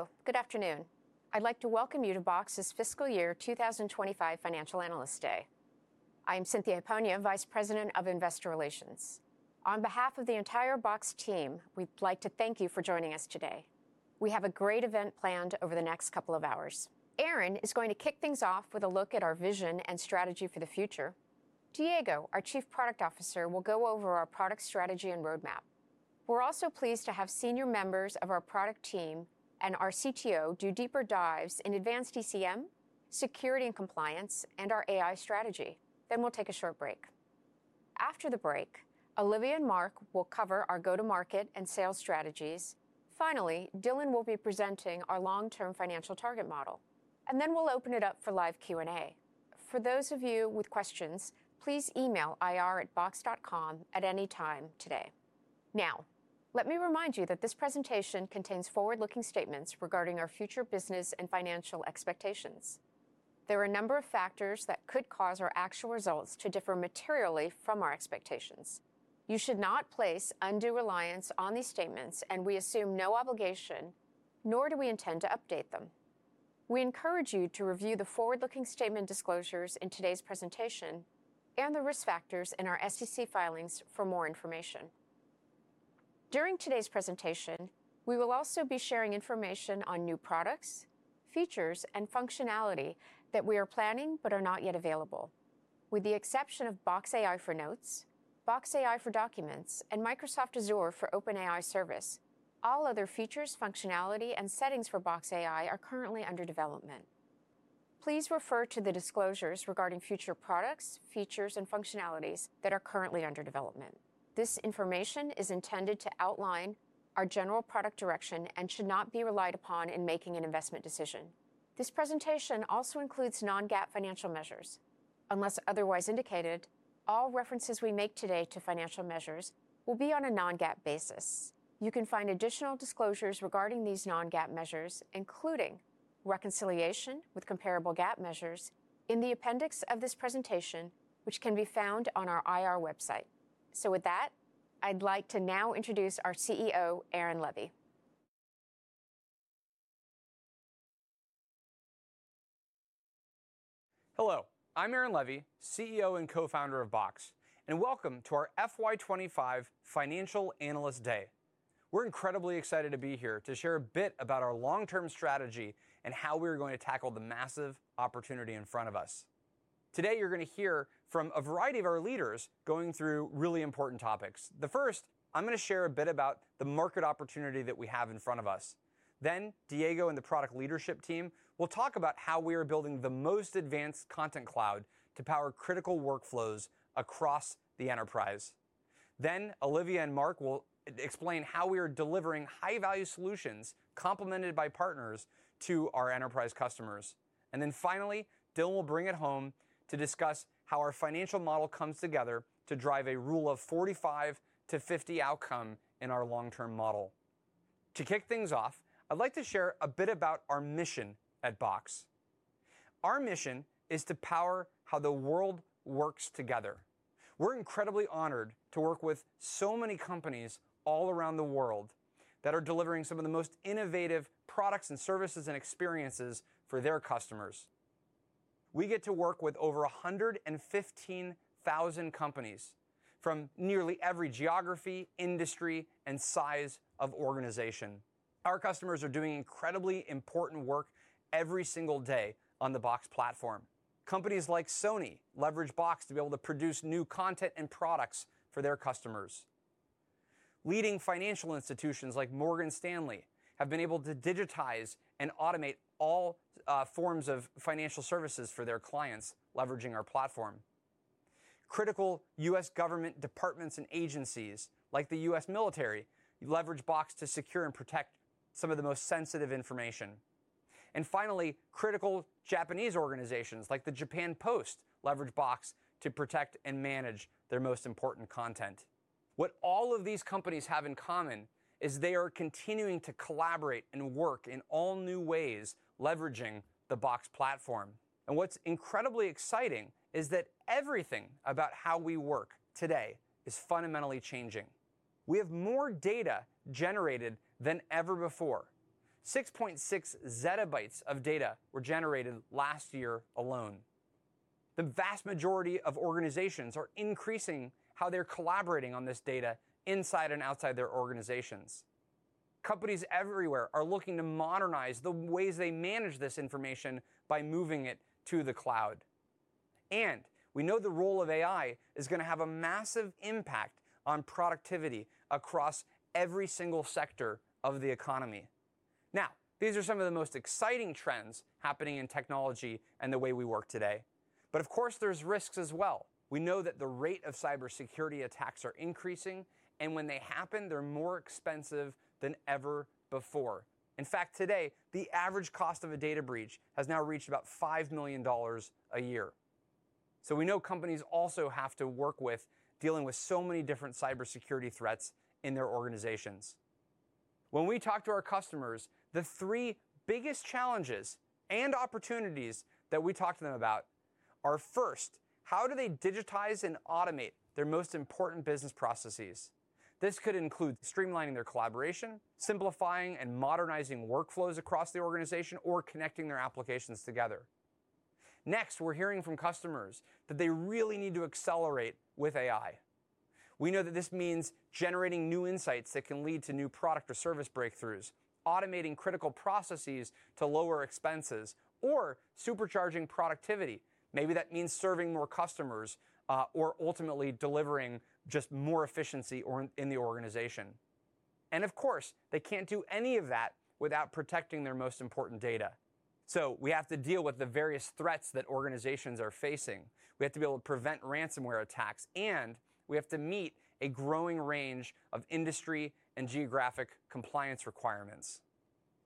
Hello, good afternoon. I'd like to welcome you to Box's Fiscal Year 2025 Financial Analyst Day. I'm Cynthia Hiponia, Vice President of Investor Relations. On behalf of the entire Box team, we'd like to thank you for joining us today. We have a great event planned over the next couple of hours. Aaron is going to kick things off with a look at our vision and strategy for the future. Diego, our Chief Product Officer, will go over our product strategy and roadmap. We're also pleased to have senior members of our product team and our CTO do deeper dives in advanced ECM, security and compliance, and our AI strategy. Then we'll take a short break. After the break, Olivia and Mark will cover our go-to-market and sales strategies. Finally, Dylan will be presenting our long-term financial target model, and then we'll open it up for live Q&A. For those of you with questions, please email ir@box.com at any time today. Now, let me remind you that this presentation contains forward-looking statements regarding our future business and financial expectations. There are a number of factors that could cause our actual results to differ materially from our expectations. You should not place undue reliance on these statements, and we assume no obligation, nor do we intend to update them. We encourage you to review the forward-looking statement disclosures in today's presentation and the risk factors in our SEC filings for more information. During today's presentation, we will also be sharing information on new products, features, and functionality that we are planning but are not yet available. With the exception of Box AI for Notes, Box AI for Documents, and Microsoft Azure OpenAI Service, all other features, functionality, and settings for Box AI are currently under development. Please refer to the disclosures regarding future products, features, and functionalities that are currently under development. This information is intended to outline our general product direction and should not be relied upon in making an investment decision. This presentation also includes non-GAAP financial measures. Unless otherwise indicated, all references we make today to financial measures will be on a non-GAAP basis. You can find additional disclosures regarding these non-GAAP measures, including reconciliation with comparable GAAP measures, in the appendix of this presentation, which can be found on our IR website. With that, I'd like to now introduce our CEO, Aaron Levie. Hello, I'm Aaron Levie, CEO and co-founder of Box, and welcome to our FY 2025 Financial Analyst Day. We're incredibly excited to be here to share a bit about our long-term strategy and how we are going to tackle the massive opportunity in front of us. Today, you're going to hear from a variety of our leaders going through really important topics. The first, I'm going to share a bit about the market opportunity that we have in front of us. Then Diego and the product leadership team will talk about how we are building the most Content Cloud to power critical workflows across the enterprise. Then Olivia and Mark will explain how we are delivering high-value solutions, complemented by partners, to our enterprise customers. Then finally, Dylan will bring it home to discuss how our financial model comes together to drive a Rule of 45-50 outcome in our long-term model. To kick things off, I'd like to share a bit about our mission at Box. Our mission is to power how the world works together. We're incredibly honored to work with so many companies all around the world that are delivering some of the most innovative products and services and experiences for their customers. We get to work with over 115,000 companies from nearly every geography, industry, and size of organization. Our customers are doing incredibly important work every single day on the Box platform. Companies like Sony leverage Box to be able to produce new content and products for their customers. Leading financial institutions like Morgan Stanley have been able to digitize and automate all forms of financial services for their clients, leveraging our platform. Critical U.S. government departments and agencies, like the U.S. military, leverage Box to secure and protect some of the most sensitive information. And finally, critical Japanese organizations, like the Japan Post, leverage Box to protect and manage their most important content. What all of these companies have in common is they are continuing to collaborate and work in all new ways, leveraging the Box platform. And what's incredibly exciting is that everything about how we work today is fundamentally changing. We have more data generated than ever before. 6.6 ZB of data were generated last year alone. The vast majority of organizations are increasing how they're collaborating on this data inside and outside their organizations. Companies everywhere are looking to modernize the ways they manage this information by moving it to the cloud. We know the role of AI is going to have a massive impact on productivity across every single sector of the economy. Now, these are some of the most exciting trends happening in technology and the way we work today, but of course, there's risks as well. We know that the rate of cybersecurity attacks are increasing, and when they happen, they're more expensive than ever before. In fact, today, the average cost of a data breach has now reached about $5 million a year. We know companies also have to work with dealing with so many different cybersecurity threats in their organizations. When we talk to our customers, the three biggest challenges and opportunities that we talk to them about-... are first, how do they digitize and automate their most important business processes? This could include streamlining their collaboration, simplifying and modernizing workflows across the organization, or connecting their applications together. Next, we're hearing from customers that they really need to accelerate with AI. We know that this means generating new insights that can lead to new product or service breakthroughs, automating critical processes to lower expenses, or supercharging productivity. Maybe that means serving more customers, or ultimately delivering just more efficiency or in the organization. And of course, they can't do any of that without protecting their most important data. So we have to deal with the various threats that organizations are facing. We have to be able to prevent ransomware attacks, and we have to meet a growing range of industry and geographic compliance requirements.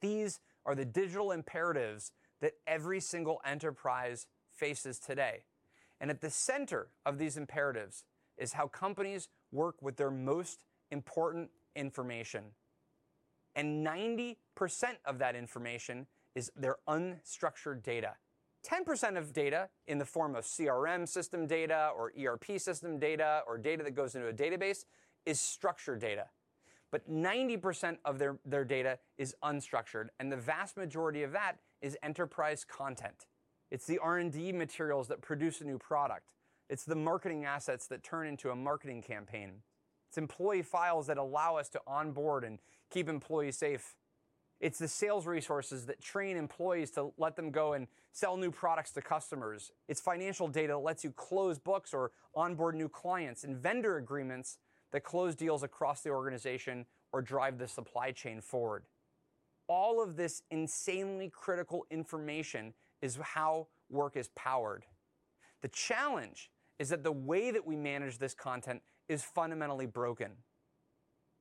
These are the digital imperatives that every single enterprise faces today, and at the center of these imperatives is how companies work with their most important information, and 90% of that information is their unstructured data. 10% of data in the form of CRM system data or ERP system data or data that goes into a database is structured data, but 90% of their data is unstructured, and the vast majority of that is enterprise content. It's the R&D materials that produce a new product. It's the marketing assets that turn into a marketing campaign. It's employee files that allow us to onboard and keep employees safe. It's the sales resources that train employees to let them go and sell new products to customers. It's financial data that lets you close books or onboard new clients, and vendor agreements that close deals across the organization or drive the supply chain forward. All of this insanely critical information is how work is powered. The challenge is that the way that we manage this content is fundamentally broken.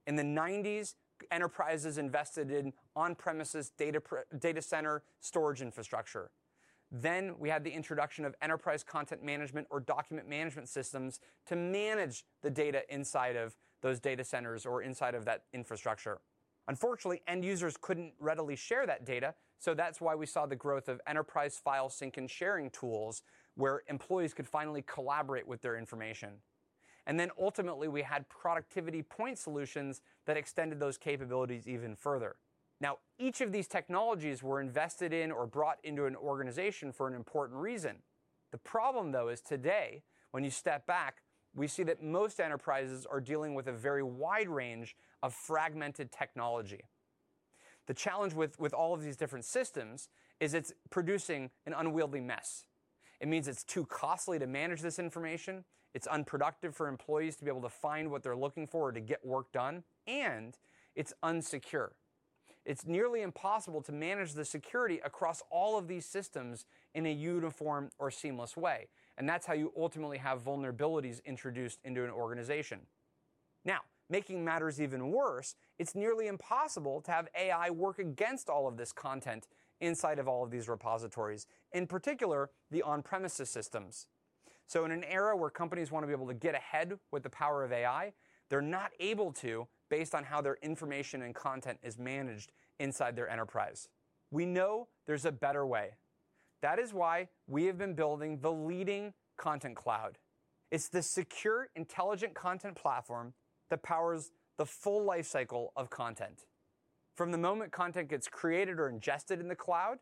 In the 1990s, enterprises invested in on-premises data center storage infrastructure. Then we had the introduction of enterprise content management or document management systems to manage the data inside of those data centers or inside of that infrastructure. Unfortunately, end users couldn't readily share that data, so that's why we saw the growth of enterprise file sync and sharing tools, where employees could finally collaborate with their information. And then ultimately, we had productivity point solutions that extended those capabilities even further. Now, each of these technologies were invested in or brought into an organization for an important reason. The problem, though, is today, when you step back, we see that most enterprises are dealing with a very wide range of fragmented technology. The challenge with all of these different systems is it's producing an unwieldy mess. It means it's too costly to manage this information, it's unproductive for employees to be able to find what they're looking for to get work done, and it's unsecure. It's nearly impossible to manage the security across all of these systems in a uniform or seamless way, and that's how you ultimately have vulnerabilities introduced into an organization. Now, making matters even worse, it's nearly impossible to have AI work against all of this content inside of all of these repositories, in particular, the on-premises systems. So in an era where companies want to be able to get ahead with the power of AI, they're not able to based on how their information and content is managed inside their enterprise. We know there's a better way. That is why we have been building the Content Cloud. it's the secure, intelligent content platform that powers the full life cycle of content. From the moment content gets created or ingested in the cloud,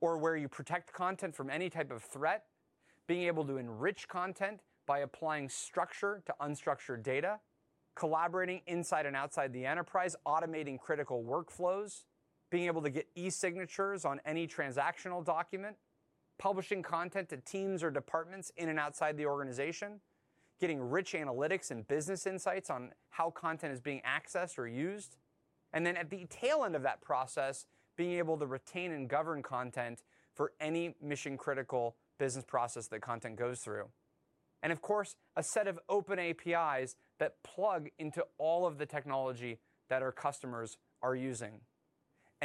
or where you protect content from any type of threat, being able to enrich content by applying structure to unstructured data, collaborating inside and outside the enterprise, automating critical workflows, being able to get e-signatures on any transactional document, publishing content to teams or departments in and outside the organization, getting rich analytics and business insights on how content is being accessed or used, and then at the tail end of that process, being able to retain and govern content for any mission-critical business process that content goes through. And of course, a set of open APIs that plug into all of the technology that our customers are using.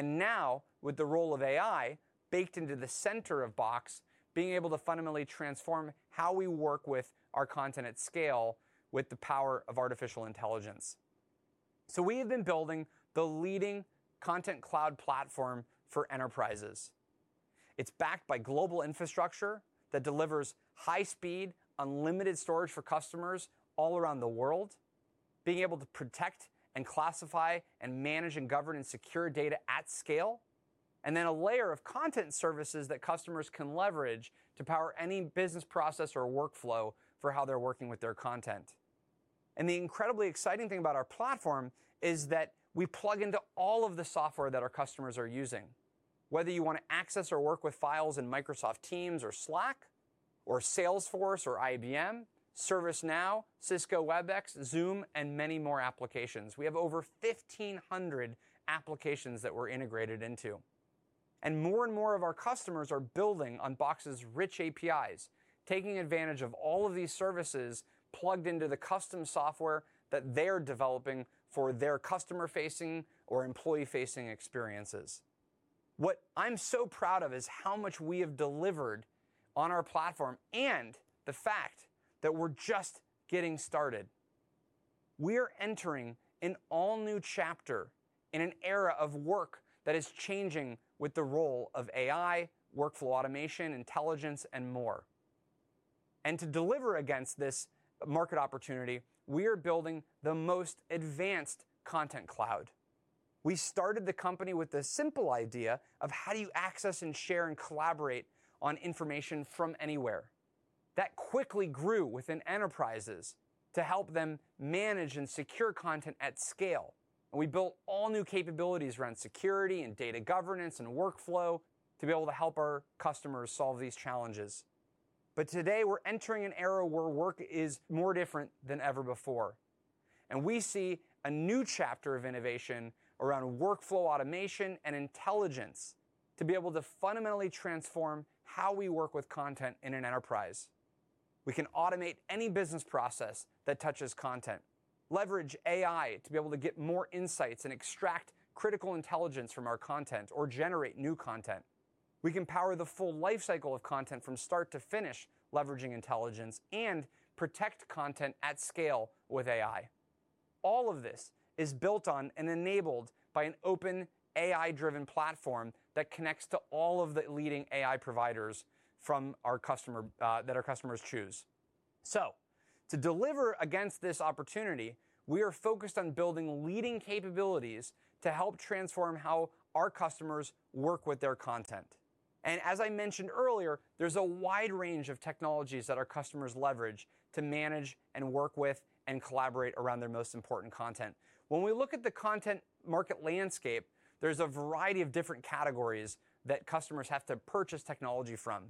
Now, with the role of AI baked into the center of Box, being able to fundamentally transform how we work with our content at scale with the power of artificial intelligence. We have been building the Content Cloud platform for enterprises. It's backed by global infrastructure that delivers high speed, unlimited storage for customers all around the world, being able to protect and classify and manage and govern and secure data at scale, and then a layer of content services that customers can leverage to power any business process or workflow for how they're working with their content. The incredibly exciting thing about our platform is that we plug into all of the software that our customers are using, whether you want to access or work with files in Microsoft Teams or Slack or Salesforce or IBM, ServiceNow, Cisco Webex, Zoom, and many more applications. We have over 1,500 applications that we're integrated into. More and more of our customers are building on Box's rich APIs, taking advantage of all of these services plugged into the custom software that they're developing for their customer-facing or employee-facing experiences. What I'm so proud of is how much we have delivered on our platform and the fact that we're just getting started.... We're entering an all-new chapter in an era of work that is changing with the role of AI, workflow automation, intelligence, and more. To deliver against this market opportunity, we are building the most Content Cloud. we started the company with the simple idea of: How do you access and share and collaborate on information from anywhere? That quickly grew within enterprises to help them manage and secure content at scale, and we built all-new capabilities around security and data governance and workflow to be able to help our customers solve these challenges. But today, we're entering an era where work is more different than ever before, and we see a new chapter of innovation around workflow automation and intelligence to be able to fundamentally transform how we work with content in an enterprise. We can automate any business process that touches content, leverage AI to be able to get more insights and extract critical intelligence from our content or generate new content. We can power the full life cycle of content from start to finish, leveraging intelligence, and protect content at scale with AI. All of this is built on and enabled by an open, AI-driven platform that connects to all of the leading AI providers from our customer, that our customers choose. So, to deliver against this opportunity, we are focused on building leading capabilities to help transform how our customers work with their content. As I mentioned earlier, there's a wide range of technologies that our customers leverage to manage and work with and collaborate around their most important content. When we look at the content market landscape, there's a variety of different categories that customers have to purchase technology from.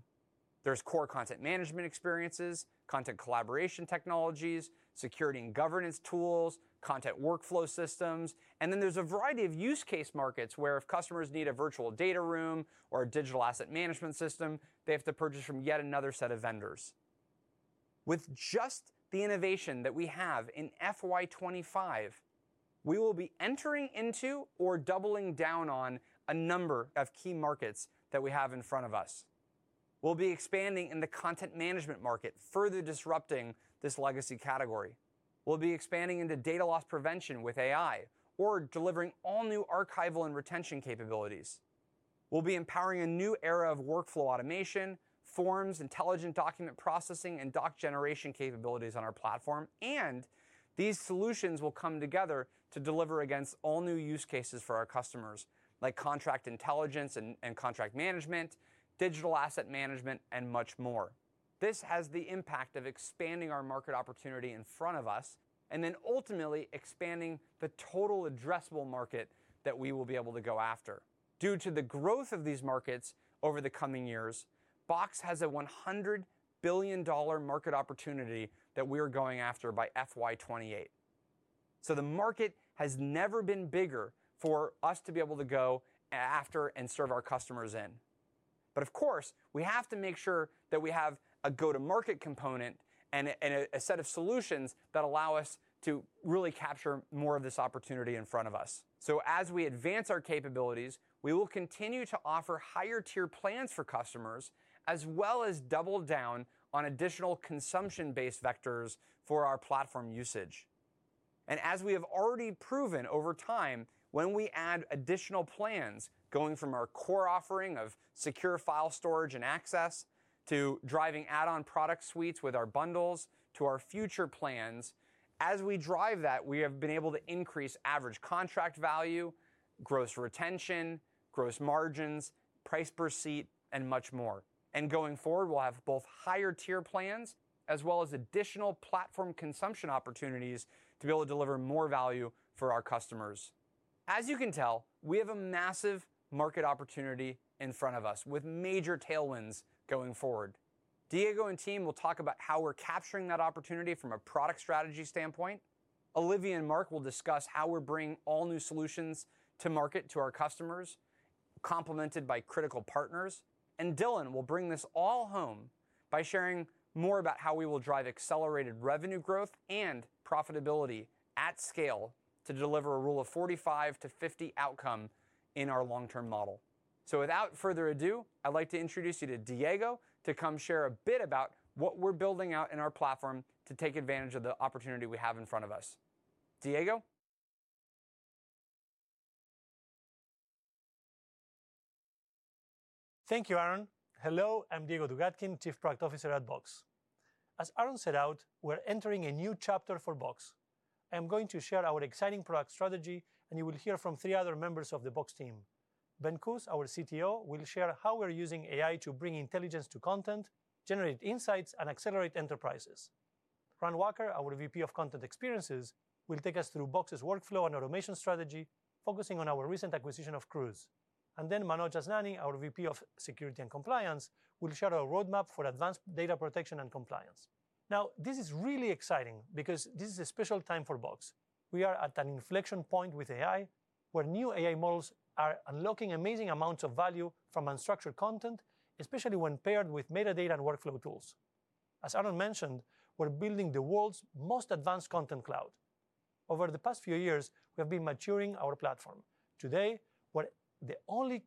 There's core content management experiences, content collaboration technologies, security and governance tools, content workflow systems, and then there's a variety of use case markets where if customers need a virtual data room or a digital asset management system, they have to purchase from yet another set of vendors. With just the innovation that we have in FY 2025, we will be entering into or doubling down on a number of key markets that we have in front of us. We'll be expanding in the content management market, further disrupting this legacy category. We'll be expanding into data loss prevention with AI or delivering all-new archival and retention capabilities. We'll be empowering a new era of workflow automation, forms, intelligent document processing, and doc generation capabilities on our platform, and these solutions will come together to deliver against all-new use cases for our customers, like contract intelligence and contract management, digital asset management, and much more. This has the impact of expanding our market opportunity in front of us and then ultimately expanding the total addressable market that we will be able to go after. Due to the growth of these markets over the coming years, Box has a $100 billion market opportunity that we're going after by FY 2028. So the market has never been bigger for us to be able to go after and serve our customers in. But of course, we have to make sure that we have a go-to-market component and a set of solutions that allow us to really capture more of this opportunity in front of us. So as we advance our capabilities, we will continue to offer higher-tier plans for customers, as well as double down on additional consumption-based vectors for our platform usage. As we have already proven over time, when we add additional plans, going from our core offering of secure file storage and access to driving add-on product suites with our bundles to our future plans, as we drive that, we have been able to increase average contract value, gross retention, gross margins, price per seat, and much more. Going forward, we'll have both higher-tier plans as well as additional platform consumption opportunities to be able to deliver more value for our customers. As you can tell, we have a massive market opportunity in front of us, with major tailwinds going forward. Diego and team will talk about how we're capturing that opportunity from a product strategy standpoint. Olivia and Mark will discuss how we're bringing all-new solutions to market to our customers, complemented by critical partners. Dylan will bring this all home by sharing more about how we will drive accelerated revenue growth and profitability at scale to deliver a Rule of 45-50 outcome in our long-term model. So without further ado, I'd like to introduce you to Diego to come share a bit about what we're building out in our platform to take advantage of the opportunity we have in front of us. Diego? Thank you, Aaron. Hello, I'm Diego Dugatkin, Chief Product Officer at Box. As Aaron set out, we're entering a new chapter for Box. I'm going to share our exciting product strategy, and you will hear from three other members of the Box team. Ben Kus, our CTO, will share how we're using AI to bring intelligence to content, generate insights, and accelerate enterprises. Rand Wacker, our VP of Content Experiences, will take us through Box's workflow and automation strategy, focusing on our recent acquisition of Crooze. And then Manoj Asnani, our VP of Security and Compliance, will share our roadmap for advanced data protection and compliance. Now, this is really exciting because this is a special time for Box. We are at an inflection point with AI, where new AI models are unlocking amazing amounts of value from unstructured content, especially when paired with metadata and workflow tools. As Aaron mentioned, we're building the world's most Content Cloud. over the past few years, we have been maturing our platform. Today, we're the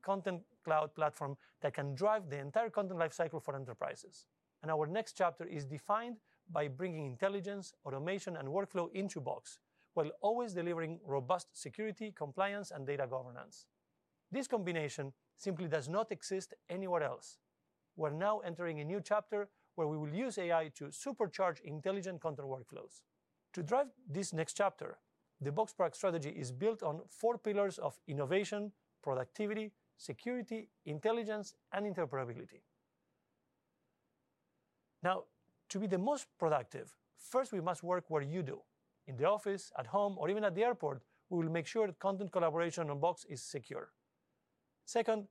Content Cloud platform that can drive the entire content life cycle for enterprises, and our next chapter is defined by bringing intelligence, automation, and workflow into Box, while always delivering robust security, compliance, and data governance. This combination simply does not exist anywhere else. We're now entering a new chapter where we will use AI to supercharge intelligent content workflows. To drive this next chapter, the Box product strategy is built on four pillars of innovation, productivity, security, intelligence, and interoperability. Now, to be the most productive, first, we must work where you do. In the office, at home, or even at the airport, we will make sure that content collaboration on Box is secure. Second,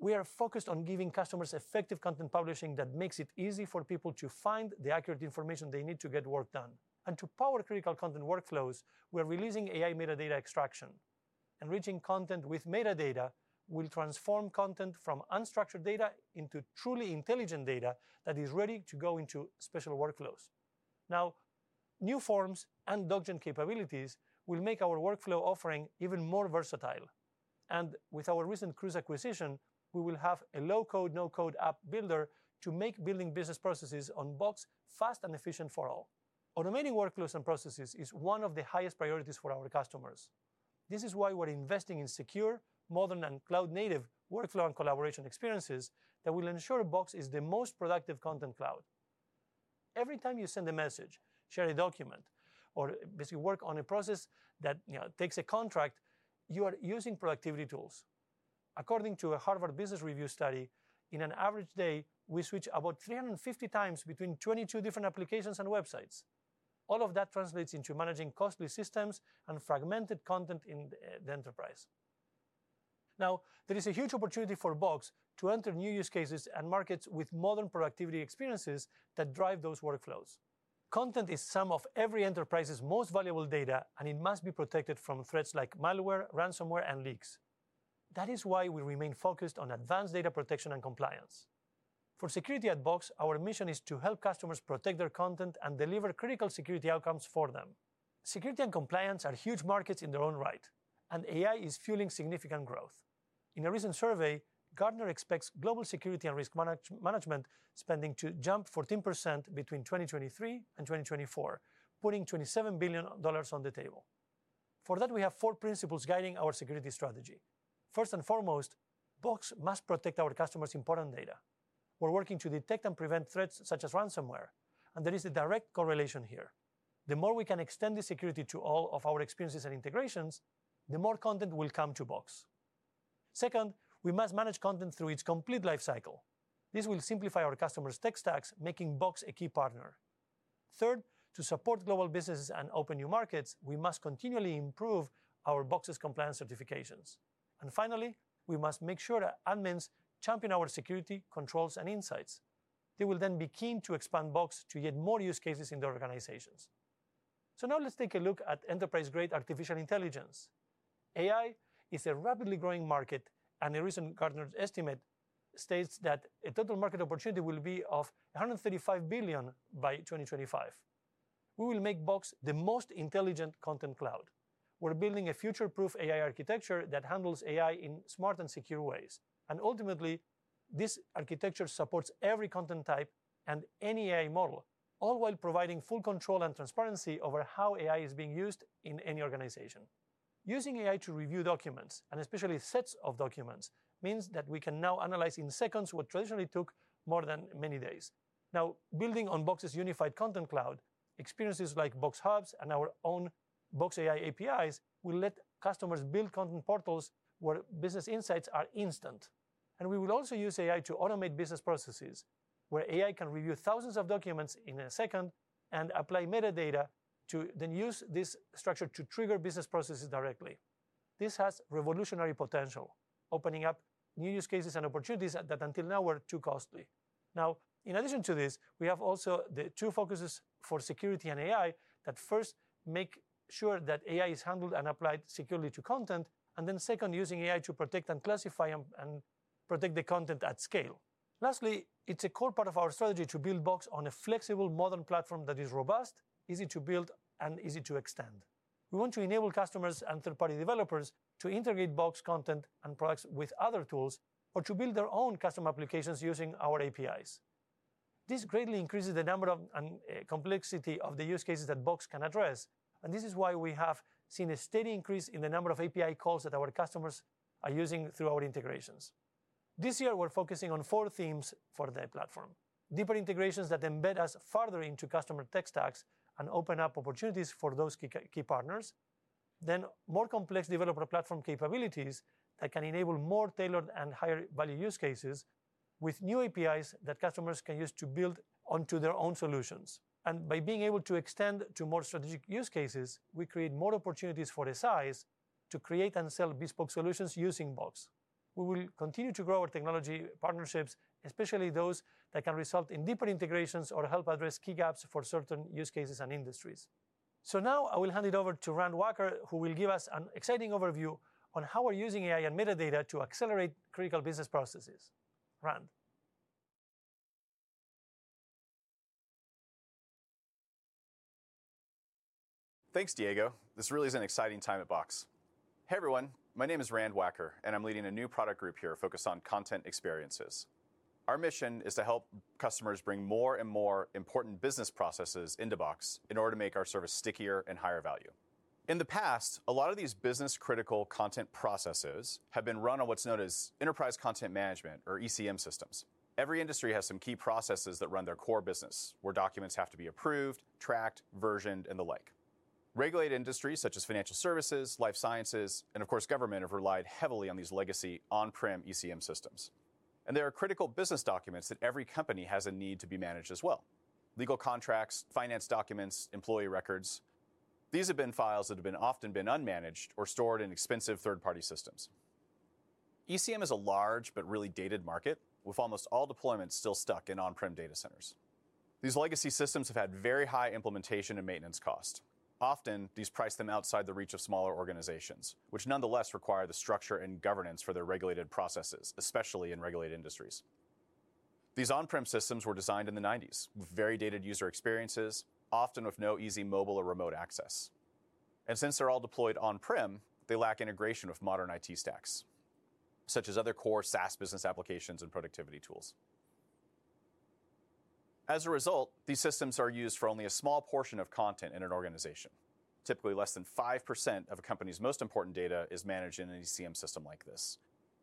we are focused on giving customers effective content publishing that makes it easy for people to find the accurate information they need to get work done. To power critical content workflows, we're releasing AI metadata extraction. Enriched content with metadata will transform content from unstructured data into truly intelligent data that is ready to go into special workflows. Now, new forms and doc gen capabilities will make our workflow offering even more versatile, and with our recent Crooze acquisition, we will have a low-code, no-code app builder to make building business processes on Box fast and efficient for all. Automating workflows and processes is one of the highest priorities for our customers. This is why we're investing in secure, modern, and cloud-native workflow and collaboration experiences that will ensure Box is the most productive Content Cloud. Every time you send a message, share a document, or basically work on a process that, you know, takes a contract, you are using productivity tools. According to a Harvard Business Review study, in an average day, we switch about 350 times between 22 different applications and websites. All of that translates into managing costly systems and fragmented content in the enterprise. Now, there is a huge opportunity for Box to enter new use cases and markets with modern productivity experiences that drive those workflows. Content is some of every enterprise's most valuable data, and it must be protected from threats like malware, ransomware, and leaks. That is why we remain focused on advanced data protection and compliance. For security at Box, our mission is to help customers protect their content and deliver critical security outcomes for them. Security and compliance are huge markets in their own right, and AI is fueling significant growth. In a recent survey, Gartner expects global security and risk management spending to jump 14% between 2023 and 2024, putting $27 billion on the table. For that, we have four principles guiding our security strategy. First and foremost, Box must protect our customers' important data. We're working to detect and prevent threats such as ransomware, and there is a direct correlation here. The more we can extend the security to all of our experiences and integrations, the more content will come to Box. Second, we must manage content through its complete life cycle. This will simplify our customers' tech stacks, making Box a key partner. Third, to support global businesses and open new markets, we must continually improve our Box's compliance certifications. And finally, we must make sure that admins champion our security, controls, and insights. They will then be keen to expand Box to get more use cases in their organizations. So now let's take a look at enterprise-grade artificial intelligence. AI is a rapidly growing market, and a recent Gartner's estimate states that a total market opportunity will be $135 billion by 2025. We will make Box the most Content Cloud. we're building a future-proof AI architecture that handles AI in smart and secure ways. And ultimately, this architecture supports every content type and any AI model, all while providing full control and transparency over how AI is being used in any organization. Using AI to review documents, and especially sets of documents, means that we can now analyze in seconds what traditionally took more than many days. Now, building on Box's Content Cloud, experiences like Box Hubs and our own Box AI APIs will let customers build content portals where business insights are instant. We will also use AI to automate business processes, where AI can review thousands of documents in a second and apply metadata to then use this structure to trigger business processes directly. This has revolutionary potential, opening up new use cases and opportunities that, until now, were too costly. Now, in addition to this, we have also the two focuses for security and AI that first make sure that AI is handled and applied securely to content, and then second, using AI to protect and classify and protect the content at scale. Lastly, it's a core part of our strategy to build Box on a flexible modern platform that is robust, easy to build, and easy to extend. We want to enable customers and third-party developers to integrate Box content and products with other tools or to build their own custom applications using our APIs. This greatly increases the number of and complexity of the use cases that Box can address, and this is why we have seen a steady increase in the number of API calls that our customers are using through our integrations. This year, we're focusing on four themes for the platform: deeper integrations that embed us further into customer tech stacks and open up opportunities for those key, key partners. Then, more complex developer platform capabilities that can enable more tailored and higher-value use cases with new APIs that customers can use to build onto their own solutions. And by being able to extend to more strategic use cases, we create more opportunities for the SIs to create and sell bespoke solutions using Box. We will continue to grow our technology partnerships, especially those that can result in deeper integrations or help address key gaps for certain use cases and industries. So now I will hand it over to Rand Wacker, who will give us an exciting overview on how we're using AI and metadata to accelerate critical business processes. Rand? Thanks, Diego. This really is an exciting time at Box. Hey, everyone, my name is Rand Wacker, and I'm leading a new product group here focused on content experiences.... Our mission is to help customers bring more and more important business processes into Box in order to make our service stickier and higher value. In the past, a lot of these business-critical content processes have been run on what's known as Enterprise Content Management, or ECM systems. Every industry has some key processes that run their core business, where documents have to be approved, tracked, versioned, and the like. Regulated industries such as financial services, life sciences, and of course, government, have relied heavily on these legacy on-prem ECM systems. There are critical business documents that every company has a need to be managed as well. Legal contracts, finance documents, employee records, these have been files that have often been unmanaged or stored in expensive third-party systems. ECM is a large but really dated market, with almost all deployments still stuck in on-prem data centers. These legacy systems have had very high implementation and maintenance costs. Often, these price them outside the reach of smaller organizations, which nonetheless require the structure and governance for their regulated processes, especially in regulated industries. These on-prem systems were designed in the 1990s, with very dated user experiences, often with no easy mobile or remote access. And since they're all deployed on-prem, they lack integration with modern IT stacks, such as other core SaaS business applications and productivity tools. As a result, these systems are used for only a small portion of content in an organization. Typically, less than 5% of a company's most important data is managed in an ECM system like this,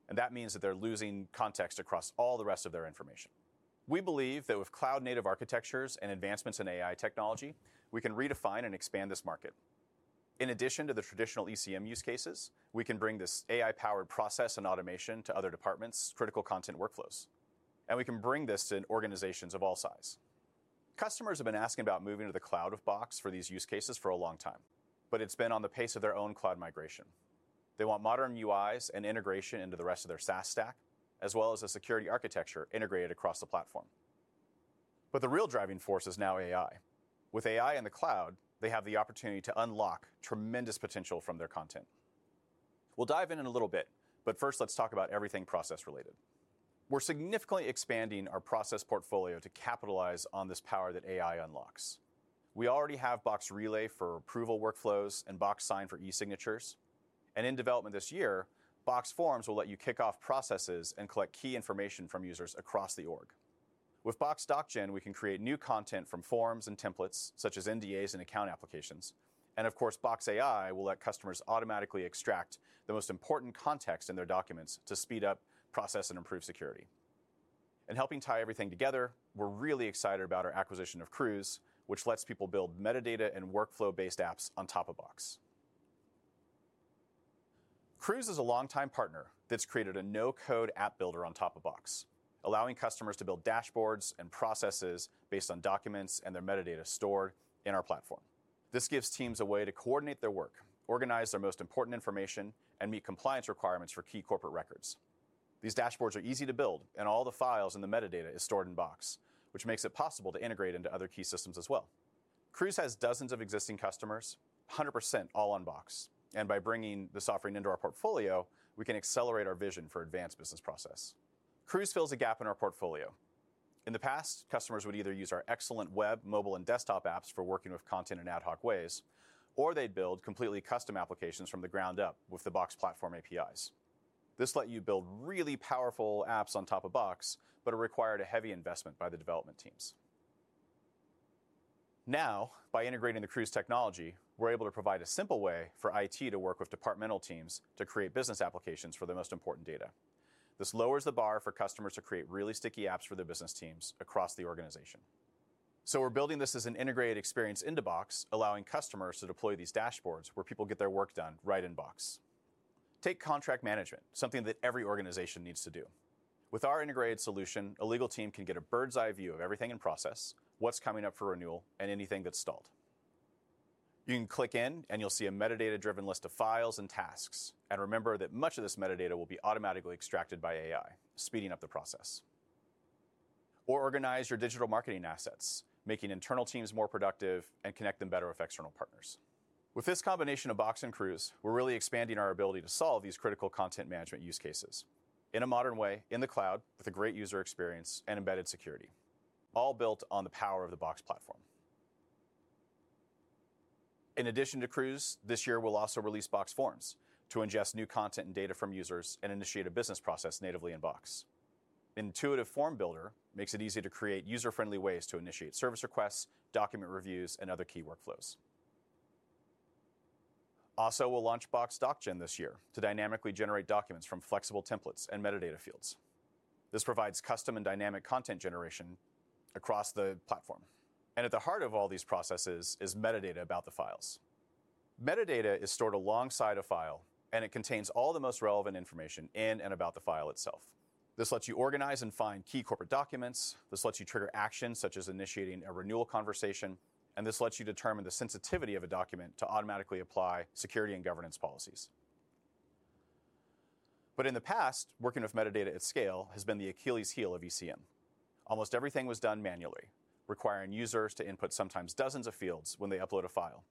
and that means that they're losing context across all the rest of their information. We believe that with cloud-native architectures and advancements in AI technology, we can redefine and expand this market. In addition to the traditional ECM use cases, we can bring this AI-powered process and automation to other departments' critical content workflows, and we can bring this to organizations of all sizes. Customers have been asking about moving to the cloud of Box for these use cases for a long time, but it's been on the pace of their own cloud migration. They want modern UIs and integration into the rest of their SaaS stack, as well as a security architecture integrated across the platform. But the real driving force is now AI. With AI and the cloud, they have the opportunity to unlock tremendous potential from their content. We'll dive in a little bit, but first, let's talk about everything process-related. We're significantly expanding our process portfolio to capitalize on this power that AI unlocks. We already have Box Relay for approval workflows and Box Sign for e-signatures, and in development this year, Box Forms will let you kick off processes and collect key information from users across the org. With Box Doc Gen, we can create new content from forms and templates, such as NDAs and account applications. Of course, Box AI will let customers automatically extract the most important context in their documents to speed up process and improve security. Helping tie everything together, we're really excited about our acquisition of Crooze, which lets people build metadata and workflow-based apps on top of Box. Crooze is a longtime partner that's created a no-code app builder on top of Box, allowing customers to build dashboards and processes based on documents and their metadata stored in our platform. This gives teams a way to coordinate their work, organize their most important information, and meet compliance requirements for key corporate records. These dashboards are easy to build, and all the files and the metadata is stored in Box, which makes it possible to integrate into other key systems as well. Crooze has dozens of existing customers, 100% all on Box, and by bringing this offering into our portfolio, we can accelerate our vision for advanced business process. Crooze fills a gap in our portfolio. In the past, customers would either use our excellent web, mobile, and desktop apps for working with content in ad hoc ways, or they'd build completely custom applications from the ground up with the Box Platform APIs. This let you build really powerful apps on top of Box, but it required a heavy investment by the development teams. Now, by integrating the Crooze technology, we're able to provide a simple way for IT to work with departmental teams to create business applications for their most important data. This lowers the bar for customers to create really sticky apps for their business teams across the organization. So we're building this as an integrated experience into Box, allowing customers to deploy these dashboards where people get their work done right in Box. Take contract management, something that every organization needs to do. With our integrated solution, a legal team can get a bird's-eye view of everything in process, what's coming up for renewal, and anything that's stalled. You can click in, and you'll see a metadata-driven list of files and tasks. And remember that much of this metadata will be automatically extracted by AI, speeding up the process. Or organize your digital marketing assets, making internal teams more productive and connect them better with external partners. With this combination of Box and Crooze, we're really expanding our ability to solve these critical content management use cases in a modern way, in the cloud, with a great user experience and embedded security, all built on the power of the Box Platform. In addition to Crooze, this year, we'll also release Box Forms to ingest new content and data from users and initiate a business process natively in Box. Intuitive form builder makes it easy to create user-friendly ways to initiate service requests, document reviews, and other key workflows. Also, we'll launch Box DocGen this year to dynamically generate documents from flexible templates and metadata fields. This provides custom and dynamic content generation across the platform, and at the heart of all these processes is metadata about the files. Metadata is stored alongside a file, and it contains all the most relevant information in and about the file itself. This lets you organize and find key corporate documents. This lets you trigger actions, such as initiating a renewal conversation, and this lets you determine the sensitivity of a document to automatically apply security and governance policies. But in the past, working with metadata at scale has been the Achilles' heel of ECM. Almost everything was done manually, requiring users to input sometimes dozens of fields when they upload a file.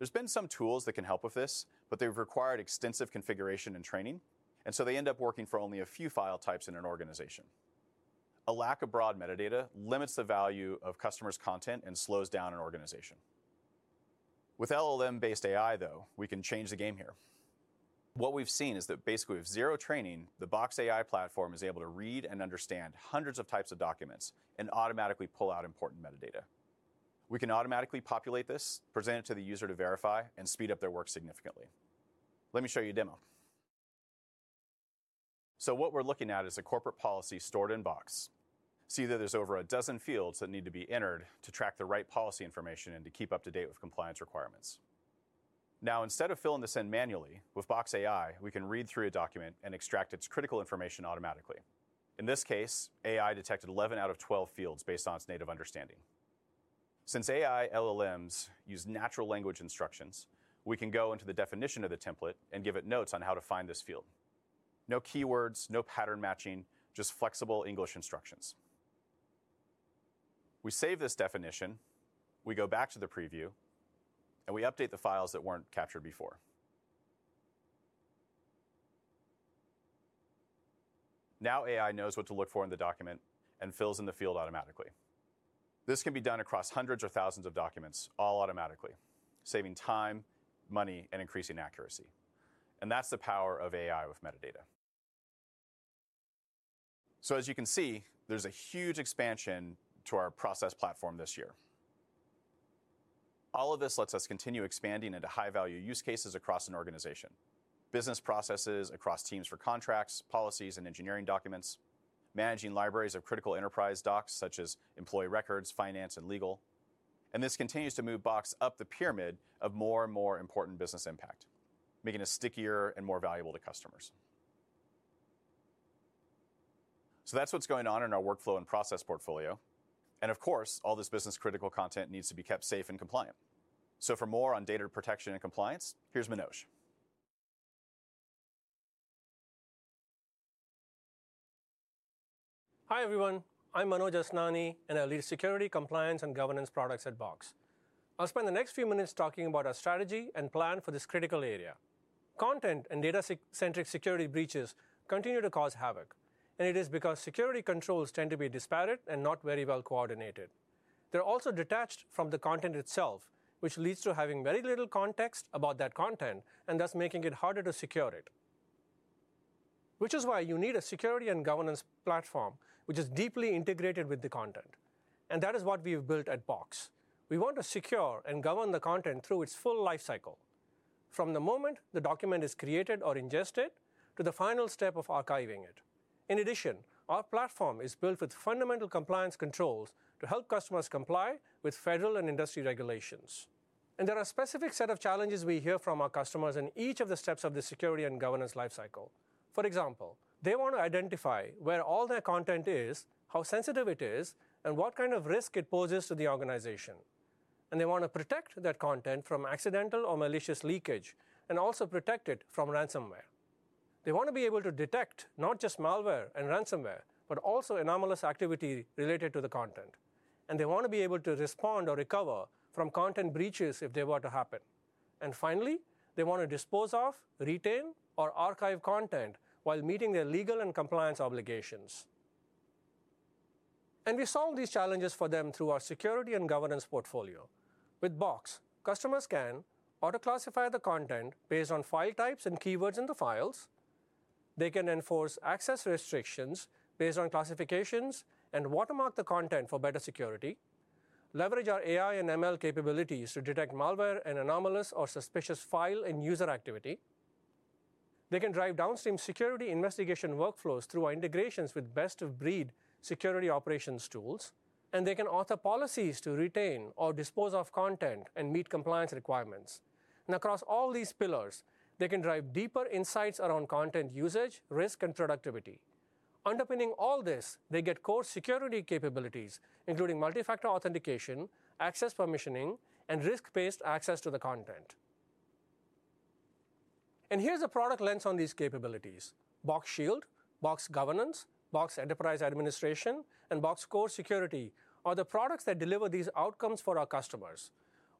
There's been some tools that can help with this, but they've required extensive configuration and training, and so they end up working for only a few file types in an organization. A lack of broad metadata limits the value of customers' content and slows down an organization. With LLM-based AI, though, we can change the game here. What we've seen is that basically, with zero training, the Box AI platform is able to read and understand hundreds of types of documents and automatically pull out important metadata. We can automatically populate this, present it to the user to verify, and speed up their work significantly. Let me show you a demo. So what we're looking at is a corporate policy stored in Box. See that there's over a dozen fields that need to be entered to track the right policy information and to keep up to date with compliance requirements. Now, instead of filling this in manually, with Box AI, we can read through a document and extract its critical information automatically. In this case, AI detected 11 out of 12 fields based on its native understanding. Since AI LLMs use natural language instructions, we can go into the definition of the template and give it notes on how to find this field. No keywords, no pattern matching, just flexible English instructions. We save this definition, we go back to the preview, and we update the files that weren't captured before. Now, AI knows what to look for in the document and fills in the field automatically. This can be done across hundreds or thousands of documents, all automatically, saving time, money, and increasing accuracy, and that's the power of AI with metadata. So as you can see, there's a huge expansion to our process platform this year. All of this lets us continue expanding into high-value use cases across an organization. Business processes across teams for contracts, policies, and engineering documents, managing libraries of critical enterprise docs such as employee records, finance, and legal. And this continues to move Box up the pyramid of more and more important business impact, making us stickier and more valuable to customers. So that's what's going on in our workflow and process portfolio, and of course, all this business-critical content needs to be kept safe and compliant. So for more on data protection and compliance, here's Manoj. Hi, everyone. I'm Manoj Asnani, and I lead security, compliance, and governance products at Box. I'll spend the next few minutes talking about our strategy and plan for this critical area. Content and data security-centric security breaches continue to cause havoc, and it is because security controls tend to be disparate and not very well coordinated. They're also detached from the content itself, which leads to having very little context about that content, and thus making it harder to secure it. Which is why you need a security and governance platform which is deeply integrated with the content, and that is what we have built at Box. We want to secure and govern the content through its full life cycle, from the moment the document is created or ingested to the final step of archiving it. In addition, our platform is built with fundamental compliance controls to help customers comply with federal and industry regulations. There are a specific set of challenges we hear from our customers in each of the steps of the security and governance life cycle. For example, they want to identify where all their content is, how sensitive it is, and what kind of risk it poses to the organization. They want to protect that content from accidental or malicious leakage and also protect it from ransomware. They want to be able to detect not just malware and ransomware, but also anomalous activity related to the content. They want to be able to respond or recover from content breaches if they were to happen. Finally, they want to dispose of, retain, or archive content while meeting their legal and compliance obligations. We solve these challenges for them through our security and governance portfolio. With Box, customers can auto-classify the content based on file types and keywords in the files. They can enforce access restrictions based on classifications and watermark the content for better security, leverage our AI and ML capabilities to detect malware and anomalous or suspicious file and user activity. They can drive downstream security investigation workflows through our integrations with best-of-breed security operations tools, and they can author policies to retain or dispose of content and meet compliance requirements. Across all these pillars, they can drive deeper insights around content usage, risk, and productivity. Underpinning all this, they get core security capabilities, including multi-factor authentication, access permissioning, and risk-based access to the content. Here's a product lens on these capabilities. Box Shield, Box Governance, Box Enterprise Administration, and Box Core Security are the products that deliver these outcomes for our customers.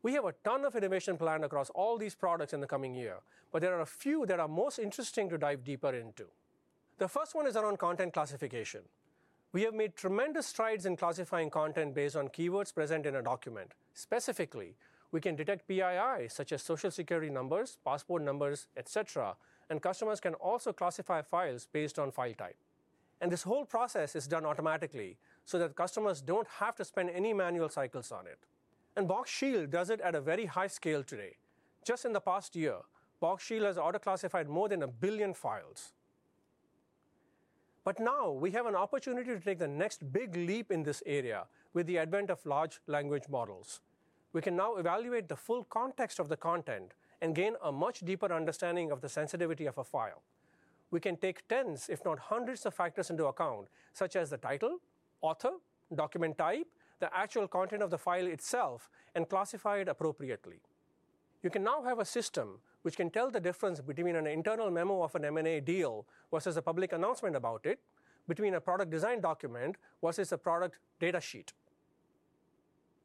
We have a ton of innovation planned across all these products in the coming year, but there are a few that are most interesting to dive deeper into. The first one is around content classification. We have made tremendous strides in classifying content based on keywords present in a document. Specifically, we can detect PII, such as Social Security numbers, passport numbers, et cetera, and customers can also classify files based on file type. This whole process is done automatically so that customers don't have to spend any manual cycles on it, and Box Shield does it at a very high scale today. Just in the past year, Box Shield has auto-classified more than 1 billion files. But now we have an opportunity to take the next big leap in this area with the advent of large language models. We can now evaluate the full context of the content and gain a much deeper understanding of the sensitivity of a file. We can take tens, if not hundreds of factors into account, such as the title, author, document type, the actual content of the file itself, and classify it appropriately. You can now have a system which can tell the difference between an internal memo of an M&A deal versus a public announcement about it, between a product design document versus a product data sheet.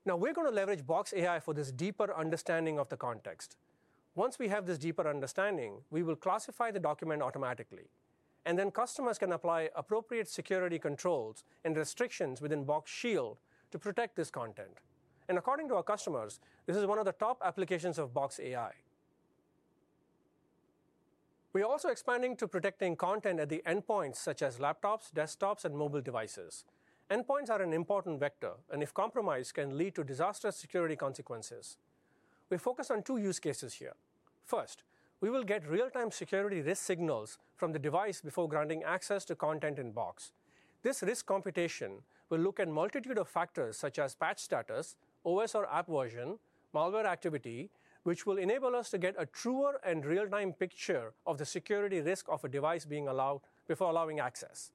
Now, we're going to leverage Box AI for this deeper understanding of the context. Once we have this deeper understanding, we will classify the document automatically.... Then customers can apply appropriate security controls and restrictions within Box Shield to protect this content. According to our customers, this is one of the top applications of Box AI. We are also expanding to protecting content at the endpoints, such as laptops, desktops, and mobile devices. Endpoints are an important vector, and if compromised, can lead to disastrous security consequences. We focus on two use cases here. First, we will get real-time security risk signals from the device before granting access to content in Box. This risk computation will look at a multitude of factors, such as patch status, OS or app version, malware activity, which will enable us to get a truer and real-time picture of the security risk of a device being allowed before allowing access.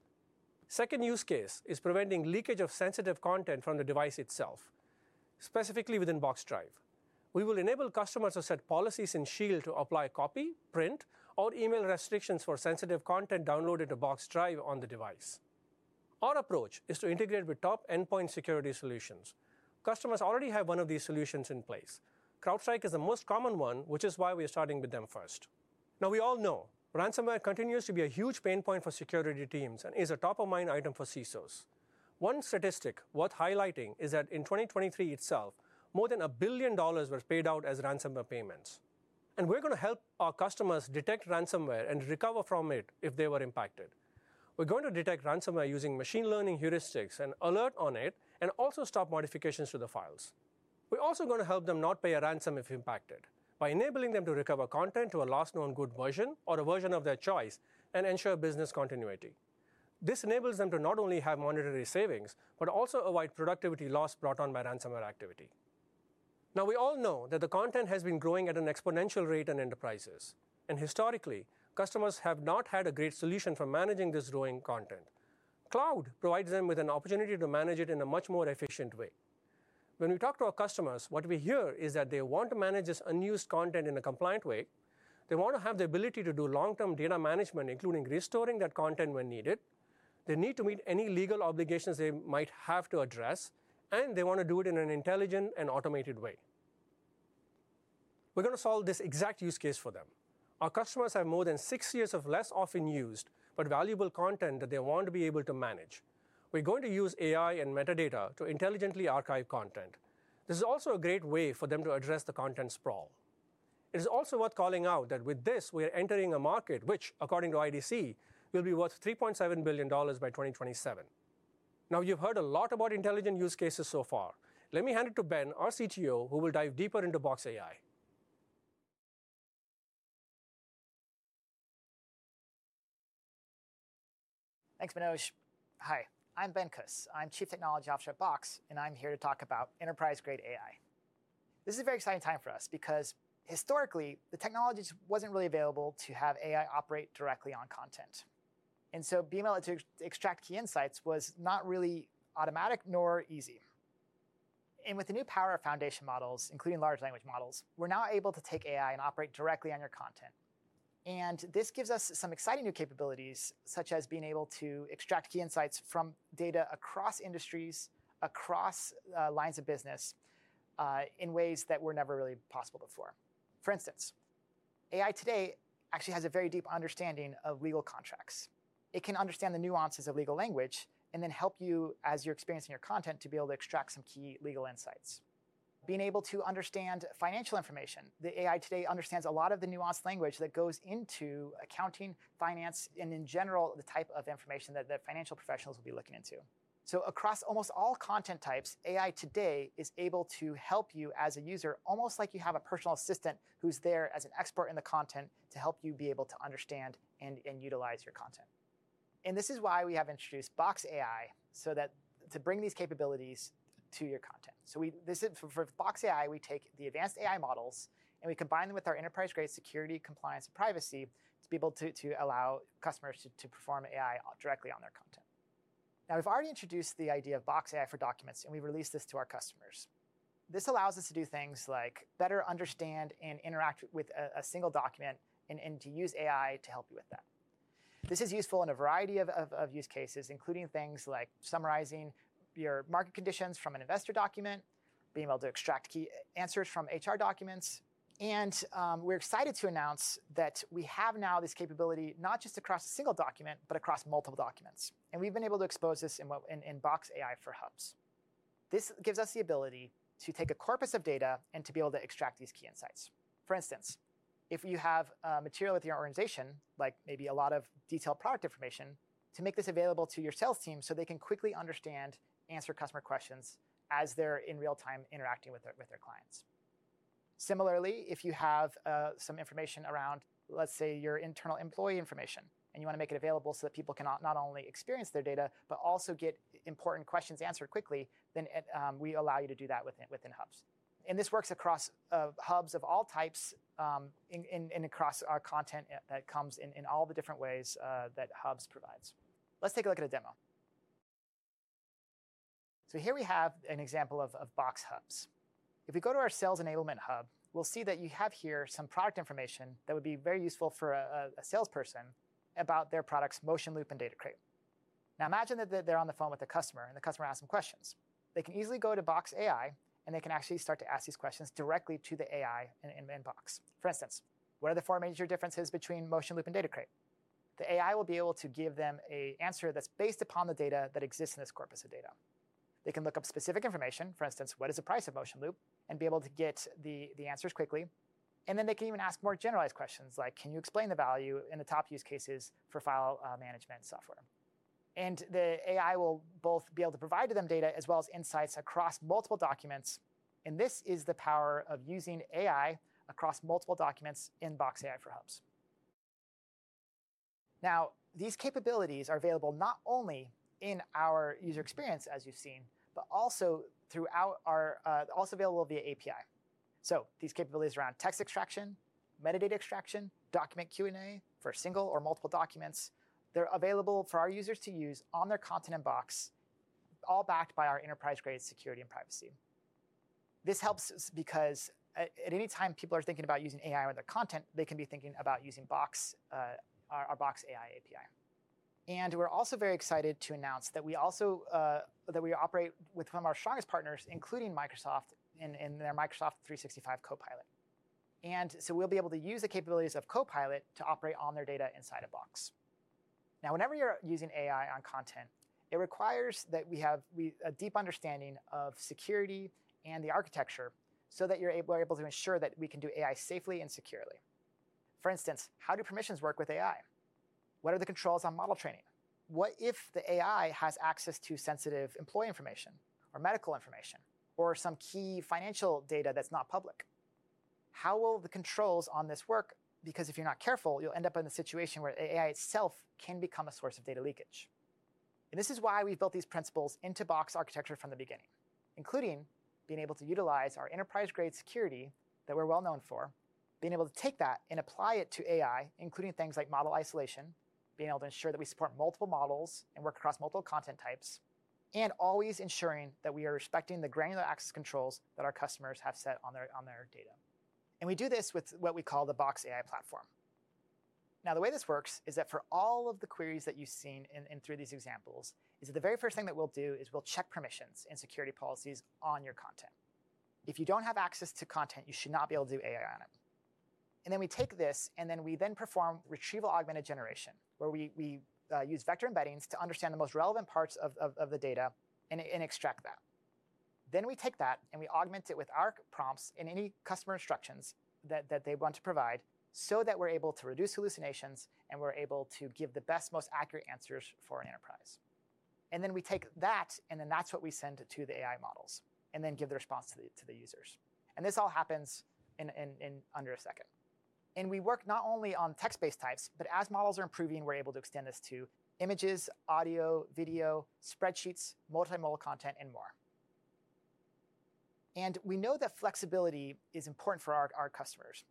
Second use case is preventing leakage of sensitive content from the device itself, specifically within Box Drive. We will enable customers to set policies in Shield to apply copy, print, or email restrictions for sensitive content downloaded to Box Drive on the device. Our approach is to integrate with top endpoint security solutions. Customers already have one of these solutions in place. CrowdStrike is the most common one, which is why we are starting with them first. Now, we all know ransomware continues to be a huge pain point for security teams and is a top-of-mind item for CISOs. One statistic worth highlighting is that in 2023 itself, more than $1 billion was paid out as ransomware payments. And we're gonna help our customers detect ransomware and recover from it if they were impacted. We're going to detect ransomware using machine learning heuristics, and alert on it, and also stop modifications to the files. We're also going to help them not pay a ransom if impacted, by enabling them to recover content to a last known good version or a version of their choice and ensure business continuity. This enables them to not only have monetary savings, but also avoid productivity loss brought on by ransomware activity. Now, we all know that the content has been growing at an exponential rate in enterprises, and historically, customers have not had a great solution for managing this growing content. Cloud provides them with an opportunity to manage it in a much more efficient way. When we talk to our customers, what we hear is that they want to manage this unused content in a compliant way. They want to have the ability to do long-term data management, including restoring that content when needed. They need to meet any legal obligations they might have to address, and they want to do it in an intelligent and automated way. We're gonna solve this exact use case for them. Our customers have more than six years of less often used but valuable content that they want to be able to manage. We're going to use AI and metadata to intelligently archive content. This is also a great way for them to address the content sprawl. It is also worth calling out that with this, we are entering a market which, according to IDC, will be worth $3.7 billion by 2027. Now, you've heard a lot about intelligent use cases so far. Let me hand it to Ben, our CTO, who will dive deeper into Box AI. Thanks, Manoj. Hi, I'm Ben Kus. I'm Chief Technology Officer at Box, and I'm here to talk about enterprise-grade AI. This is a very exciting time for us, because historically, the technology just wasn't really available to have AI operate directly on content. So being able to extract key insights was not really automatic nor easy. With the new power of foundation models, including large language models, we're now able to take AI and operate directly on your content. This gives us some exciting new capabilities, such as being able to extract key insights from data across industries, across lines of business in ways that were never really possible before. For instance, AI today actually has a very deep understanding of legal contracts. It can understand the nuances of legal language and then help you, as you're experiencing your content, to be able to extract some key legal insights. Being able to understand financial information. The AI today understands a lot of the nuanced language that goes into accounting, finance, and in general, the type of information that the financial professionals will be looking into. So across almost all content types, AI today is able to help you as a user, almost like you have a personal assistant who's there as an expert in the content to help you be able to understand and, and utilize your content. And this is why we have introduced Box AI, so that, to bring these capabilities to your content. So we... This is, for Box AI, we take the advanced AI models, and we combine them with our enterprise-grade security, compliance, and privacy to allow customers to perform AI directly on their content. Now, we've already introduced the idea of Box AI for Documents, and we've released this to our customers. This allows us to do things like better understand and interact with a single document and to use AI to help you with that. This is useful in a variety of use cases, including things like summarizing your market conditions from an investor document, being able to extract key answers from HR documents. We're excited to announce that we have now this capability, not just across a single document, but across multiple documents. And we've been able to expose this in Box AI for Hubs. This gives us the ability to take a corpus of data and to be able to extract these key insights. For instance, if you have material at your organization, like maybe a lot of detailed product information, to make this available to your sales team, so they can quickly understand, answer customer questions as they're in real time interacting with their clients. Similarly, if you have some information around, let's say, your internal employee information, and you wanna make it available so that people can not only experience their data, but also get important questions answered quickly, then we allow you to do that within Hubs. And this works across Hubs of all types, and across our content that comes in all the different ways that Hubs provides. Let's take a look at a demo. So here we have an example of Box Hubs. If we go to our sales enablement hub, we'll see that you have here some product information that would be very useful for a salesperson about their products, MotionLoop and DataCrate.... Now, imagine that they're on the phone with a customer, and the customer asks some questions. They can easily go to Box AI, and they can actually start to ask these questions directly to the AI in Box. For instance, "What are the four major differences between MotionLoop and DataCrate?" The AI will be able to give them a answer that's based upon the data that exists in this corpus of data. They can look up specific information, for instance, "What is the price of MotionLoop?" And be able to get the answers quickly. And then they can even ask more generalized questions like, "Can you explain the value and the top use cases for file management software?" And the AI will both be able to provide to them data as well as insights across multiple documents, and this is the power of using AI across multiple documents in Box AI for Hubs. Now, these capabilities are available not only in our user experience, as you've seen, but also available via API. So these capabilities around text extraction, metadata extraction, document Q&A for single or multiple documents, they're available for our users to use on their content in Box, all backed by our enterprise-grade security and privacy. This helps us because at any time people are thinking about using AI with their content, they can be thinking about using Box, our Box AI API. And we're also very excited to announce that we also, that we operate with one of our strongest partners, including Microsoft and their Microsoft 365 Copilot. And so we'll be able to use the capabilities of Copilot to operate on their data inside of Box. Now, whenever you're using AI on content, it requires that we have a deep understanding of security and the architecture so that you're able, we're able to ensure that we can do AI safely and securely. For instance, how do permissions work with AI? What are the controls on model training? What if the AI has access to sensitive employee information or medical information or some key financial data that's not public? How will the controls on this work? Because if you're not careful, you'll end up in a situation where AI itself can become a source of data leakage. This is why we built these principles into Box architecture from the beginning, including being able to utilize our enterprise-grade security that we're well-known for, being able to take that and apply it to AI, including things like model isolation, being able to ensure that we support multiple models and work across multiple content types, and always ensuring that we are respecting the granular access controls that our customers have set on their, on their data. We do this with what we call the Box AI platform. Now, the way this works is that for all of the queries that you've seen in, in through these examples, is the very first thing that we'll do is we'll check permissions and security policies on your content. If you don't have access to content, you should not be able to do AI on it. And then we take this, and then we perform retrieval augmented generation, where we use vector embeddings to understand the most relevant parts of the data and extract that. Then we take that, and we augment it with our prompts and any customer instructions that they want to provide so that we're able to reduce hallucinations, and we're able to give the best, most accurate answers for an enterprise. And then we take that, and then that's what we send to the AI models and then give the response to the users. And this all happens in under a second. And we work not only on text-based types, but as models are improving, we're able to extend this to images, audio, video, spreadsheets, multimodal content, and more. And we know that flexibility is important for our customers.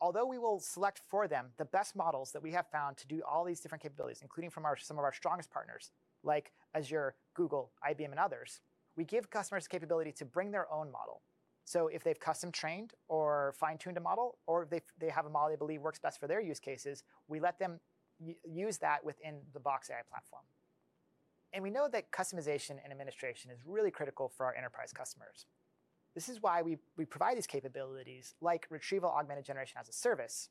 Although we will select for them the best models that we have found to do all these different capabilities, including from our, some of our strongest partners, like Azure, Google, IBM, and others, we give customers the capability to bring their own model. If they've custom trained or fine-tuned a model, or if they, they have a model they believe works best for their use cases, we let them use that within the Box AI platform. We know that customization and administration is really critical for our enterprise customers. This is why we, we provide these capabilities, like retrieval augmented generation as a service,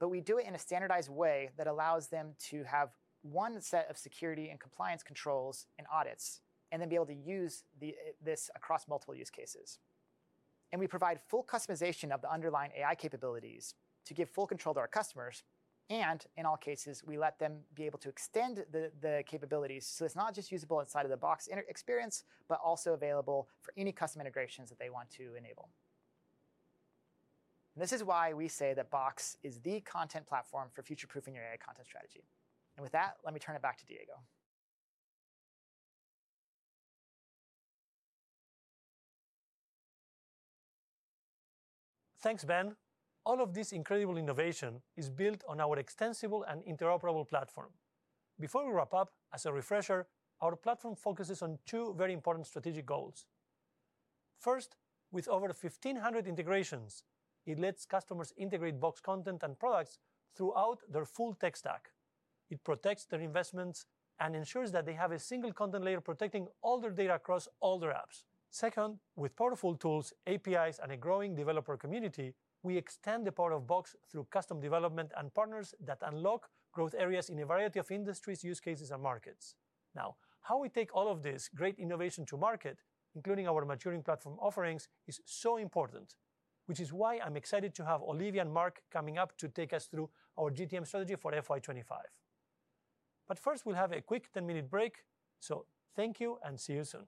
but we do it in a standardized way that allows them to have one set of security and compliance controls and audits, and then be able to use the, this across multiple use cases. And we provide full customization of the underlying AI capabilities to give full control to our customers, and in all cases, we let them be able to extend the capabilities. So it's not just usable inside of the Box entire experience, but also available for any custom integrations that they want to enable. This is why we say that Box is the content platform for future-proofing your AI content strategy. And with that, let me turn it back to Diego. Thanks, Ben. All of this incredible innovation is built on our extensible and interoperable platform. Before we wrap up, as a refresher, our platform focuses on two very important strategic goals. First, with over 1,500 integrations, it lets customers integrate Box content and products throughout their full tech stack. It protects their investments and ensures that they have a single content layer protecting all their data across all their apps. Second, with powerful tools, APIs, and a growing developer community, we extend the power of Box through custom development and partners that unlock growth areas in a variety of industries, use cases, and markets. Now, how we take all of this great innovation to market, including our maturing platform offerings, is so important, which is why I'm excited to have Olivia and Mark coming up to take us through our GTM strategy for FY 2025. But first, we'll have a quick 10-minute break, so thank you, and see you soon.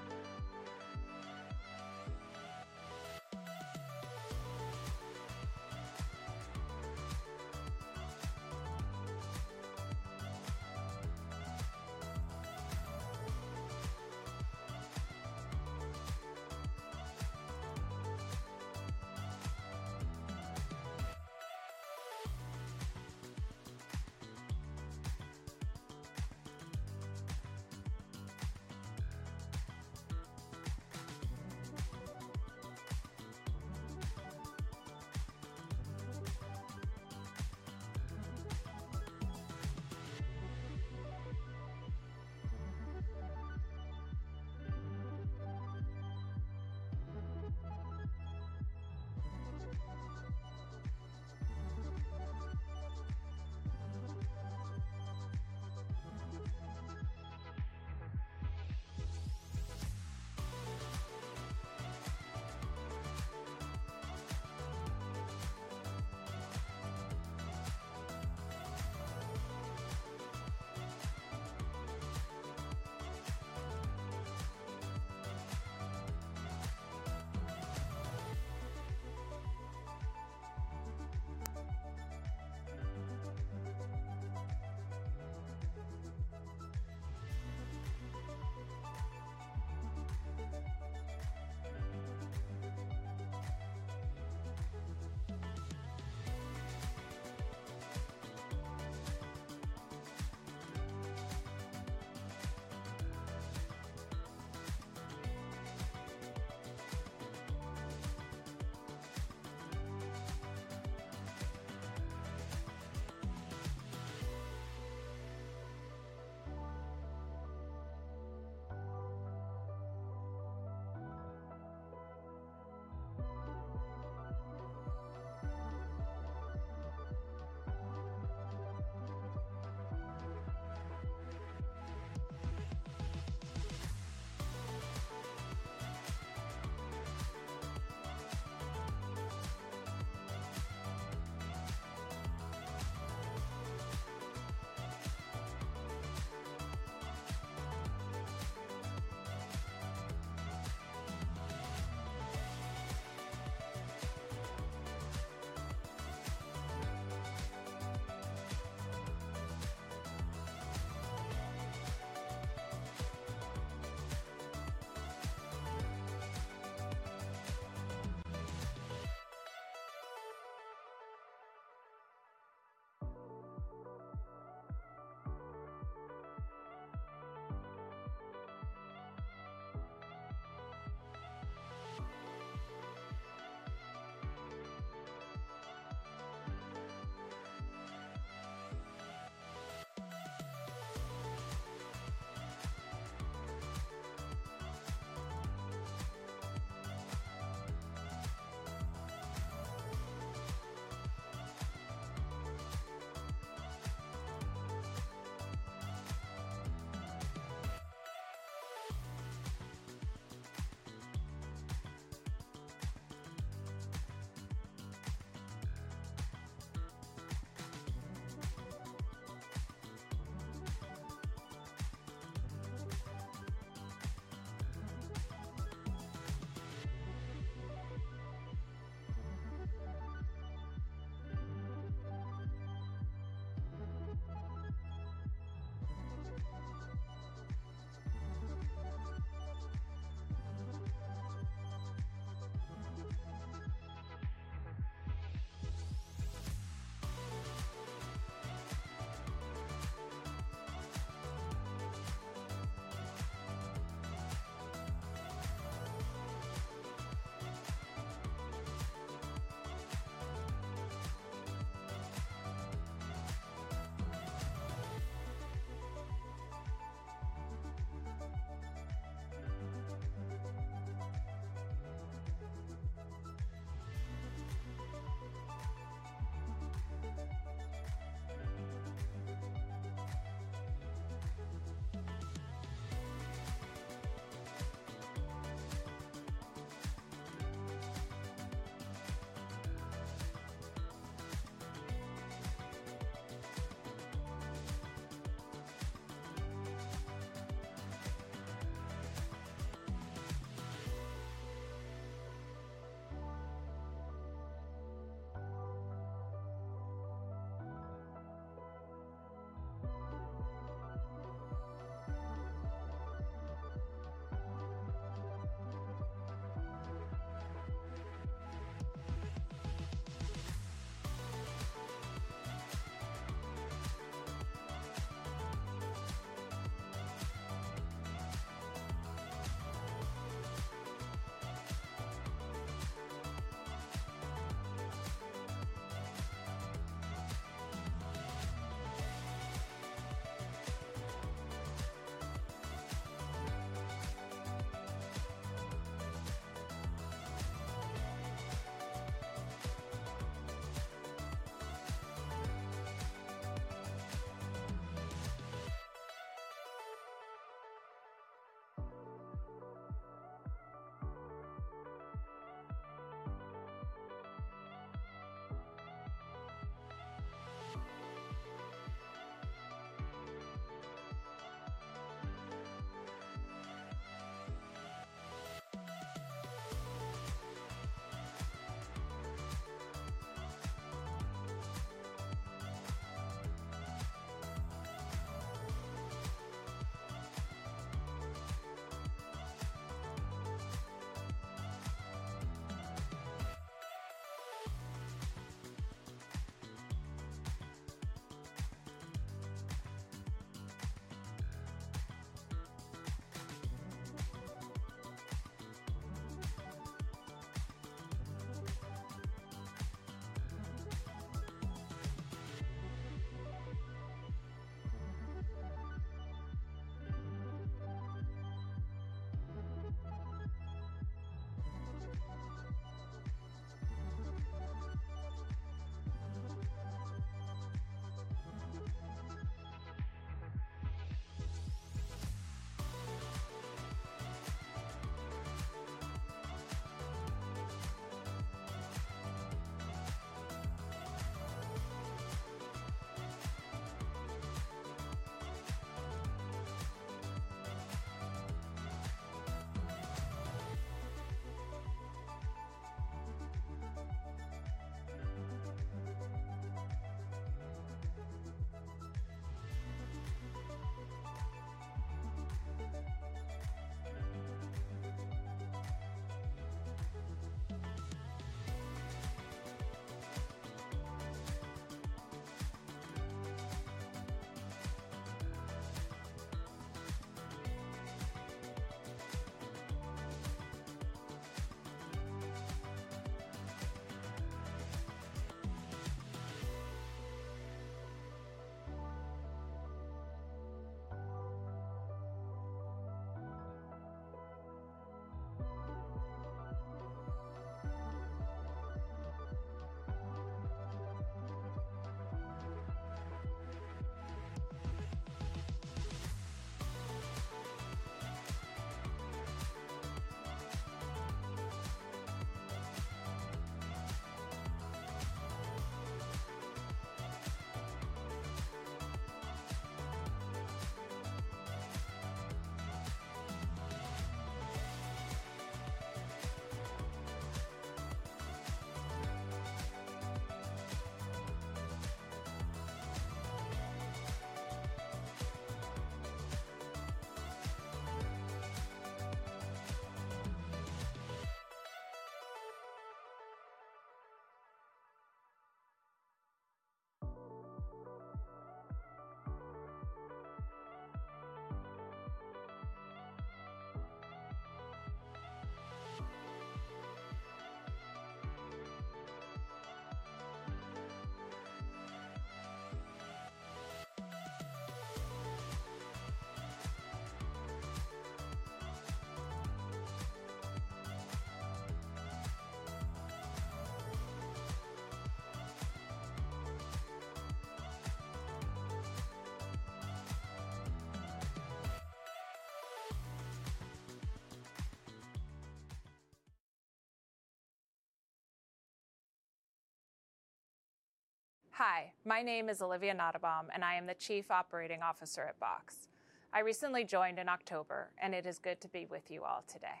Hi, my name is Olivia Nottebohm, and I am the Chief Operating Officer at Box. I recently joined in October, and it is good to be with you all today.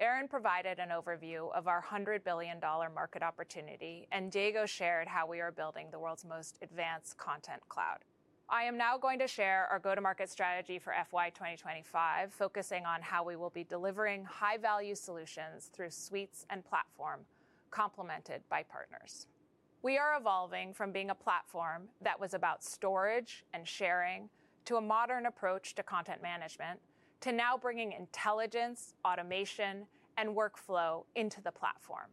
Aaron provided an overview of our $100 billion market opportunity, and Diego shared how we are building the world's most Content Cloud. i am now going to share our go-to-market strategy for FY 2025, focusing on how we will be delivering high-value solutions through suites and platform, complemented by partners. We are evolving from being a platform that was about storage and sharing, to a modern approach to content management, to now bringing intelligence, automation, and workflow into the platform,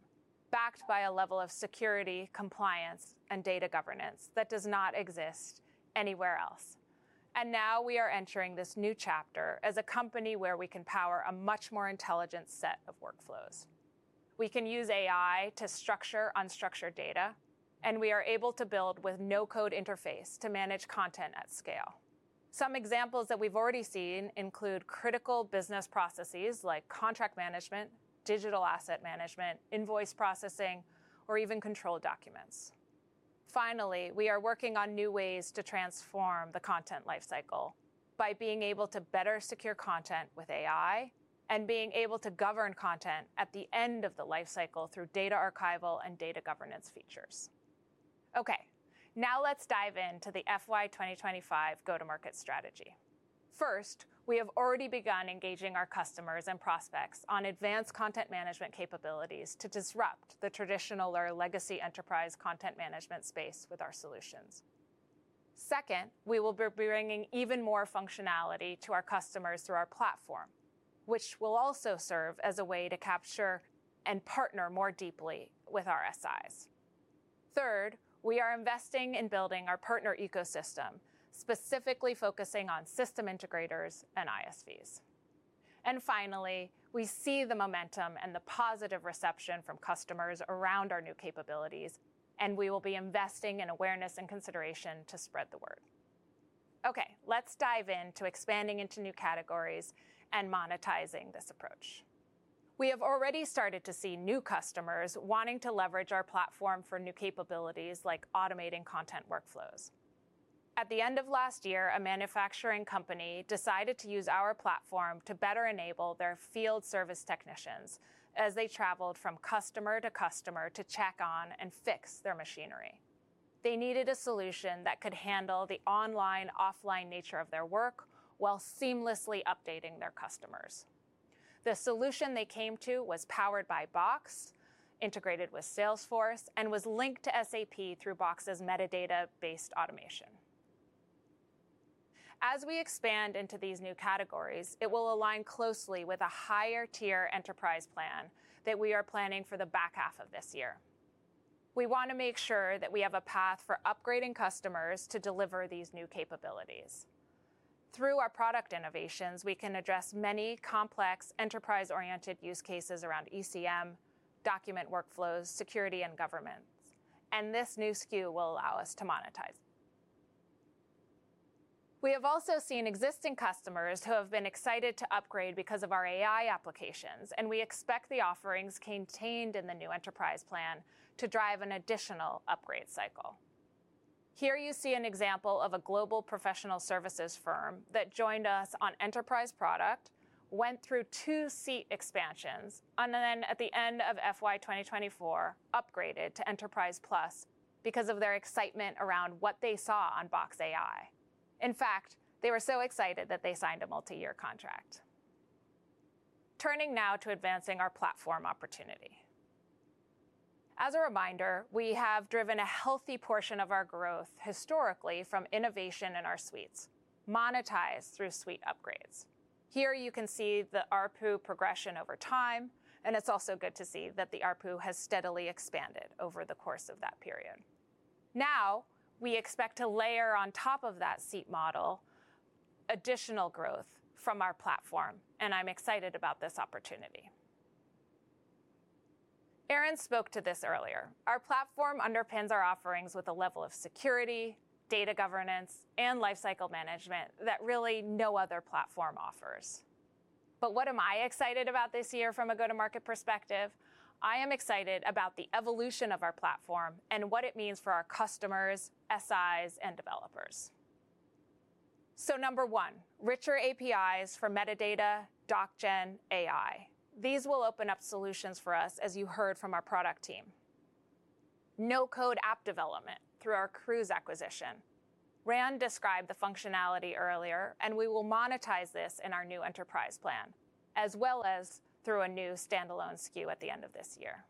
backed by a level of security, compliance, and data governance that does not exist anywhere else. Now we are entering this new chapter as a company where we can power a much more intelligent set of workflows. We can use AI to structure unstructured data, and we are able to build with no-code interface to manage content at scale. Some examples that we've already seen include critical business processes like contract management, digital asset management, invoice processing, or even controlled documents. Finally, we are working on new ways to transform the content life cycle by being able to better secure content with AI and being able to govern content at the end of the life cycle through data archival and data governance features. Okay, now let's dive into the FY 2025 go-to-market strategy. First, we have already begun engaging our customers and prospects on advanced content management capabilities to disrupt the traditional or legacy enterprise content management space with our solutions. Second, we will be bringing even more functionality to our customers through our platform, which will also serve as a way to capture and partner more deeply with our SIs. Third, we are investing in building our partner ecosystem, specifically focusing on system integrators and ISVs. And finally, we see the momentum and the positive reception from customers around our new capabilities, and we will be investing in awareness and consideration to spread the word. Okay, let's dive in to expanding into new categories and monetizing this approach. We have already started to see new customers wanting to leverage our platform for new capabilities like automating content workflows. At the end of last year, a manufacturing company decided to use our platform to better enable their field service technicians as they traveled from customer to customer to check on and fix their machinery... They needed a solution that could handle the online/offline nature of their work, while seamlessly updating their customers. The solution they came to was powered by Box, integrated with Salesforce, and was linked to SAP through Box's metadata-based automation. As we expand into these new categories, it will align closely with a higher-tier Enterprise plan that we are planning for the back half of this year. We want to make sure that we have a path for upgrading customers to deliver these new capabilities. Through our product innovations, we can address many complex, enterprise-oriented use cases around ECM, document workflows, security, and government, and this new SKU will allow us to monetize. We have also seen existing customers who have been excited to upgrade because of our AI applications, and we expect the offerings contained in the new Enterprise plan to drive an additional upgrade cycle. Here, you see an example of a global professional services firm that joined us on Enterprise product, went through two seat expansions, and then at the end of FY 2024, upgraded to Enterprise Plus because of their excitement around what they saw on Box AI. In fact, they were so excited that they signed a multi-year contract. Turning now to advancing our platform opportunity. As a reminder, we have driven a healthy portion of our growth historically from innovation in our suites, monetized through suite upgrades. Here, you can see the ARPU progression over time, and it's also good to see that the ARPU has steadily expanded over the course of that period. Now, we expect to layer on top of that seat model, additional growth from our platform, and I'm excited about this opportunity. Aaron spoke to this earlier. Our platform underpins our offerings with a level of security, data governance, and lifecycle management that really no other platform offers. But what am I excited about this year from a go-to-market perspective? I am excited about the evolution of our platform and what it means for our customers, SIs, and developers. So number one, richer APIs for metadata, doc gen, AI. These will open up solutions for us, as you heard from our product team. No-code app development through our Crooze acquisition. Rand described the functionality earlier, and we will monetize this in our new Enterprise plan, as well as through a new standalone SKU at the end of this year.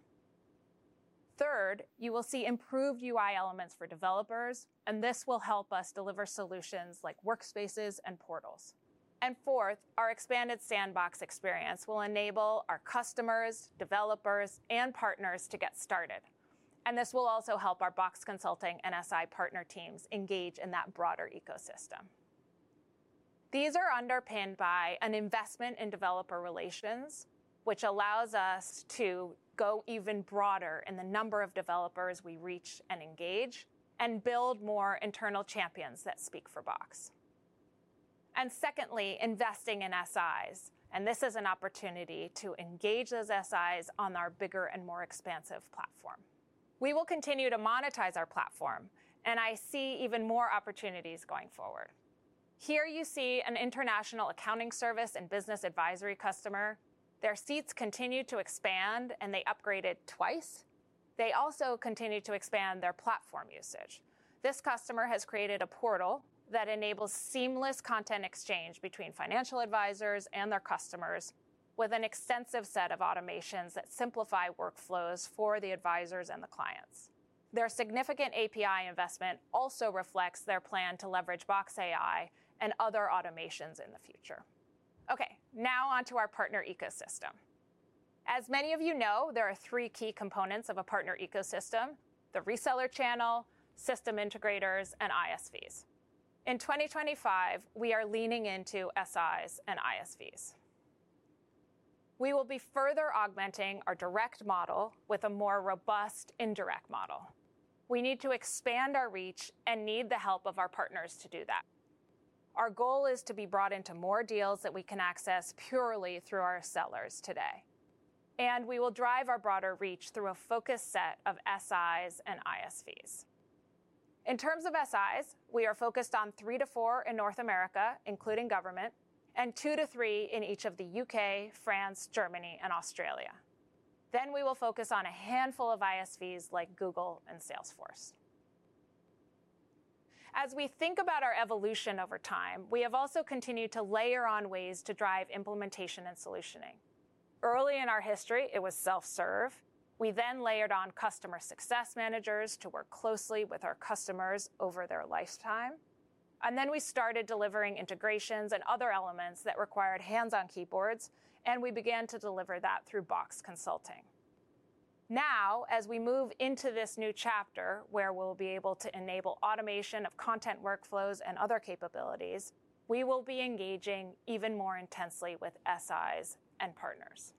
Third, you will see improved UI elements for developers, and this will help us deliver solutions like workspaces and portals. Fourth, our expanded sandbox experience will enable our customers, developers, and partners to get started, and this will also help our Box Consulting and SI partner teams engage in that broader ecosystem. These are underpinned by an investment in developer relations, which allows us to go even broader in the number of developers we reach and engage, and build more internal champions that speak for Box. Secondly, investing in SIs, and this is an opportunity to engage those SIs on our bigger and more expansive platform. We will continue to monetize our platform, and I see even more opportunities going forward. Here, you see an international accounting service and business advisory customer. Their seats continued to expand, and they upgraded twice. They also continued to expand their platform usage. This customer has created a portal that enables seamless content exchange between financial advisors and their customers, with an extensive set of automations that simplify workflows for the advisors and the clients. Their significant API investment also reflects their plan to leverage Box AI and other automations in the future. Okay, now on to our partner ecosystem. As many of you know, there are three key components of a partner ecosystem: the reseller channel, system integrators, and ISVs. In 2025, we are leaning into SIs and ISVs. We will be further augmenting our direct model with a more robust, indirect model. We need to expand our reach and need the help of our partners to do that. Our goal is to be brought into more deals that we can access purely through our sellers today, and we will drive our broader reach through a focused set of SIs and ISVs. In terms of SIs, we are focused on three-four in North America, including government, and two-three in each of the U.K., France, Germany, and Australia. Then we will focus on a handful of ISVs, like Google and Salesforce. As we think about our evolution over time, we have also continued to layer on ways to drive implementation and solutioning. Early in our history, it was self-serve. We then layered on customer success managers to work closely with our customers over their lifetime. And then we started delivering integrations and other elements that required hands-on keyboards, and we began to deliver that through Box Consulting. Now, as we move into this new chapter, where we'll be able to enable automation of content workflows and other capabilities, we will be engaging even more intensely with SIs and partners.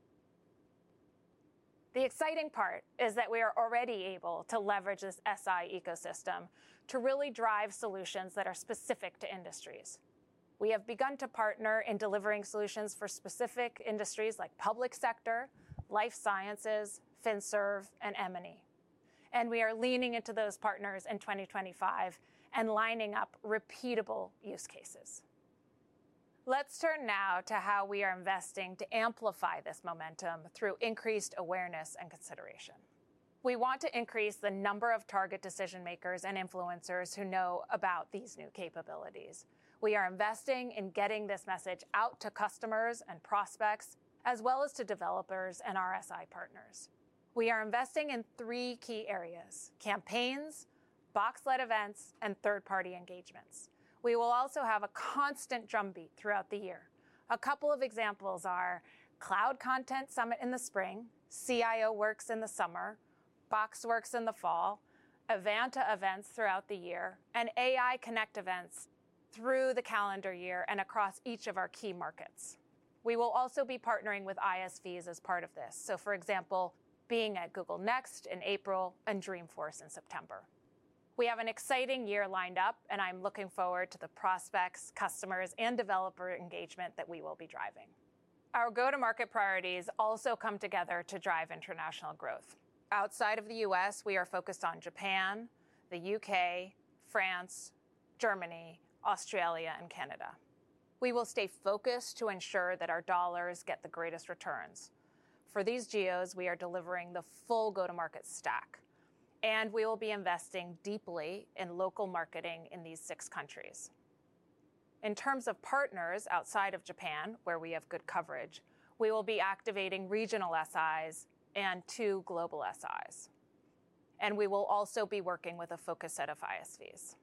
The exciting part is that we are already able to leverage this SI ecosystem to really drive solutions that are specific to industries. We have begun to partner in delivering solutions for specific industries like public sector, life sciences, FinServ, and M&A, and we are leaning into those partners in 2025 and lining up repeatable use cases.... Let's turn now to how we are investing to amplify this momentum through increased awareness and consideration. We want to increase the number of target decision-makers and influencers who know about these new capabilities. We are investing in getting this message out to customers and prospects, as well as to developers and our SI partners. We are investing in three key areas: campaigns, Box-led events, and third-party engagements. We will also have a constant drumbeat throughout the year. A couple of examples are Content Cloud Summit in the spring, CIO Works in the summer, BoxWorks in the fall, Evanta events throughout the year, and AI Connect events through the calendar year and across each of our key markets. We will also be partnering with ISVs as part of this, so for example, being at Google Next in April and Dreamforce in September. We have an exciting year lined up, and I'm looking forward to the prospects, customers, and developer engagement that we will be driving. Our go-to-market priorities also come together to drive international growth. Outside of the U.S., we are focused on Japan, the U.K., France, Germany, Australia, and Canada. We will stay focused to ensure that our dollars get the greatest returns. For these geos, we are delivering the full go-to-market stack, and we will be investing deeply in local marketing in these six countries. In terms of partners, outside of Japan, where we have good coverage, we will be activating regional SIs and two global SIs, and we will also be working with a focused set of ISVs.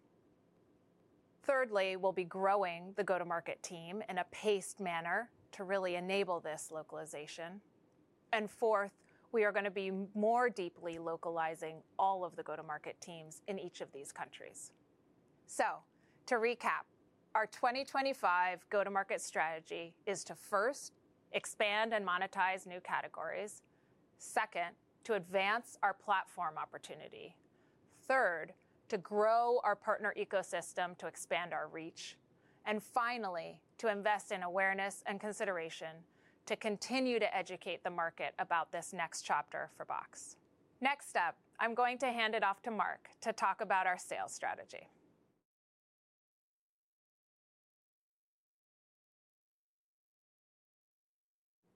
Thirdly, we'll be growing the go-to-market team in a paced manner to really enable this localization. And fourth, we are going to be more deeply localizing all of the go-to-market teams in each of these countries. So to recap, our 2025 go-to-market strategy is to, first, expand and monetize new categories, second, to advance our platform opportunity, third, to grow our partner ecosystem to expand our reach, and finally, to invest in awareness and consideration to continue to educate the market about this next chapter for Box. Next up, I'm going to hand it off to Mark to talk about our sales strategy.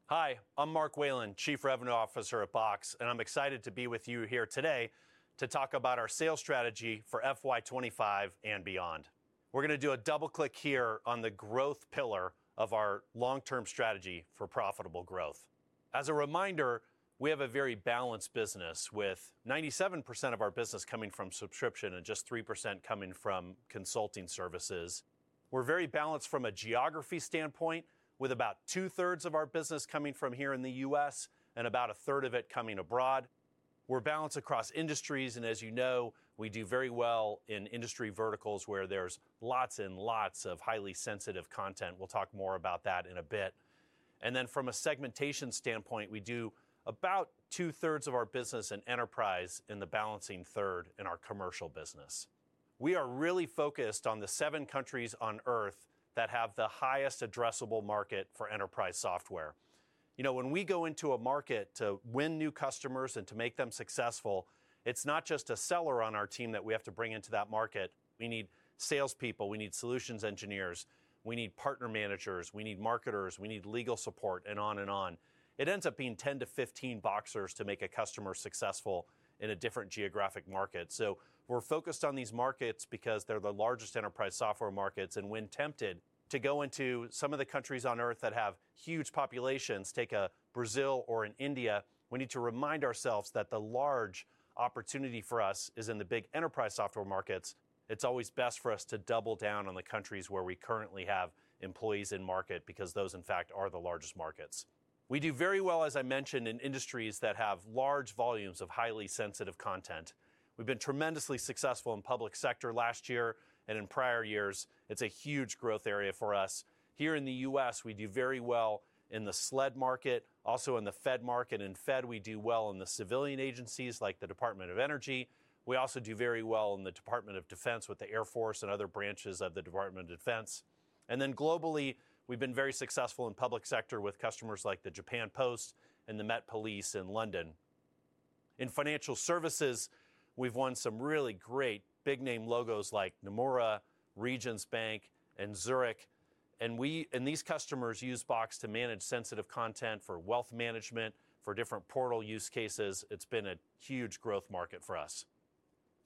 Hi, I'm Mark Wayland, Chief Revenue Officer at Box, and I'm excited to be with you here today to talk about our sales strategy for FY 2025 and beyond. We're going to do a double-click here on the growth pillar of our long-term strategy for profitable growth. As a reminder, we have a very balanced business, with 97% of our business coming from subscription and just 3% coming from consulting services. We're very balanced from a geography standpoint, with about 2/3 of our business coming from here in the U.S. and about 1/3 of it coming abroad. We're balanced across industries, and as you know, we do very well in industry verticals where there's lots and lots of highly sensitive content. We'll talk more about that in a bit. From a segmentation standpoint, we do about 2/3 of our business in enterprise and the balancing third in our commercial business. We are really focused on the seven countries on Earth that have the highest addressable market for enterprise software. You know, when we go into a market to win new customers and to make them successful, it's not just a seller on our team that we have to bring into that market. We need salespeople, we need solutions engineers, we need partner managers, we need marketers, we need legal support, and on and on. It ends up being 10-15 Boxers to make a customer successful in a different geographic market. So we're focused on these markets because they're the largest enterprise software markets, and when tempted to go into some of the countries on Earth that have huge populations, take a Brazil or an India, we need to remind ourselves that the large opportunity for us is in the big enterprise software markets. It's always best for us to double down on the countries where we currently have employees in-market, because those, in fact, are the largest markets. We do very well, as I mentioned, in industries that have large volumes of highly sensitive content. We've been tremendously successful in public sector last year and in prior years. It's a huge growth area for us. Here in the U.S., we do very well in the SLED market, also in the FED market. In FED, we do well in the civilian agencies like the Department of Energy. We also do very well in the Department of Defense with the Air Force and other branches of the Department of Defense. And then globally, we've been very successful in public sector with customers like the Japan Post and the Met Police in London. In financial services, we've won some really great big-name logos like Nomura, Regions Bank, and Zurich, and these customers use Box to manage sensitive content for wealth management, for different portal use cases. It's been a huge growth market for us.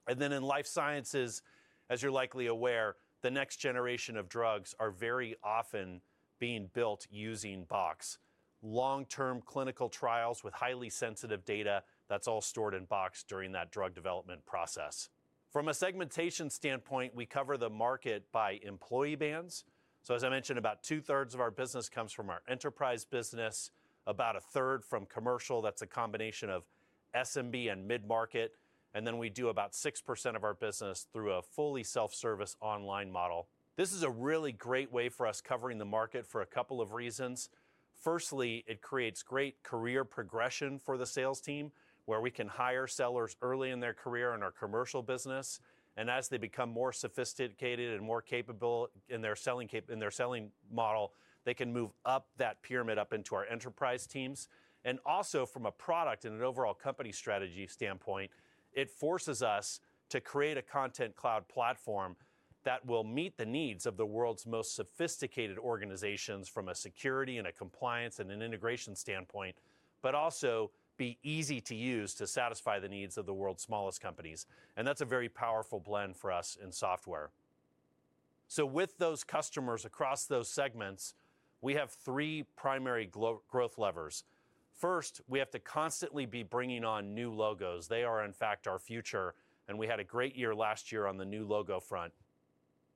And then in life sciences, as you're likely aware, the next generation of drugs are very often being built using Box. Long-term clinical trials with highly sensitive data, that's all stored in Box during that drug development process. From a segmentation standpoint, we cover the market by employee bands, so as I mentioned, about 2/3 of our business comes from our enterprise business, about 1/3 from commercial. That's a combination of SMB and mid-market, and then we do about 6% of our business through a fully self-service online model. This is a really great way for us covering the market for a couple of reasons. Firstly, it creates great career progression for the sales team, where we can hire sellers early in their career in our commercial business, and as they become more sophisticated and more capable in their selling model, they can move up that pyramid up into our enterprise teams. And also from a product and an overall company strategy standpoint, it forces us to create Content Cloud platform... that will meet the needs of the world's most sophisticated organizations from a security and a compliance and an integration standpoint, but also be easy to use to satisfy the needs of the world's smallest companies, and that's a very powerful blend for us in software. So with those customers across those segments, we have three primary growth levers. First, we have to constantly be bringing on new logos. They are, in fact, our future, and we had a great year last year on the new logo front.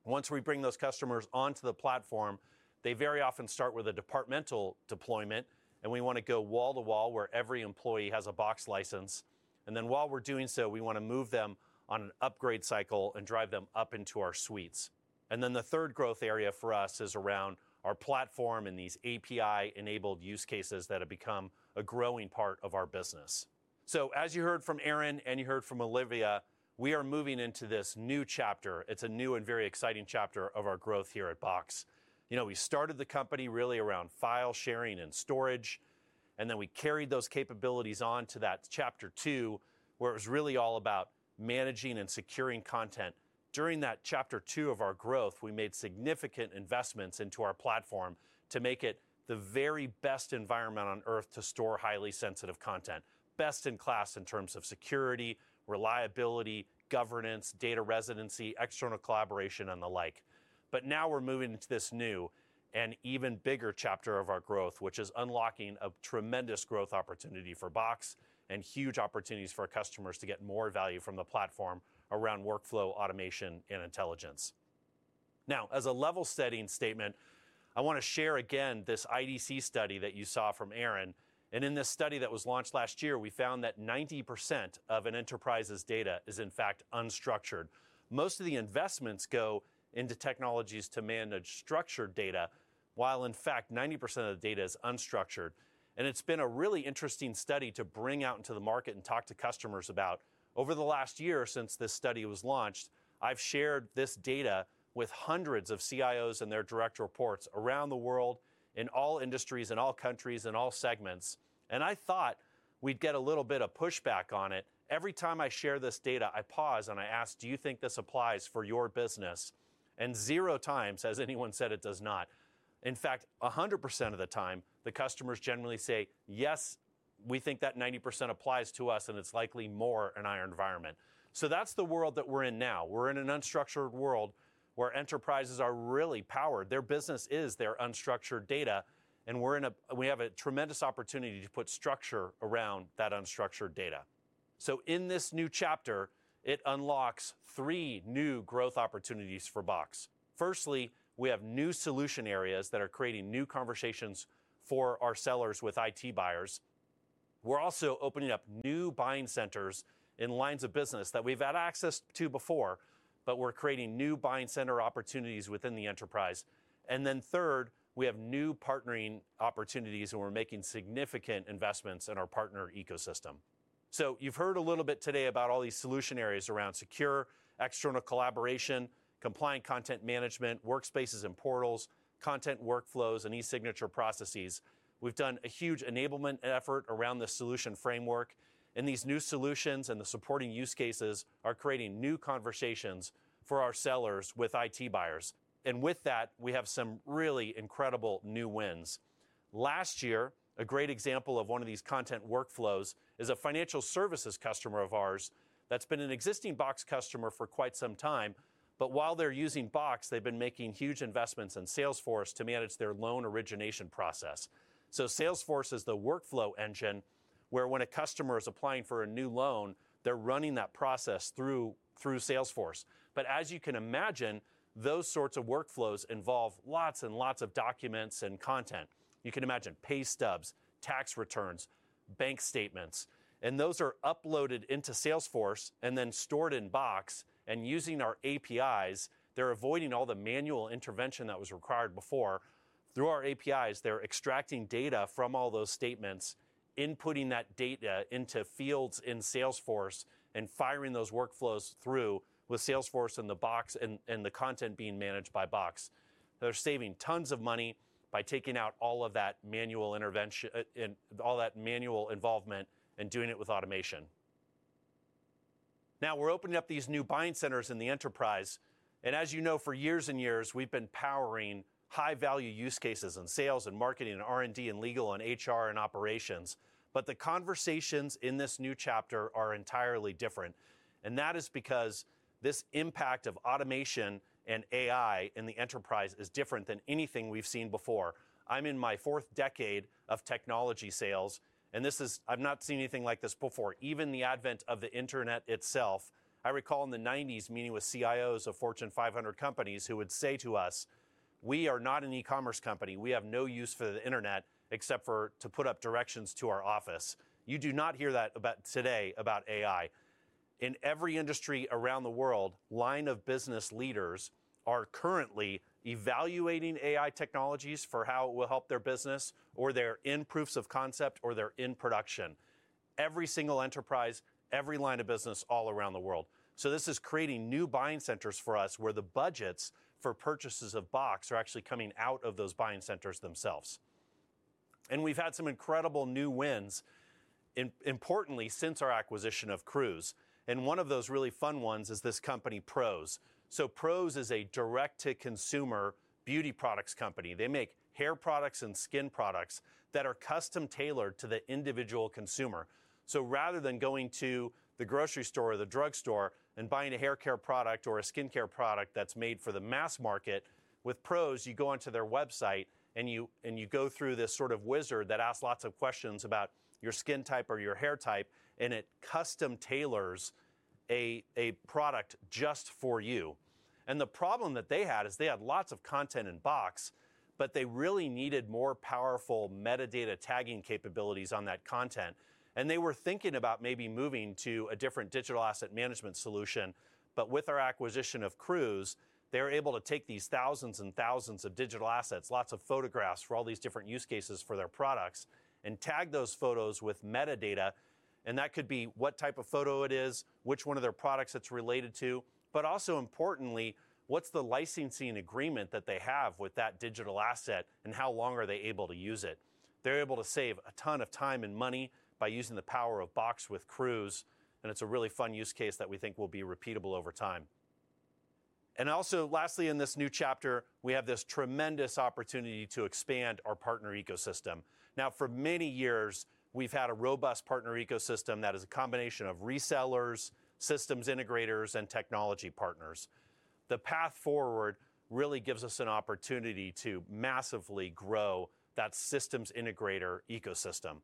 Once we bring those customers onto the platform, they very often start with a departmental deployment, and we want to go wall to wall, where every employee has a Box license. And then while we're doing so, we wanna move them on an upgrade cycle and drive them up into our suites. And then the third growth area for us is around our platform and these API-enabled use cases that have become a growing part of our business. As you heard from Aaron and you heard from Olivia, we are moving into this new chapter. It's a new and very exciting chapter of our growth here at Box. You know, we started the company really around file sharing and storage, and then we carried those capabilities on to that chapter two, where it was really all about managing and securing content. During that chapter two of our growth, we made significant investments into our platform to make it the very best environment on Earth to store highly sensitive content. Best in class in terms of security, reliability, governance, data residency, external collaboration, and the like. But now we're moving into this new and even bigger chapter of our growth, which is unlocking a tremendous growth opportunity for Box and huge opportunities for our customers to get more value from the platform around workflow, automation, and intelligence. Now, as a level-setting statement, I wanna share again this IDC study that you saw from Aaron, and in this study that was launched last year, we found that 90% of an enterprise's data is, in fact, unstructured. Most of the investments go into technologies to manage structured data, while, in fact, 90% of the data is unstructured. And it's been a really interesting study to bring out into the market and talk to customers about. Over the last year since this study was launched, I've shared this data with hundreds of CIOs and their direct reports around the world, in all industries, in all countries, in all segments, and I thought we'd get a little bit of pushback on it. Every time I share this data, I pause and I ask: "Do you think this applies for your business?" Zero times has anyone said it does not. In fact, 100% of the time, the customers generally say, "Yes, we think that 90% applies to us, and it's likely more in our environment." That's the world that we're in now. We're in an unstructured world where enterprises are really powered. Their business is their unstructured data, and we have a tremendous opportunity to put structure around that unstructured data. So in this new chapter, it unlocks three new growth opportunities for Box. Firstly, we have new solution areas that are creating new conversations for our sellers with IT buyers. We're also opening up new buying centers in lines of business that we've had access to before, but we're creating new buying center opportunities within the enterprise. And then third, we have new partnering opportunities, and we're making significant investments in our partner ecosystem. So you've heard a little bit today about all these solution areas around secure, external collaboration, compliant content management, workspaces and portals, content workflows, and e-signature processes. We've done a huge enablement effort around the solution framework, and these new solutions and the supporting use cases are creating new conversations for our sellers with IT buyers. And with that, we have some really incredible new wins. Last year, a great example of one of these content workflows is a financial services customer of ours that's been an existing Box customer for quite some time, but while they're using Box, they've been making huge investments in Salesforce to manage their loan origination process. So Salesforce is the workflow engine, where when a customer is applying for a new loan, they're running that process through Salesforce. But as you can imagine, those sorts of workflows involve lots and lots of documents and content. You can imagine, pay stubs, tax returns, bank statements, and those are uploaded into Salesforce and then stored in Box. And using our APIs, they're avoiding all the manual intervention that was required before. Through our APIs, they're extracting data from all those statements, inputting that data into fields in Salesforce, and firing those workflows through with Salesforce in the Box and the content being managed by Box. They're saving tons of money by taking out all of that manual intervention and all that manual involvement and doing it with automation. Now, we're opening up these new buying centers in the enterprise, and as you know, for years and years, we've been powering high-value use cases in sales and marketing and R&D and legal and HR and operations, but the conversations in this new chapter are entirely different, and that is because this impact of automation and AI in the enterprise is different than anything we've seen before. I'm in my fourth decade of technology sales, and this is... I've not seen anything like this before, even the advent of the internet itself. I recall in the 1990s, meeting with CIOs of Fortune 500 companies who would say to us, "We are not an e-commerce company. We have no use for the internet except for to put up directions to our office." You do not hear that about today about AI. In every industry around the world, line of business leaders are currently evaluating AI technologies for how it will help their business, or they're in proofs of concept, or they're in production, every single enterprise, every line of business, all around the world. So this is creating new buying centers for us, where the budgets for purchases of Box are actually coming out of those buying centers themselves.... We've had some incredible new wins, importantly, since our acquisition of Crooze, and one of those really fun ones is this company, Prose. Prose is a direct-to-consumer beauty products company. They make hair products and skin products that are custom-tailored to the individual consumer. Rather than going to the grocery store or the drugstore and buying a haircare product or a skincare product that's made for the mass market, with Prose, you go onto their website, and you go through this sort of wizard that asks lots of questions about your skin type or your hair type, and it custom tailors a product just for you. The problem that they had is they had lots of content in Box, but they really needed more powerful metadata tagging capabilities on that content. They were thinking about maybe moving to a different digital asset management solution. With our acquisition of Crooze, they were able to take these thousands and thousands of digital assets, lots of photographs for all these different use cases for their products, and tag those photos with metadata. That could be what type of photo it is, which one of their products it's related to, but also importantly, what's the licensing agreement that they have with that digital asset, and how long are they able to use it? They're able to save a ton of time and money by using the power of Box with Crooze, and it's a really fun use case that we think will be repeatable over time. Also, lastly, in this new chapter, we have this tremendous opportunity to expand our partner ecosystem. Now, for many years, we've had a robust partner ecosystem that is a combination of resellers, systems integrators, and technology partners. The path forward really gives us an opportunity to massively grow that systems integrator ecosystem.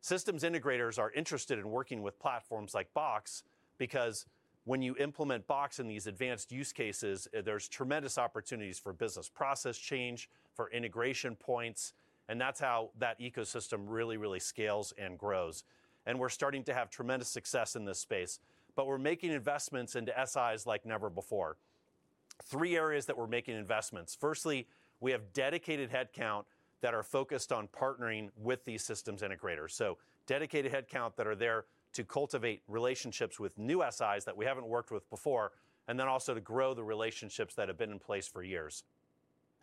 Systems integrators are interested in working with platforms like Box because when you implement Box in these advanced use cases, there's tremendous opportunities for business process change, for integration points, and that's how that ecosystem really, really scales and grows, and we're starting to have tremendous success in this space. But we're making investments into SIs like never before. Three areas that we're making investments: firstly, we have dedicated headcount that are focused on partnering with these systems integrators, so dedicated headcount that are there to cultivate relationships with new SIs that we haven't worked with before, and then also to grow the relationships that have been in place for years.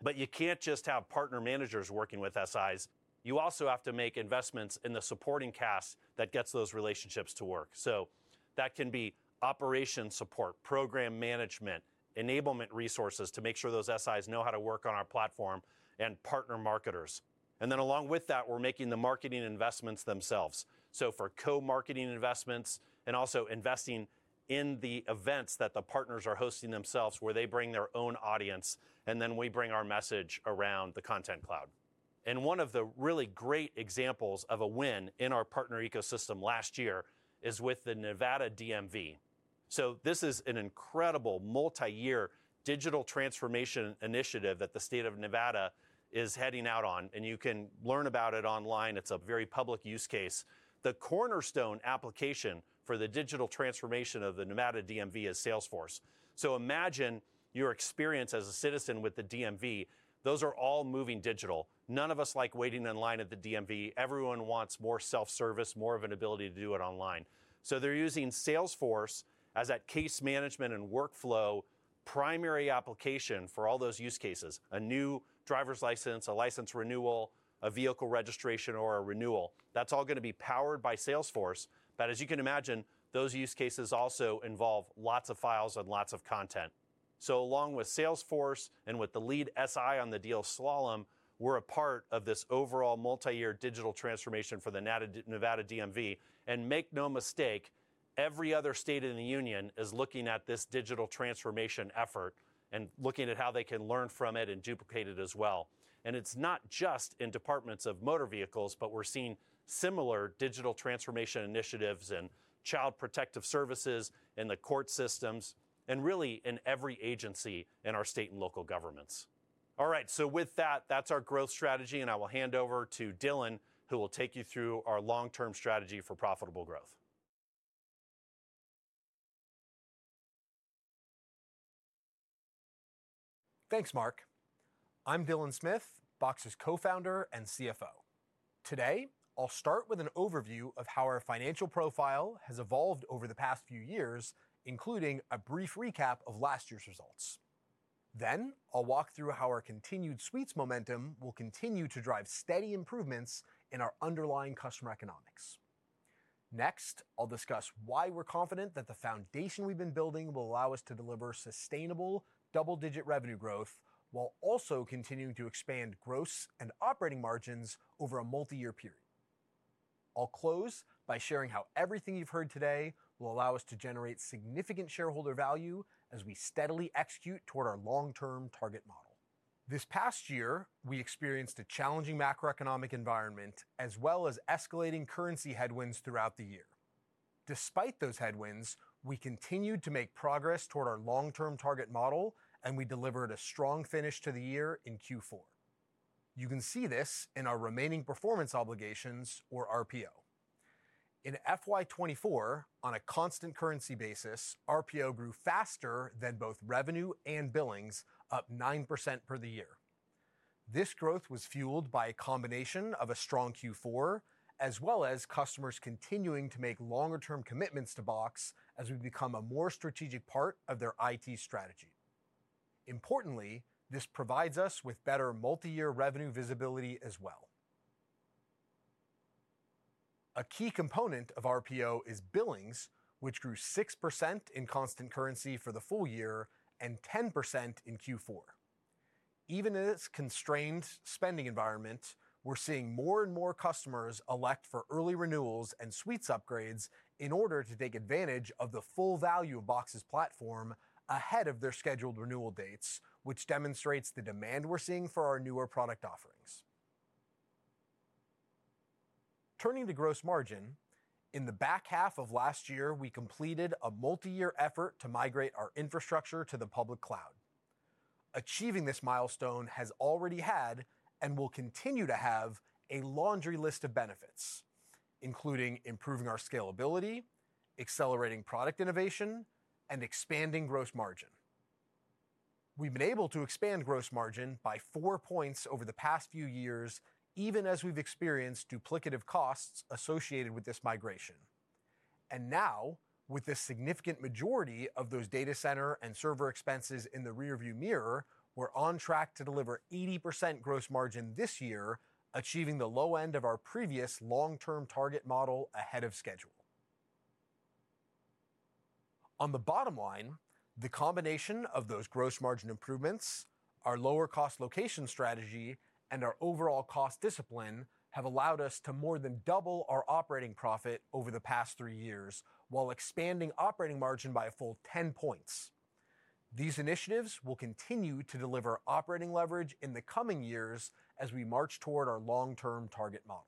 But you can't just have partner managers working with SIs. You also have to make investments in the supporting cast that gets those relationships to work, so that can be operation support, program management, enablement resources to make sure those SIs know how to work on our platform, and partner marketers. And then along with that, we're making the marketing investments themselves, so for co-marketing investments and also investing in the events that the partners are hosting themselves, where they bring their own audience, and then we bring our message around Content Cloud. and one of the really great examples of a win in our partner ecosystem last year is with the Nevada DMV. So this is an incredible multiyear digital transformation initiative that the state of Nevada is heading out on, and you can learn about it online. It's a very public use case. The cornerstone application for the digital transformation of the Nevada DMV is Salesforce. So imagine your experience as a citizen with the DMV. Those are all moving digital. None of us like waiting in line at the DMV. Everyone wants more self-service, more of an ability to do it online. So they're using Salesforce as that case management and workflow primary application for all those use cases: a new driver's license, a license renewal, a vehicle registration, or a renewal. That's all gonna be powered by Salesforce. But as you can imagine, those use cases also involve lots of files and lots of content. So along with Salesforce and with the lead SI on the deal, Slalom, we're a part of this overall multiyear digital transformation for the Nevada DMV. And make no mistake, every other state in the union is looking at this digital transformation effort and looking at how they can learn from it and duplicate it as well. And it's not just in departments of motor vehicles, but we're seeing similar digital transformation initiatives in child protective services, in the court systems, and really in every agency in our state and local governments. All right, so with that, that's our growth strategy, and I will hand over to Dylan, who will take you through our long-term strategy for profitable growth. Thanks, Mark. I'm Dylan Smith, Box's co-founder and CFO. Today, I'll start with an overview of how our financial profile has evolved over the past few years, including a brief recap of last year's results. Then, I'll walk through how our continued suites momentum will continue to drive steady improvements in our underlying customer economics. Next, I'll discuss why we're confident that the foundation we've been building will allow us to deliver sustainable double-digit revenue growth while also continuing to expand gross and operating margins over a multiyear period. I'll close by sharing how everything you've heard today will allow us to generate significant shareholder value as we steadily execute toward our long-term target model. This past year, we experienced a challenging macroeconomic environment, as well as escalating currency headwinds throughout the year. Despite those headwinds, we continued to make progress toward our long-term target model, and we delivered a strong finish to the year in Q4. You can see this in our remaining performance obligations or RPO. In FY 2024, on a constant currency basis, RPO grew faster than both revenue and billings, up 9% for the year. This growth was fueled by a combination of a strong Q4, as well as customers continuing to make longer-term commitments to Box as we've become a more strategic part of their IT strategy.... Importantly, this provides us with better multi-year revenue visibility as well. A key component of RPO is billings, which grew 6% in constant currency for the full year and 10% in Q4. Even in this constrained spending environment, we're seeing more and more customers elect for early renewals and Suites upgrades in order to take advantage of the full value of Box's platform ahead of their scheduled renewal dates, which demonstrates the demand we're seeing for our newer product offerings. Turning to gross margin, in the back half of last year, we completed a multi-year effort to migrate our infrastructure to the public cloud. Achieving this milestone has already had, and will continue to have, a laundry list of benefits, including improving our scalability, accelerating product innovation, and expanding gross margin. We've been able to expand gross margin by four points over the past few years, even as we've experienced duplicative costs associated with this migration. Now, with the significant majority of those data center and server expenses in the rearview mirror, we're on track to deliver 80% gross margin this year, achieving the low end of our previous long-term target model ahead of schedule. On the bottom line, the combination of those gross margin improvements, our lower-cost location strategy, and our overall cost discipline have allowed us to more than double our operating profit over the past three years, while expanding operating margin by a full 10 points. These initiatives will continue to deliver operating leverage in the coming years as we march toward our long-term target model.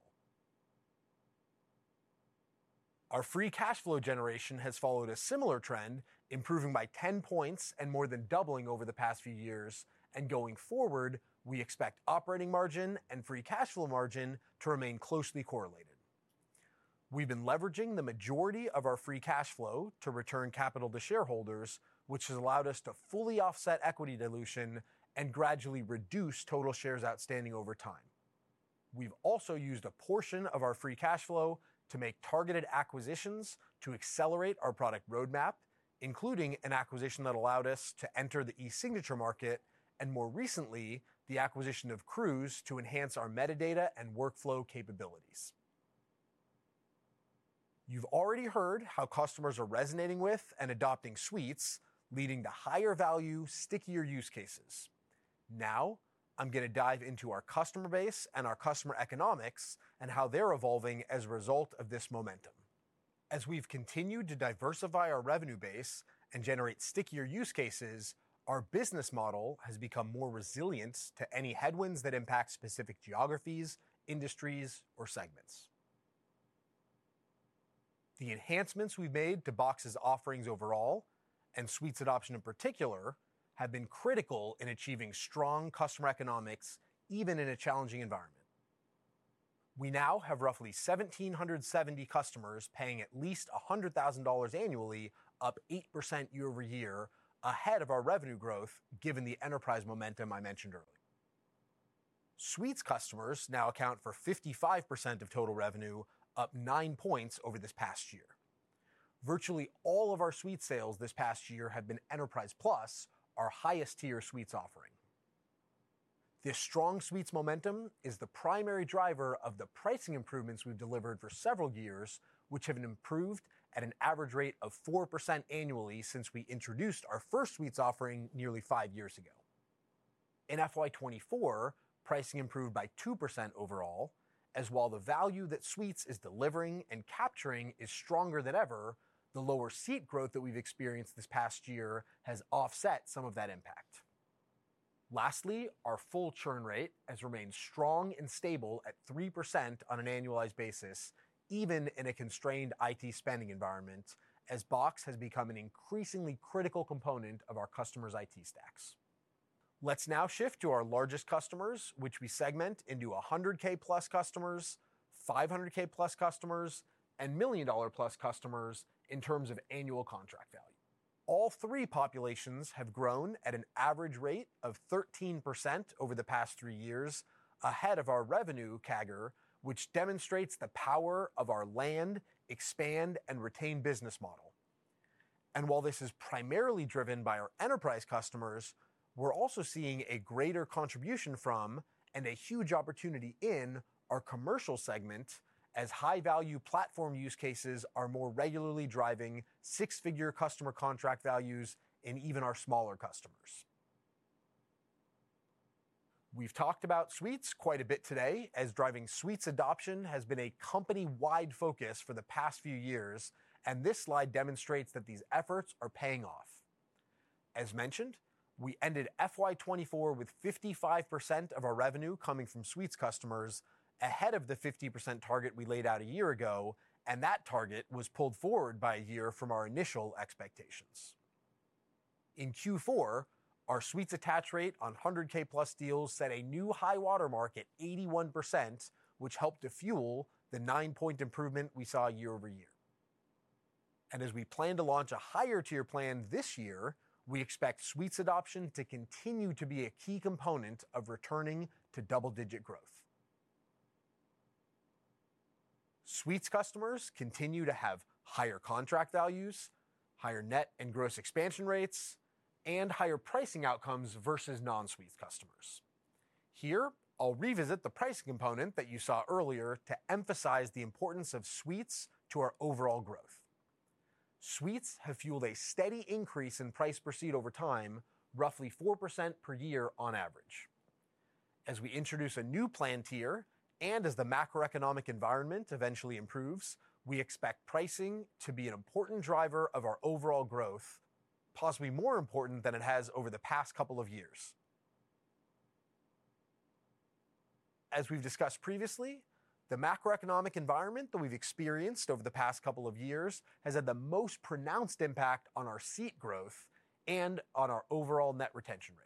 Our free cash flow generation has followed a similar trend, improving by 10 points and more than doubling over the past few years, and going forward, we expect operating margin and free cash flow margin to remain closely correlated. We've been leveraging the majority of our free cash flow to return capital to shareholders, which has allowed us to fully offset equity dilution and gradually reduce total shares outstanding over time. We've also used a portion of our free cash flow to make targeted acquisitions to accelerate our product roadmap, including an acquisition that allowed us to enter the e-signature market, and more recently, the acquisition of Crooze to enhance our metadata and workflow capabilities. You've already heard how customers are resonating with and adopting Suites, leading to higher-value, stickier use cases. Now, I'm gonna dive into our customer base and our customer economics and how they're evolving as a result of this momentum. As we've continued to diversify our revenue base and generate stickier use cases, our business model has become more resilient to any headwinds that impact specific geographies, industries, or segments. The enhancements we've made to Box's offerings overall, and Suites adoption in particular, have been critical in achieving strong customer economics, even in a challenging environment. We now have roughly 1,770 customers paying at least $100,000 annually, up 8% year-over-year, ahead of our revenue growth, given the enterprise momentum I mentioned earlier. Suites customers now account for 55% of total revenue, up 9 points over this past year. Virtually all of our Suites sales this past year have been Enterprise Plus, our highest-tier Suites offering. This strong Suites momentum is the primary driver of the pricing improvements we've delivered for several years, which have improved at an average rate of 4% annually since we introduced our first Suites offering nearly five years ago. In FY 2024, pricing improved by 2% overall, as while the value that Suites is delivering and capturing is stronger than ever, the lower seat growth that we've experienced this past year has offset some of that impact. Lastly, our full churn rate has remained strong and stable at 3% on an annualized basis, even in a constrained IT spending environment, as Box has become an increasingly critical component of our customers' IT stacks. Let's now shift to our largest customers, which we segment into 100,000+ customers, 500,000+ customers, and $1 million+ customers in terms of annual contract value. All three populations have grown at an average rate of 13% over the past three years, ahead of our revenue CAGR, which demonstrates the power of our land, expand, and retain business model. While this is primarily driven by our enterprise customers, we're also seeing a greater contribution from, and a huge opportunity in, our commercial segment, as high-value platform use cases are more regularly driving six-figure customer contract values in even our smaller customers. We've talked about Suites quite a bit today, as driving Suites adoption has been a company-wide focus for the past few years, and this slide demonstrates that these efforts are paying off. As mentioned, we ended FY 2024 with 55% of our revenue coming from Suites customers, ahead of the 50% target we laid out a year ago, and that target was pulled forward by a year from our initial expectations. In Q4, our Suites attach rate on 100K+ deals set a new high-water mark at 81%, which helped to fuel the 9-point improvement we saw year-over-year. As we plan to launch a higher-tier plan this year, we expect Suites adoption to continue to be a key component of returning to double-digit growth. Suites customers continue to have higher contract values, higher net and gross expansion rates, and higher pricing outcomes versus non-Suites customers. Here, I'll revisit the pricing component that you saw earlier to emphasize the importance of Suites to our overall growth. Suites have fueled a steady increase in price per seat over time, roughly 4% per year on average. As we introduce a new plan tier and as the macroeconomic environment eventually improves, we expect pricing to be an important driver of our overall growth, possibly more important than it has over the past couple of years. As we've discussed previously, the macroeconomic environment that we've experienced over the past couple of years has had the most pronounced impact on our seat growth and on our overall net retention rate.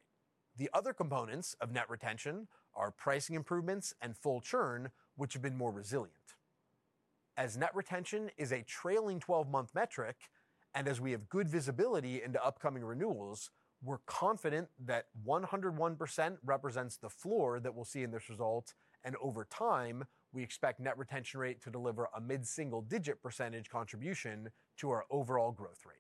The other components of net retention are pricing improvements and full churn, which have been more resilient. As net retention is a trailing twelve-month metric, and as we have good visibility into upcoming renewals, we're confident that 101% represents the floor that we'll see in this result, and over time, we expect net retention rate to deliver a mid-single-digit percentage contribution to our overall growth rate.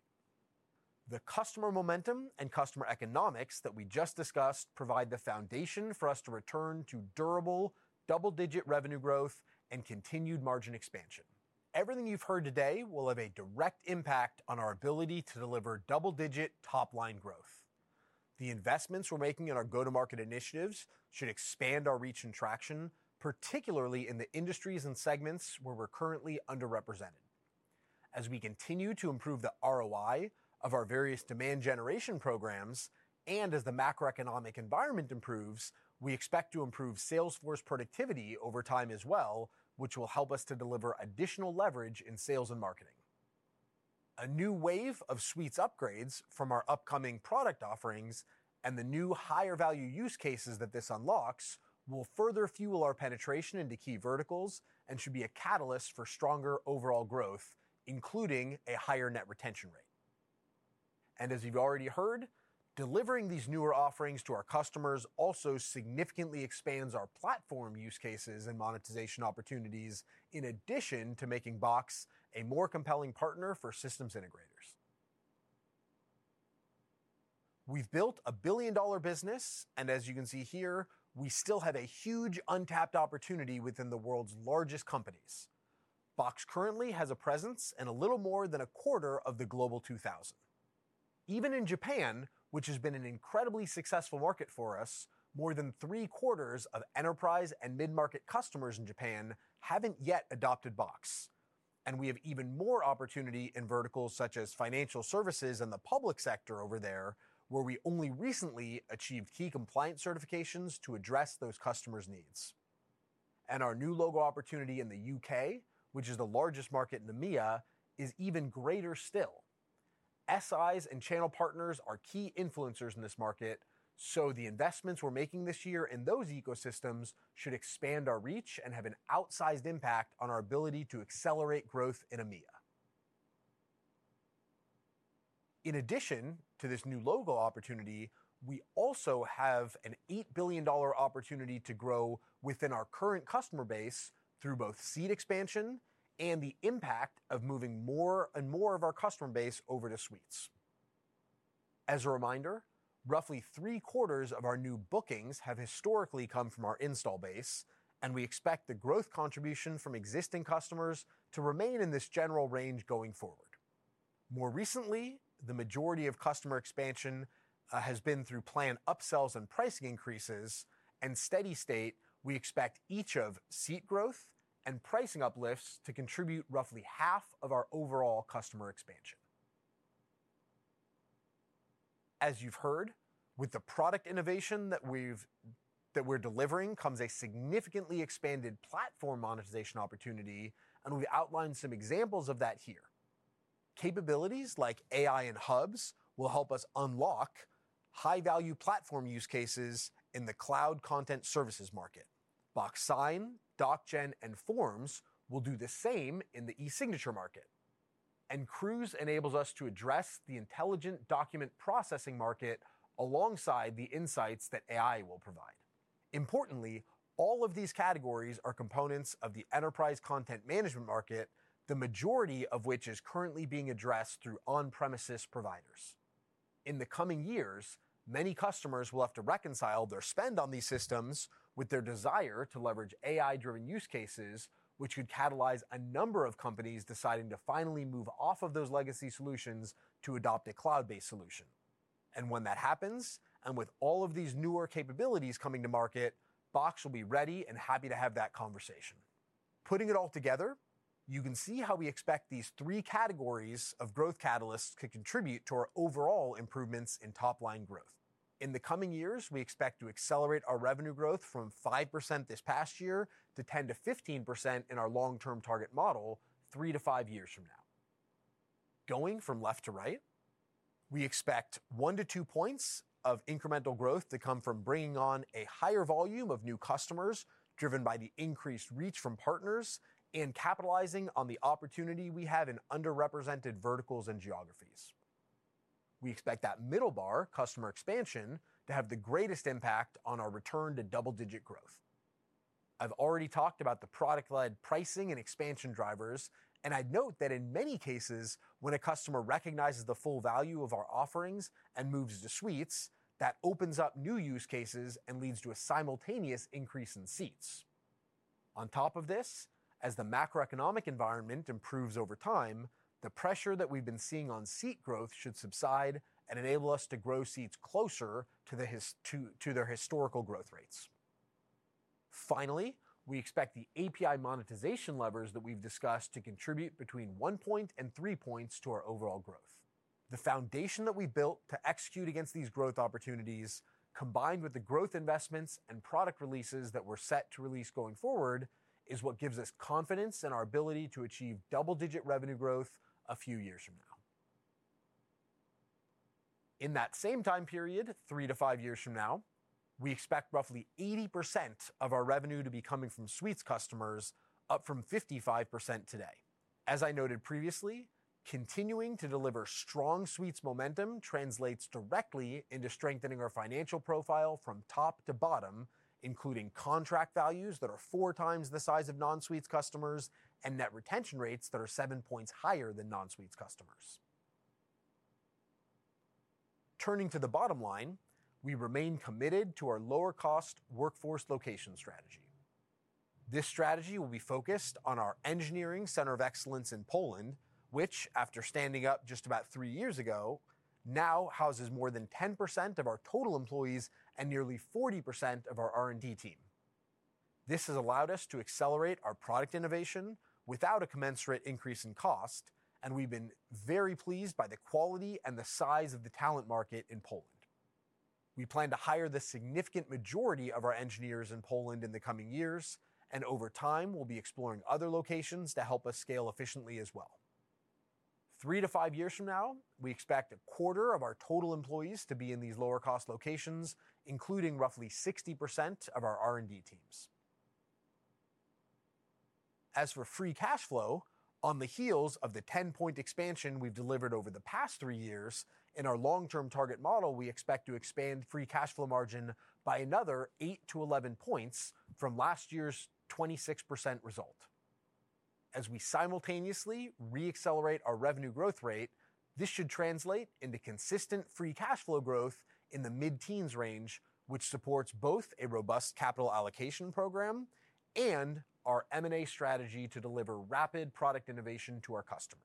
The customer momentum and customer economics that we just discussed provide the foundation for us to return to durable, double-digit revenue growth and continued margin expansion. Everything you've heard today will have a direct impact on our ability to deliver double-digit top-line growth. The investments we're making in our go-to-market initiatives should expand our reach and traction, particularly in the industries and segments where we're currently underrepresented. As we continue to improve the ROI of our various demand generation programs, and as the macroeconomic environment improves, we expect to improve sales force productivity over time as well, which will help us to deliver additional leverage in sales and marketing. A new wave of Suites upgrades from our upcoming product offerings and the new higher-value use cases that this unlocks will further fuel our penetration into key verticals and should be a catalyst for stronger overall growth, including a higher net retention rate. As you've already heard, delivering these newer offerings to our customers also significantly expands our platform use cases and monetization opportunities, in addition to making Box a more compelling partner for systems integrators. We've built a billion-dollar business, and as you can see here, we still have a huge untapped opportunity within the world's largest companies. Box currently has a presence in a little more than a quarter of the Global 2000. Even in Japan, which has been an incredibly successful market for us, more than 3/4 of enterprise and mid-market customers in Japan haven't yet adopted Box, and we have even more opportunity in verticals such as financial services and the public sector over there, where we only recently achieved key compliance certifications to address those customers' needs. Our new logo opportunity in the U.K., which is the largest market in EMEA, is even greater still. SIs and channel partners are key influencers in this market, so the investments we're making this year in those ecosystems should expand our reach and have an outsized impact on our ability to accelerate growth in EMEA. In addition to this new logo opportunity, we also have an $8 billion opportunity to grow within our current customer base through both seat expansion and the impact of moving more and more of our customer base over to Suites. As a reminder, roughly three-quarters of our new bookings have historically come from our install base, and we expect the growth contribution from existing customers to remain in this general range going forward. More recently, the majority of customer expansion has been through plan upsells and pricing increases. In steady state, we expect each of seat growth and pricing uplifts to contribute roughly half of our overall customer expansion. As you've heard, with the product innovation that we're delivering, comes a significantly expanded platform monetization opportunity, and we've outlined some examples of that here. Capabilities like AI and Hubs will help us unlock high-value platform use cases in the cloud content services market. Box Sign, DocGen, and Forms will do the same in the e-signature market, and Crooze enables us to address the intelligent document processing market alongside the insights that AI will provide. Importantly, all of these categories are components of the enterprise content management market, the majority of which is currently being addressed through on-premises providers. In the coming years, many customers will have to reconcile their spend on these systems with their desire to leverage AI-driven use cases, which could catalyze a number of companies deciding to finally move off of those legacy solutions to adopt a cloud-based solution. And when that happens, and with all of these newer capabilities coming to market, Box will be ready and happy to have that conversation. Putting it all together, you can see how we expect these three categories of growth catalysts to contribute to our overall improvements in top-line growth. In the coming years, we expect to accelerate our revenue growth from 5% this past year to 10%-15% in our long-term target model, three-five years from now. Going from left to right, we expect 1-2 points of incremental growth to come from bringing on a higher volume of new customers, driven by the increased reach from partners in capitalizing on the opportunity we have in underrepresented verticals and geographies.... We expect that middle bar, customer expansion, to have the greatest impact on our return to double-digit growth. I've already talked about the product-led pricing and expansion drivers, and I'd note that in many cases, when a customer recognizes the full value of our offerings and moves to Suites, that opens up new use cases and leads to a simultaneous increase in seats. On top of this, as the macroeconomic environment improves over time, the pressure that we've been seeing on seat growth should subside and enable us to grow seats closer to their historical growth rates. Finally, we expect the API monetization levers that we've discussed to contribute between 1 point and 3 points to our overall growth. The foundation that we built to execute against these growth opportunities, combined with the growth investments and product releases that we're set to release going forward, is what gives us confidence in our ability to achieve double-digit revenue growth a few years from now. In that same time period, three-five years from now, we expect roughly 80% of our revenue to be coming from Suites customers, up from 55% today. As I noted previously, continuing to deliver strong Suites momentum translates directly into strengthening our financial profile from top to bottom, including contract values that are 4x the size of non-Suites customers, and net retention rates that are seven points higher than non-Suites customers. Turning to the bottom line, we remain committed to our lower-cost workforce location strategy. This strategy will be focused on our engineering center of excellence in Poland, which, after standing up just about three years ago, now houses more than 10% of our total employees and nearly 40% of our R&D team. This has allowed us to accelerate our product innovation without a commensurate increase in cost, and we've been very pleased by the quality and the size of the talent market in Poland. We plan to hire the significant majority of our engineers in Poland in the coming years, and over time, we'll be exploring other locations to help us scale efficiently as well. three-five years from now, we expect a quarter of our total employees to be in these lower-cost locations, including roughly 60% of our R&D teams. As for Free Cash Flow, on the heels of the 10-point expansion we've delivered over the past three years, in our long-term target model, we expect to expand Free Cash Flow margin by another eight-11 points from last year's 26% result. As we simultaneously re-accelerate our revenue growth rate, this should translate into consistent free cash flow growth in the mid-teens range, which supports both a robust capital allocation program and our M&A strategy to deliver rapid product innovation to our customer.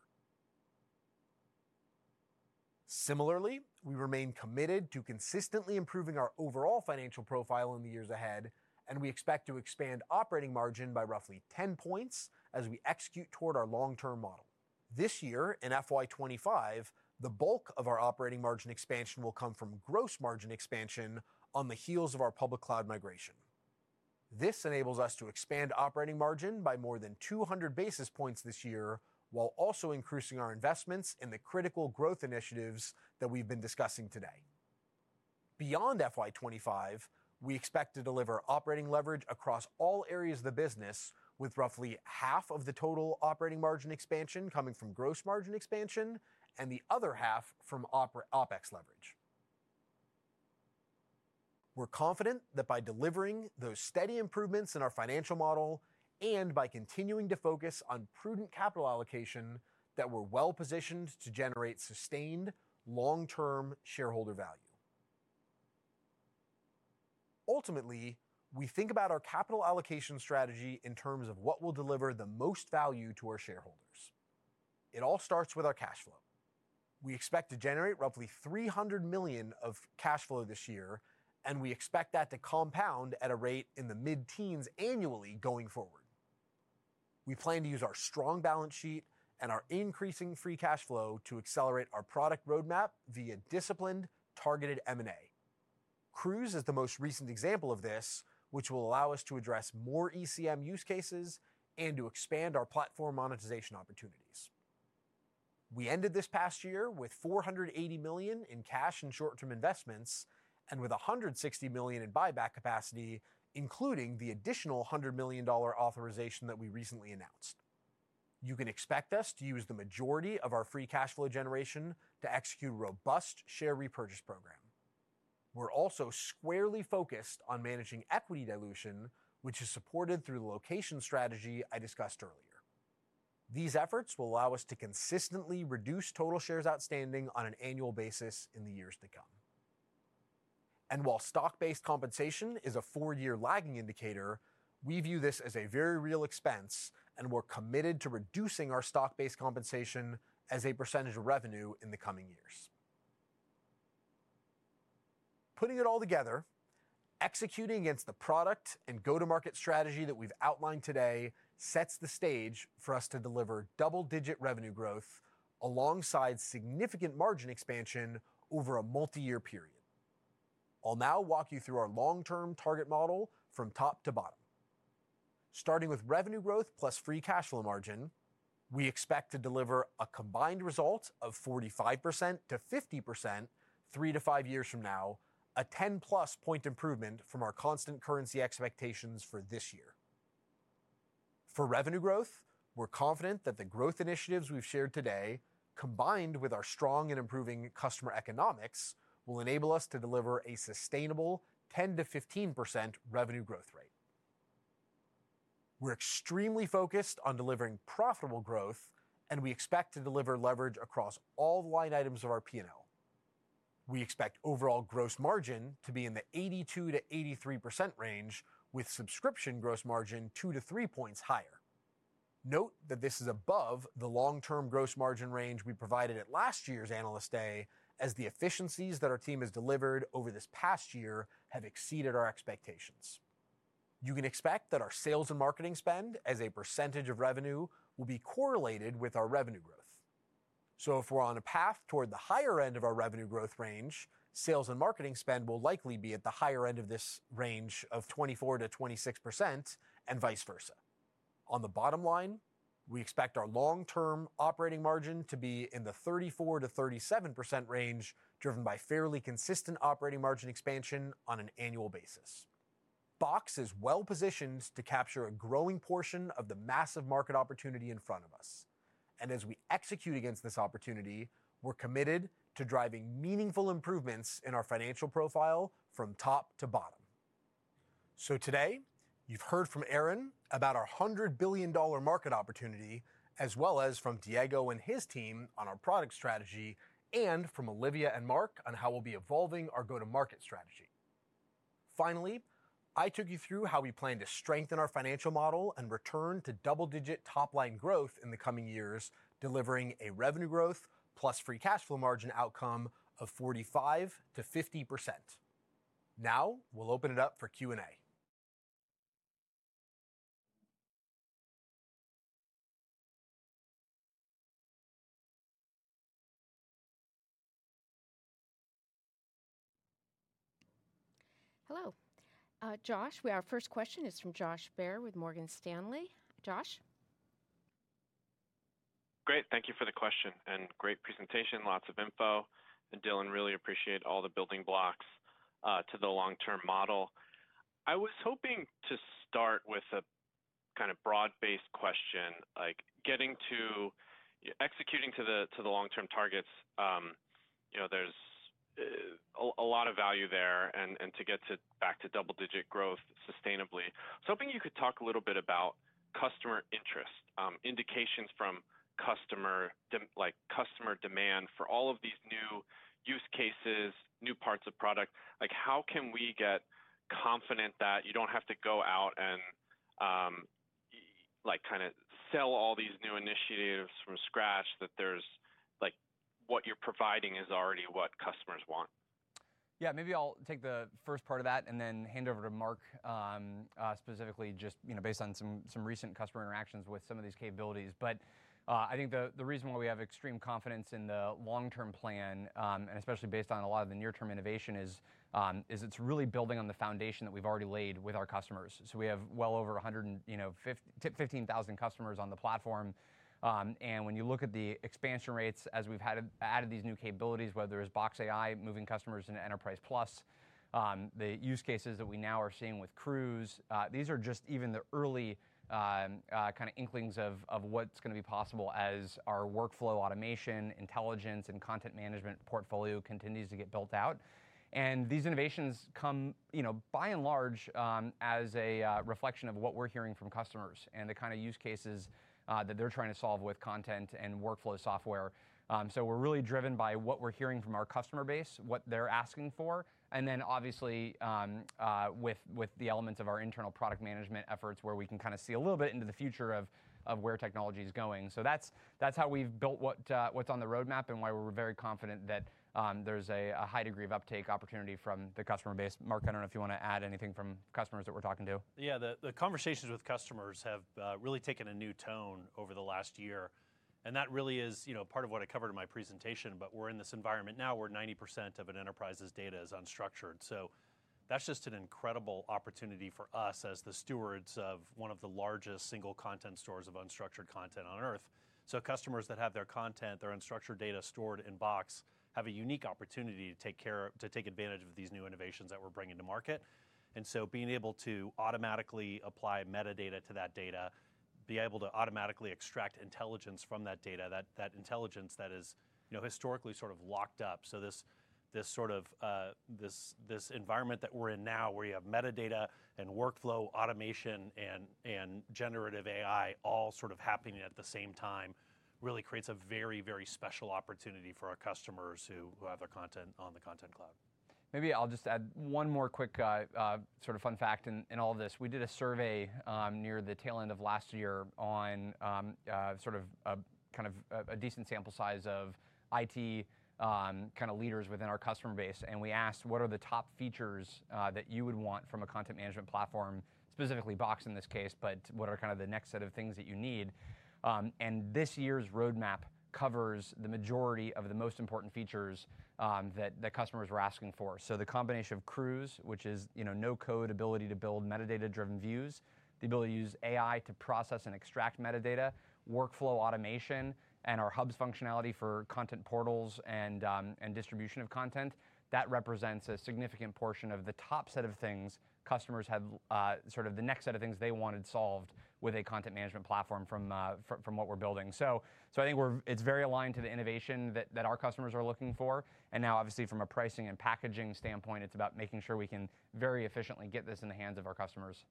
Similarly, we remain committed to consistently improving our overall financial profile in the years ahead, and we expect to expand operating margin by roughly 10 points as we execute toward our long-term model. This year, in FY 2025, the bulk of our operating margin expansion will come from gross margin expansion on the heels of our public cloud migration. This enables us to expand operating margin by more than 200 basis points this year, while also increasing our investments in the critical growth initiatives that we've been discussing today. Beyond FY 2025, we expect to deliver operating leverage across all areas of the business, with roughly half of the total operating margin expansion coming from gross margin expansion and the other half from OpEx leverage. We're confident that by delivering those steady improvements in our financial model, and by continuing to focus on prudent capital allocation, that we're well-positioned to generate sustained long-term shareholder value. Ultimately, we think about our capital allocation strategy in terms of what will deliver the most value to our shareholders. It all starts with our cash flow. We expect to generate roughly $300 million of cash flow this year, and we expect that to compound at a rate in the mid-teens annually going forward. We plan to use our strong balance sheet and our increasing free cash flow to accelerate our product roadmap via disciplined, targeted M&A. Crooze is the most recent example of this, which will allow us to address more ECM use cases and to expand our platform monetization opportunities. We ended this past year with $400 million in cash and short-term investments, and with $160 million in buyback capacity, including the additional $100 million authorization that we recently announced. You can expect us to use the majority of our free cash flow generation to execute a robust share repurchase program. We're also squarely focused on managing equity dilution, which is supported through the location strategy I discussed earlier. These efforts will allow us to consistently reduce total shares outstanding on an annual basis in the years to come. While stock-based compensation is a four-year lagging indicator, we view this as a very real expense, and we're committed to reducing our stock-based compensation as a percentage of revenue in the coming years. Putting it all together, executing against the product and go-to-market strategy that we've outlined today sets the stage for us to deliver double-digit revenue growth alongside significant margin expansion over a multi-year period. I'll now walk you through our long-term target model from top to bottom. Starting with revenue growth plus free cash flow margin, we expect to deliver a combined result of 45%-50%, three-five years from now, a 10+ point improvement from our constant currency expectations for this year.... For revenue growth, we're confident that the growth initiatives we've shared today, combined with our strong and improving customer economics, will enable us to deliver a sustainable 10%-15% revenue growth rate. We're extremely focused on delivering profitable growth, and we expect to deliver leverage across all the line items of our P&L. We expect overall gross margin to be in the 82%-83% range, with subscription gross margin 2-3 points higher. Note that this is above the long-term gross margin range we provided at last year's Analyst Day, as the efficiencies that our team has delivered over this past year have exceeded our expectations. You can expect that our sales and marketing spend as a percentage of revenue will be correlated with our revenue growth. So if we're on a path toward the higher end of our revenue growth range, sales and marketing spend will likely be at the higher end of this range of 24%-26%, and vice versa. On the bottom line, we expect our long-term operating margin to be in the 34%-37% range, driven by fairly consistent operating margin expansion on an annual basis. Box is well positioned to capture a growing portion of the massive market opportunity in front of us. As we execute against this opportunity, we're committed to driving meaningful improvements in our financial profile from top to bottom. Today, you've heard from Aaron about our $100 billion market opportunity, as well as from Diego and his team on our product strategy, and from Olivia and Mark on how we'll be evolving our go-to-market strategy. Finally, I took you through how we plan to strengthen our financial model and return to double-digit top-line growth in the coming years, delivering a revenue growth plus free cash flow margin outcome of 45%-50%. Now, we'll open it up for Q&A. Hello, Josh, our first question is from Josh Baer with Morgan Stanley. Josh? Great. Thank you for the question and great presentation. Lots of info, and Dylan, really appreciate all the building blocks to the long-term model. I was hoping to start with a kind of broad-based question, like getting to executing to the, to the long-term targets, you know, there's a lot of value there and to get back to double-digit growth sustainably. I was hoping you could talk a little bit about customer interest, indications from customer like customer demand for all of these new use cases, new parts of product. Like, how can we get confident that you don't have to go out and, like, kind of sell all these new initiatives from scratch, that there's like, what you're providing is already what customers want? Yeah, maybe I'll take the first part of that and then hand over to Mark, specifically just, you know, based on some recent customer interactions with some of these capabilities. But, I think the reason why we have extreme confidence in the long-term plan, and especially based on a lot of the near-term innovation, is, it's really building on the foundation that we've already laid with our customers. So we have well over 115,000 customers on the platform. And when you look at the expansion rates, as we've had added these new capabilities, whether it's Box AI, moving customers into Enterprise Plus, the use cases that we now are seeing with Crooze, these are just even the early kind of inklings of what's going to be possible as our workflow automation, intelligence, and content management portfolio continues to get built out. And these innovations come, you know, by and large, as a reflection of what we're hearing from customers and the kind of use cases that they're trying to solve with content and workflow software. So we're really driven by what we're hearing from our customer base, what they're asking for, and then obviously, with the elements of our internal product management efforts, where we can kind of see a little bit into the future of where technology is going. So that's how we've built what's on the roadmap and why we're very confident that there's a high degree of uptake opportunity from the customer base. Mark, I don't know if you want to add anything from customers that we're talking to. Yeah, the conversations with customers have really taken a new tone over the last year, and that really is, you know, part of what I covered in my presentation. But we're in this environment now where 90% of an enterprise's data is unstructured. So that's just an incredible opportunity for us as the stewards of one of the largest single content stores of unstructured content on Earth. So customers that have their content, their unstructured data stored in Box, have a unique opportunity to take advantage of these new innovations that we're bringing to market. And so being able to automatically apply metadata to that data, be able to automatically extract intelligence from that data, that intelligence that is, you know, historically sort of locked up. So this sort of environment that we're in now, where you have metadata and workflow automation and generative AI all sort of happening at the same time, really creates a very, very special opportunity for our customers who have their content on the Content Cloud. Maybe I'll just add one more quick, sort of fun fact in all this. We did a survey near the tail end of last year on sort of a kind of decent sample size of IT kind of leaders within our customer base, and we asked, "What are the top features that you would want from a content management platform?" Specifically Box in this case, but what are kind of the next set of things that you need? This year's roadmap covers the majority of the most important features that customers were asking for. So the combination of Crooze, which is, you know, no-code ability to build metadata-driven views, the ability to use AI to process and extract metadata, workflow automation, and our Hubs functionality for content portals and distribution of content, that represents a significant portion of the top set of things customers have sort of the next set of things they wanted solved with a content management platform from what we're building. So I think it's very aligned to the innovation that our customers are looking for. And now, obviously, from a pricing and packaging standpoint, it's about making sure we can very efficiently get this in the hands of our customers....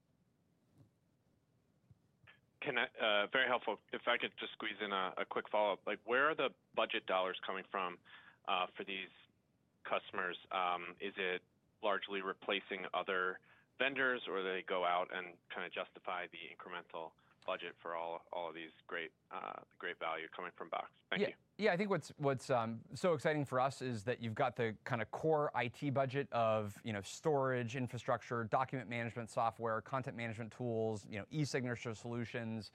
That was very helpful. If I could just squeeze in a quick follow-up. Like, where are the budget dollars coming from for these customers? Is it largely replacing other vendors, or do they go out and kind of justify the incremental budget for all of these great, great value coming from Box? Thank you. Yeah. Yeah, I think what's so exciting for us is that you've got the kind of core IT budget of, you know, storage, infrastructure, document management software, content management tools, you know, e-signature solutions.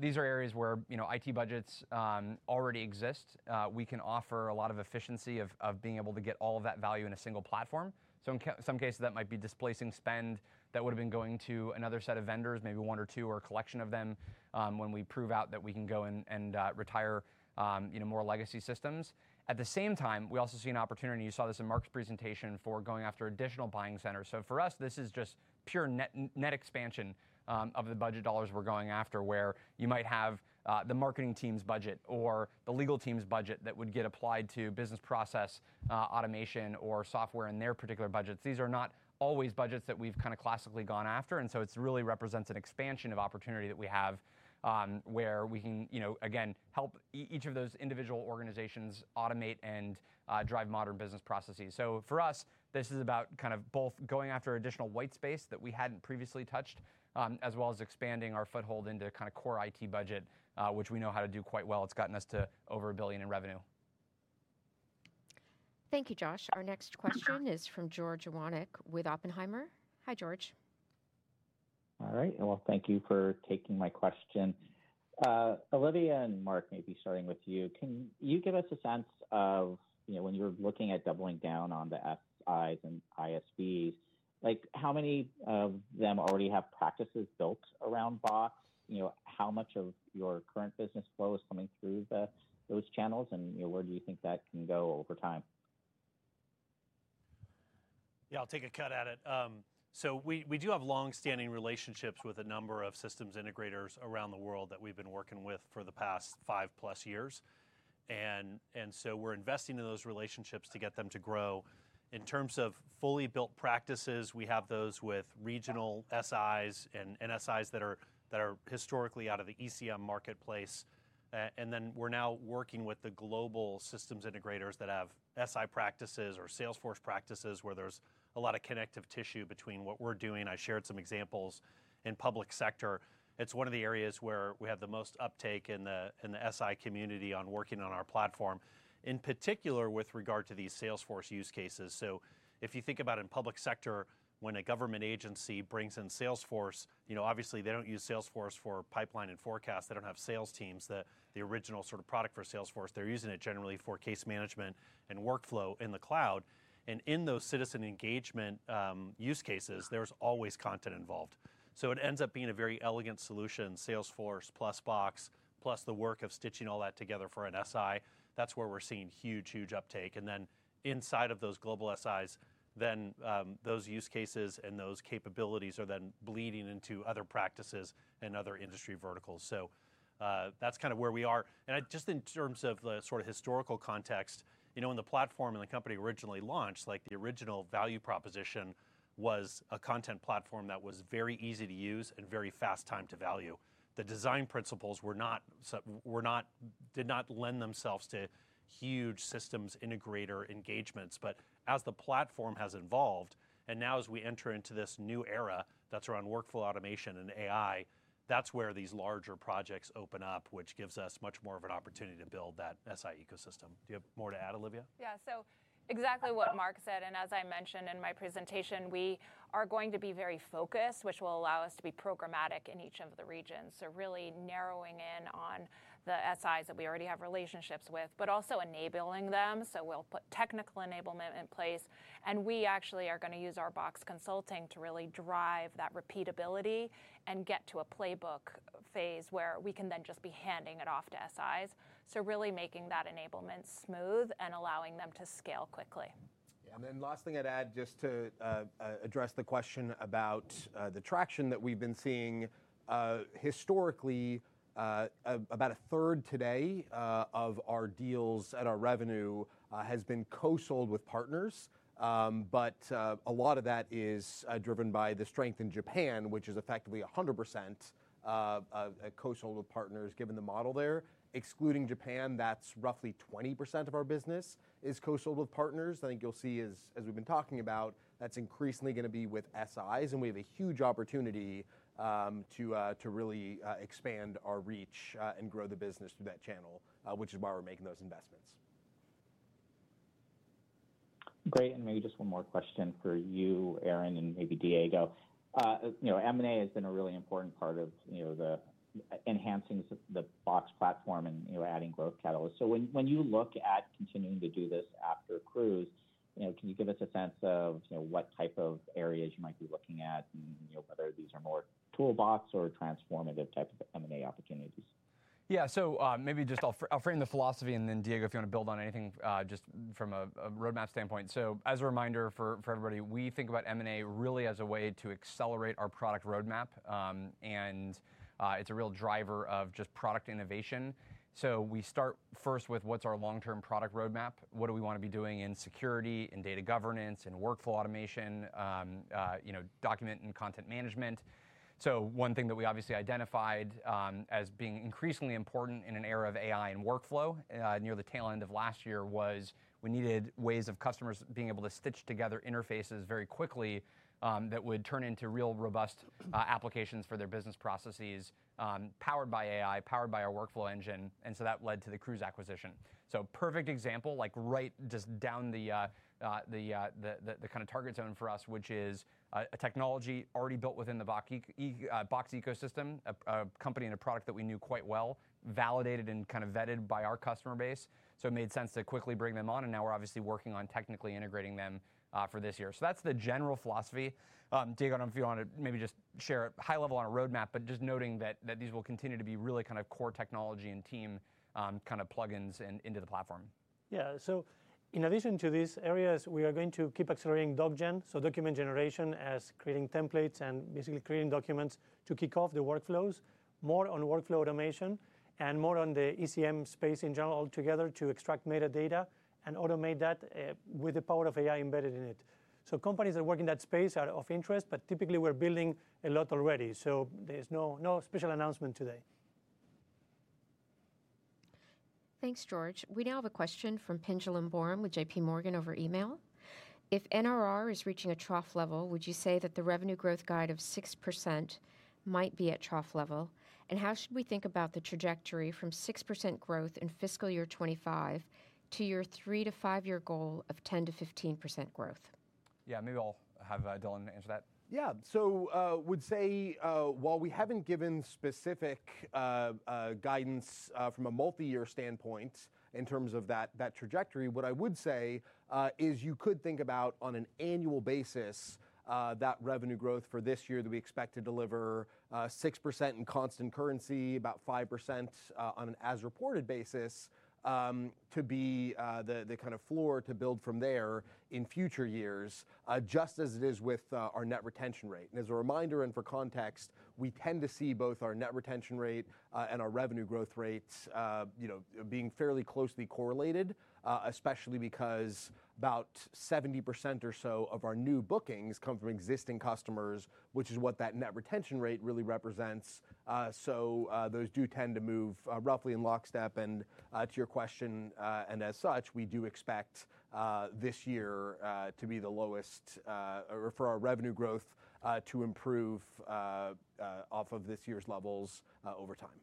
These are areas where, you know, IT budgets already exist. We can offer a lot of efficiency of being able to get all of that value in a single platform. So in some cases, that might be displacing spend that would've been going to another set of vendors, maybe one or two, or a collection of them, when we prove out that we can go and retire, you know, more legacy systems. At the same time, we also see an opportunity, you saw this in Mark's presentation, for going after additional buying centers. So for us, this is just pure net, net expansion of the budget dollars we're going after, where you might have the marketing team's budget or the legal team's budget that would get applied to business process automation or software in their particular budgets. These are not always budgets that we've kind of classically gone after, and so it's really represents an expansion of opportunity that we have, where we can, you know, again, help each of those individual organizations automate and drive modern business processes. So for us, this is about kind of both going after additional white space that we hadn't previously touched, as well as expanding our foothold into kind of core IT budget, which we know how to do quite well. It's gotten us to over $1 billion in revenue. Thank you, Josh. Our next question is from George Iwanyk with Oppenheimer. Hi, George. All right. Well, thank you for taking my question. Olivia and Mark, maybe starting with you, can you give us a sense of, you know, when you're looking at doubling down on the SIs and ISVs, like, how many of them already have practices built around Box? You know, how much of your current business flow is coming through those channels, and, you know, where do you think that can go over time? Yeah, I'll take a cut at it. So we do have long-standing relationships with a number of systems integrators around the world that we've been working with for the past five plus years. And so we're investing in those relationships to get them to grow. In terms of fully built practices, we have those with regional SIs and NSIs that are historically out of the ECM marketplace. And then we're now working with the global systems integrators that have SI practices or Salesforce practices, where there's a lot of connective tissue between what we're doing. I shared some examples in public sector. It's one of the areas where we have the most uptake in the SI community on working on our platform, in particular, with regard to these Salesforce use cases. So if you think about in public sector, when a government agency brings in Salesforce, you know, obviously, they don't use Salesforce for pipeline and forecast. They don't have sales teams, the original sort of product for Salesforce. They're using it generally for case management and workflow in the cloud. And in those citizen engagement use cases, there's always content involved. So it ends up being a very elegant solution, Salesforce plus Box, plus the work of stitching all that together for an SI. That's where we're seeing huge, huge uptake, and then inside of those global SIs, those use cases and those capabilities are then bleeding into other practices and other industry verticals. So, that's kind of where we are. And just in terms of the sort of historical context, you know, when the platform and the company originally launched, like, the original value proposition was a content platform that was very easy to use and very fast time to value. The design principles were not, did not lend themselves to huge systems integrator engagements. But as the platform has evolved, and now as we enter into this new era that's around workflow automation and AI, that's where these larger projects open up, which gives us much more of an opportunity to build that SI ecosystem. Do you have more to add, Olivia? Yeah, so exactly what Mark said, and as I mentioned in my presentation, we are going to be very focused, which will allow us to be programmatic in each of the regions. So really narrowing in on the SIs that we already have relationships with, but also enabling them. So we'll put technical enablement in place, and we actually are gonna use our Box Consulting to really drive that repeatability and get to a playbook phase where we can then just be handing it off to SIs. So really making that enablement smooth and allowing them to scale quickly. Yeah. Last thing I'd add, just to address the question about the traction that we've been seeing. Historically, about 1/3 today of our deals and our revenue has been co-sold with partners. But a lot of that is driven by the strength in Japan, which is effectively 100% co-sold with partners, given the model there. Excluding Japan, that's roughly 20% of our business is co-sold with partners. I think you'll see as we've been talking about, that's increasingly gonna be with SIs, and we have a huge opportunity to really expand our reach and grow the business through that channel, which is why we're making those investments. Great, and maybe just one more question for you, Aaron, and maybe Diego. You know, M&A has been a really important part of, you know, the enhancing the Box platform and, you know, adding growth catalysts. So when you look at continuing to do this after Crooze, you know, can you give us a sense of, you know, what type of areas you might be looking at? And, you know, whether these are more toolbox or transformative type of M&A opportunities?... Yeah, so, maybe just I'll frame, I'll frame the philosophy, and then Diego, if you wanna build on anything, just from a roadmap standpoint. So as a reminder for everybody, we think about M&A really as a way to accelerate our product roadmap. And it's a real driver of just product innovation. So we start first with what's our long-term product roadmap? What do we wanna be doing in security, in data governance, in workflow automation, you know, document and content management? So one thing that we obviously identified as being increasingly important in an era of AI and workflow near the tail end of last year was we needed ways of customers being able to stitch together interfaces very quickly that would turn into real robust applications for their business processes powered by AI, powered by our workflow engine, and so that led to the Crooze acquisition. So perfect example, like right just down the kind of target zone for us, which is a technology already built within the Box ecosystem, a company and a product that we knew quite well, validated and kind of vetted by our customer base. So it made sense to quickly bring them on, and now we're obviously working on technically integrating them for this year. So that's the general philosophy. Diego, if you wanna maybe just share high-level on our roadmap, but just noting that these will continue to be really kind of core technology and team, kind of plugins into the platform. Yeah. So in addition to these areas, we are going to keep accelerating DocGen, so document generation, as creating templates and basically creating documents to kick off the workflows, more on workflow automation and more on the ECM space in general altogether, to extract metadata and automate that, with the power of AI embedded in it. So companies that work in that space are of interest, but typically we're building a lot already, so there's no, no special announcement today. Thanks, George. We now have a question from Pinjalim Bora with JPMorgan over email. If NRR is reaching a trough level, would you say that the revenue growth guide of 6% might be at trough level? And how should we think about the trajectory from 6% growth in fiscal year 2025 to your three- to five-year goal of 10%-15% growth? Yeah, maybe I'll have Dylan answer that. Yeah. So, would say, while we haven't given specific guidance from a multi-year standpoint in terms of that, that trajectory, what I would say is you could think about on an annual basis that revenue growth for this year that we expect to deliver 6% in constant currency, about 5% on an as-reported basis, to be the kind of floor to build from there in future years, just as it is with our net retention rate. And as a reminder and for context, we tend to see both our net retention rate and our revenue growth rates, you know, being fairly closely correlated, especially because about 70% or so of our new bookings come from existing customers, which is what that net retention rate really represents. So, those do tend to move roughly in lockstep. And, to your question, and as such, we do expect this year to be the lowest, or for our revenue growth to improve off of this year's levels over time.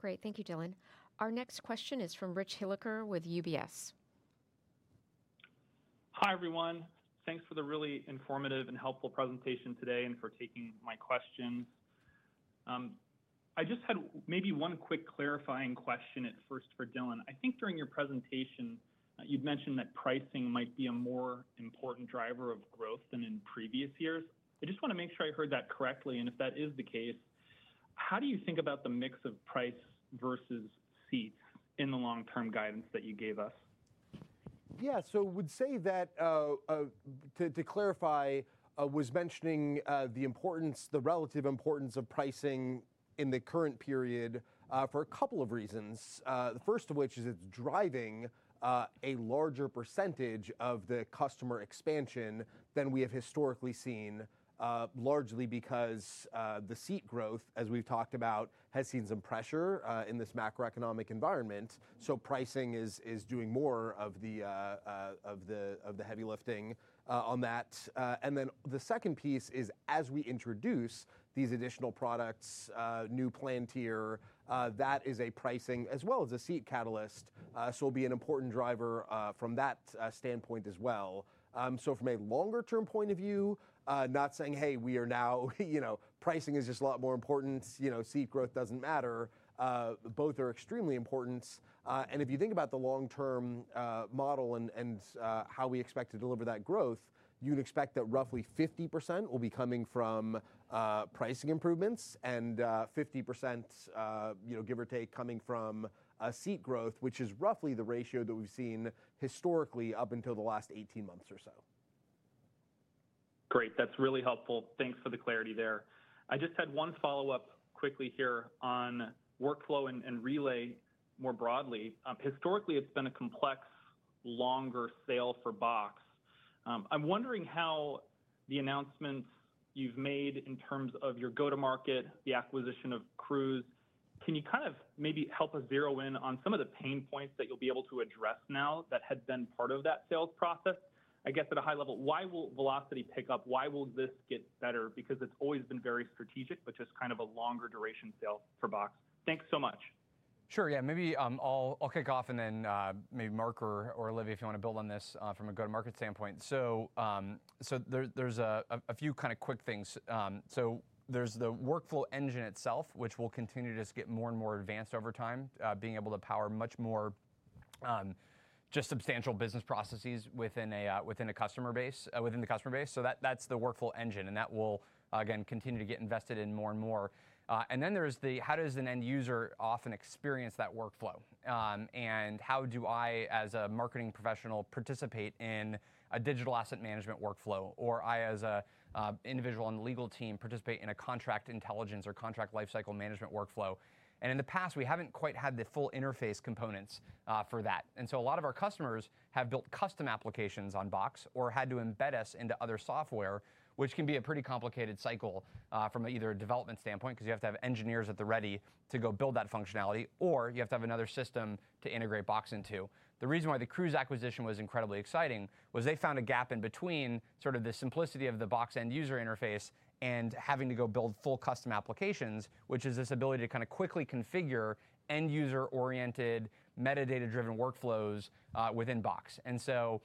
Great. Thank you, Dylan. Our next question is from Richard Hilliker with UBS. Hi, everyone. Thanks for the really informative and helpful presentation today, and for taking my question. I just had maybe one quick clarifying question at first for Dylan. I think during your presentation, you'd mentioned that pricing might be a more important driver of growth than in previous years. I just wanna make sure I heard that correctly, and if that is the case, how do you think about the mix of price versus seats in the long-term guidance that you gave us? Yeah, so would say that, to clarify, I was mentioning the importance, the relative importance of pricing in the current period for a couple of reasons. The first of which is it's driving a larger percentage of the customer expansion than we have historically seen, largely because the seat growth, as we've talked about, has seen some pressure in this macroeconomic environment. So pricing is doing more of the heavy lifting on that. And then the second piece is, as we introduce these additional products, new plan tier, that is a pricing as well as a seat catalyst, so will be an important driver from that standpoint as well. So from a longer term point of view, not saying, "Hey, we are now, you know, pricing is just a lot more important, you know, seat growth doesn't matter." Both are extremely important. And if you think about the long-term model and how we expect to deliver that growth, you'd expect that roughly 50% will be coming from pricing improvements and 50%, you know, give or take, coming from seat growth, which is roughly the ratio that we've seen historically up until the last 18 months or so. Great, that's really helpful. Thanks for the clarity there. I just had one follow-up quickly here on workflow and Relay more broadly. Historically, it's been a complex, longer sale for Box. I'm wondering how the announcements you've made in terms of your go-to-market, the acquisition of Crooze, can you kind of maybe help us zero in on some of the pain points that you'll be able to address now that had been part of that sales process? I guess at a high level, why will velocity pick up? Why will this get better? Because it's always been very strategic, but just kind of a longer duration sale for Box. Thanks so much. Sure, yeah. Maybe I'll, I'll kick off and then maybe Mark or Olivia, if you wanna build on this, from a go-to-market standpoint. So, so there, there's a few kinda quick things. So there's the workflow engine itself, which will continue to just get more and more advanced over time, being able to power much more just substantial business processes within a within a customer base, within the customer base. So that, that's the workflow engine, and that will, again, continue to get invested in more and more. And then there's the how does an end user often experience that workflow? And how do I, as a marketing professional, participate in a digital asset management workflow, or I, as a individual on the legal team, participate in a contract intelligence or contract lifecycle management workflow? In the past, we haven't quite had the full interface components for that. So a lot of our customers have built custom applications on Box or had to embed us into other software, which can be a pretty complicated cycle from either a development standpoint, 'cause you have to have engineers at the ready to go build that functionality, or you have to have another system to integrate Box into. The reason why the Crooze acquisition was incredibly exciting was they found a gap in between sort of the simplicity of the Box end-user interface and having to go build full custom applications, which is this ability to kinda quickly configure end-user-oriented, metadata-driven workflows within Box. And so,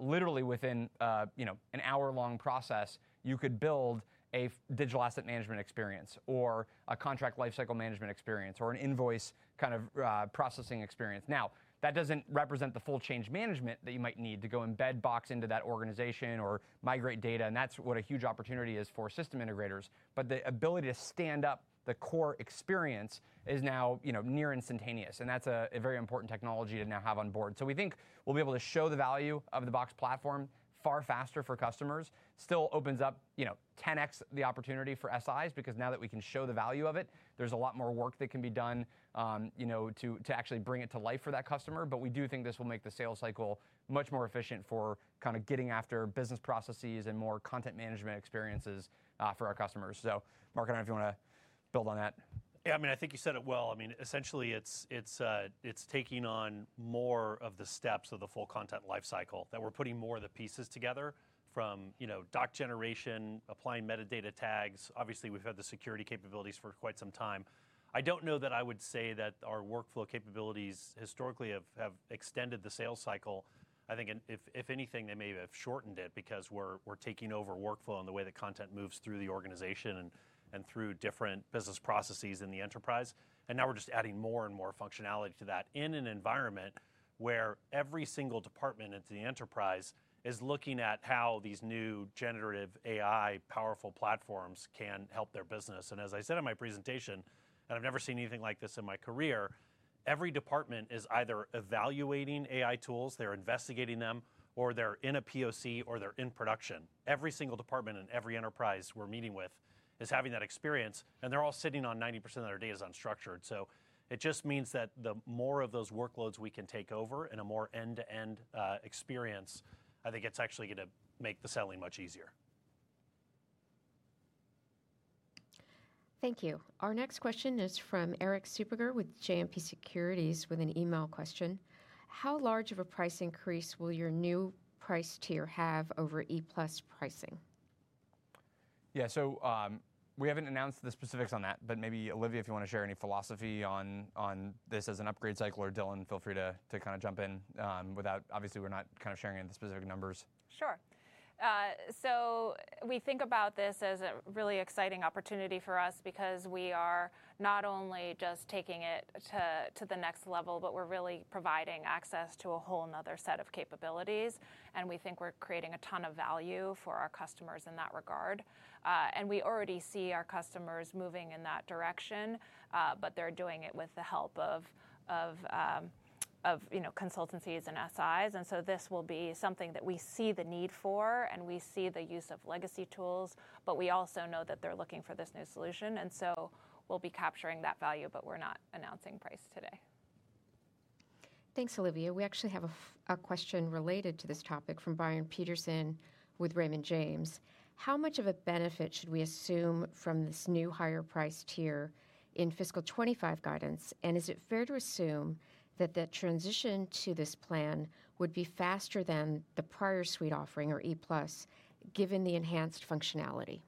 literally within, you know, an hour-long process, you could build a digital asset management experience or a contract lifecycle management experience or an invoice kind of processing experience. Now, that doesn't represent the full change management that you might need to go embed Box into that organization or migrate data, and that's what a huge opportunity is for system integrators. But the ability to stand up the core experience is now, you know, near instantaneous, and that's a very important technology to now have on board. So we think we'll be able to show the value of the Box platform far faster for customers. Still opens up, you know, 10x the opportunity for SIs, because now that we can show the value of it, there's a lot more work that can be done, you know, to actually bring it to life for that customer. But we do think this will make the sales cycle much more efficient for kinda getting after business processes and more content management experiences, for our customers. So, Mark, I don't know if you wanna build on that? Yeah, I mean, I think you said it well. I mean, essentially, it's taking on more of the steps of the full content life cycle, that we're putting more of the pieces together from, you know, doc generation, applying metadata tags. Obviously, we've had the security capabilities for quite some time. I don't know that I would say that our workflow capabilities historically have extended the sales cycle. I think if anything, they may have shortened it because we're taking over workflow and the way that content moves through the organization and through different business processes in the enterprise. And now we're just adding more and more functionality to that in an environment where every single department at the enterprise is looking at how these new generative AI powerful platforms can help their business. And as I said in my presentation, and I've never seen anything like this in my career, every department is either evaluating AI tools, they're investigating them, or they're in a POC, or they're in production. Every single department in every enterprise we're meeting with is having that experience, and they're all sitting on 90% of their data is unstructured. So it just means that the more of those workloads we can take over in a more end-to-end experience, I think it's actually gonna make the selling much easier. Thank you. Our next question is from Erik Suppiger with JMP Securities, with an email question: How large of a price increase will your new price tier have over E Plus pricing? Yeah, so, we haven't announced the specifics on that, but maybe, Olivia, if you wanna share any philosophy on, on this as an upgrade cycle, or Dylan, feel free to, to kinda jump in, without... Obviously, we're not kinda sharing the specific numbers. Sure. So we think about this as a really exciting opportunity for us because we are not only just taking it to, to the next level, but we're really providing access to a whole another set of capabilities, and we think we're creating a ton of value for our customers in that regard. And we already see our customers moving in that direction, but they're doing it with the help of you know consultancies and SIs. And so this will be something that we see the need for, and we see the use of legacy tools, but we also know that they're looking for this new solution, and so we'll be capturing that value, but we're not announcing price today. Thanks, Olivia. We actually have a question related to this topic from Brian Peterson with Raymond James. How much of a benefit should we assume from this new higher-priced tier in fiscal 2025 guidance? And is it fair to assume that the transition to this plan would be faster than the prior suite offering, or E Plus, given the enhanced functionality?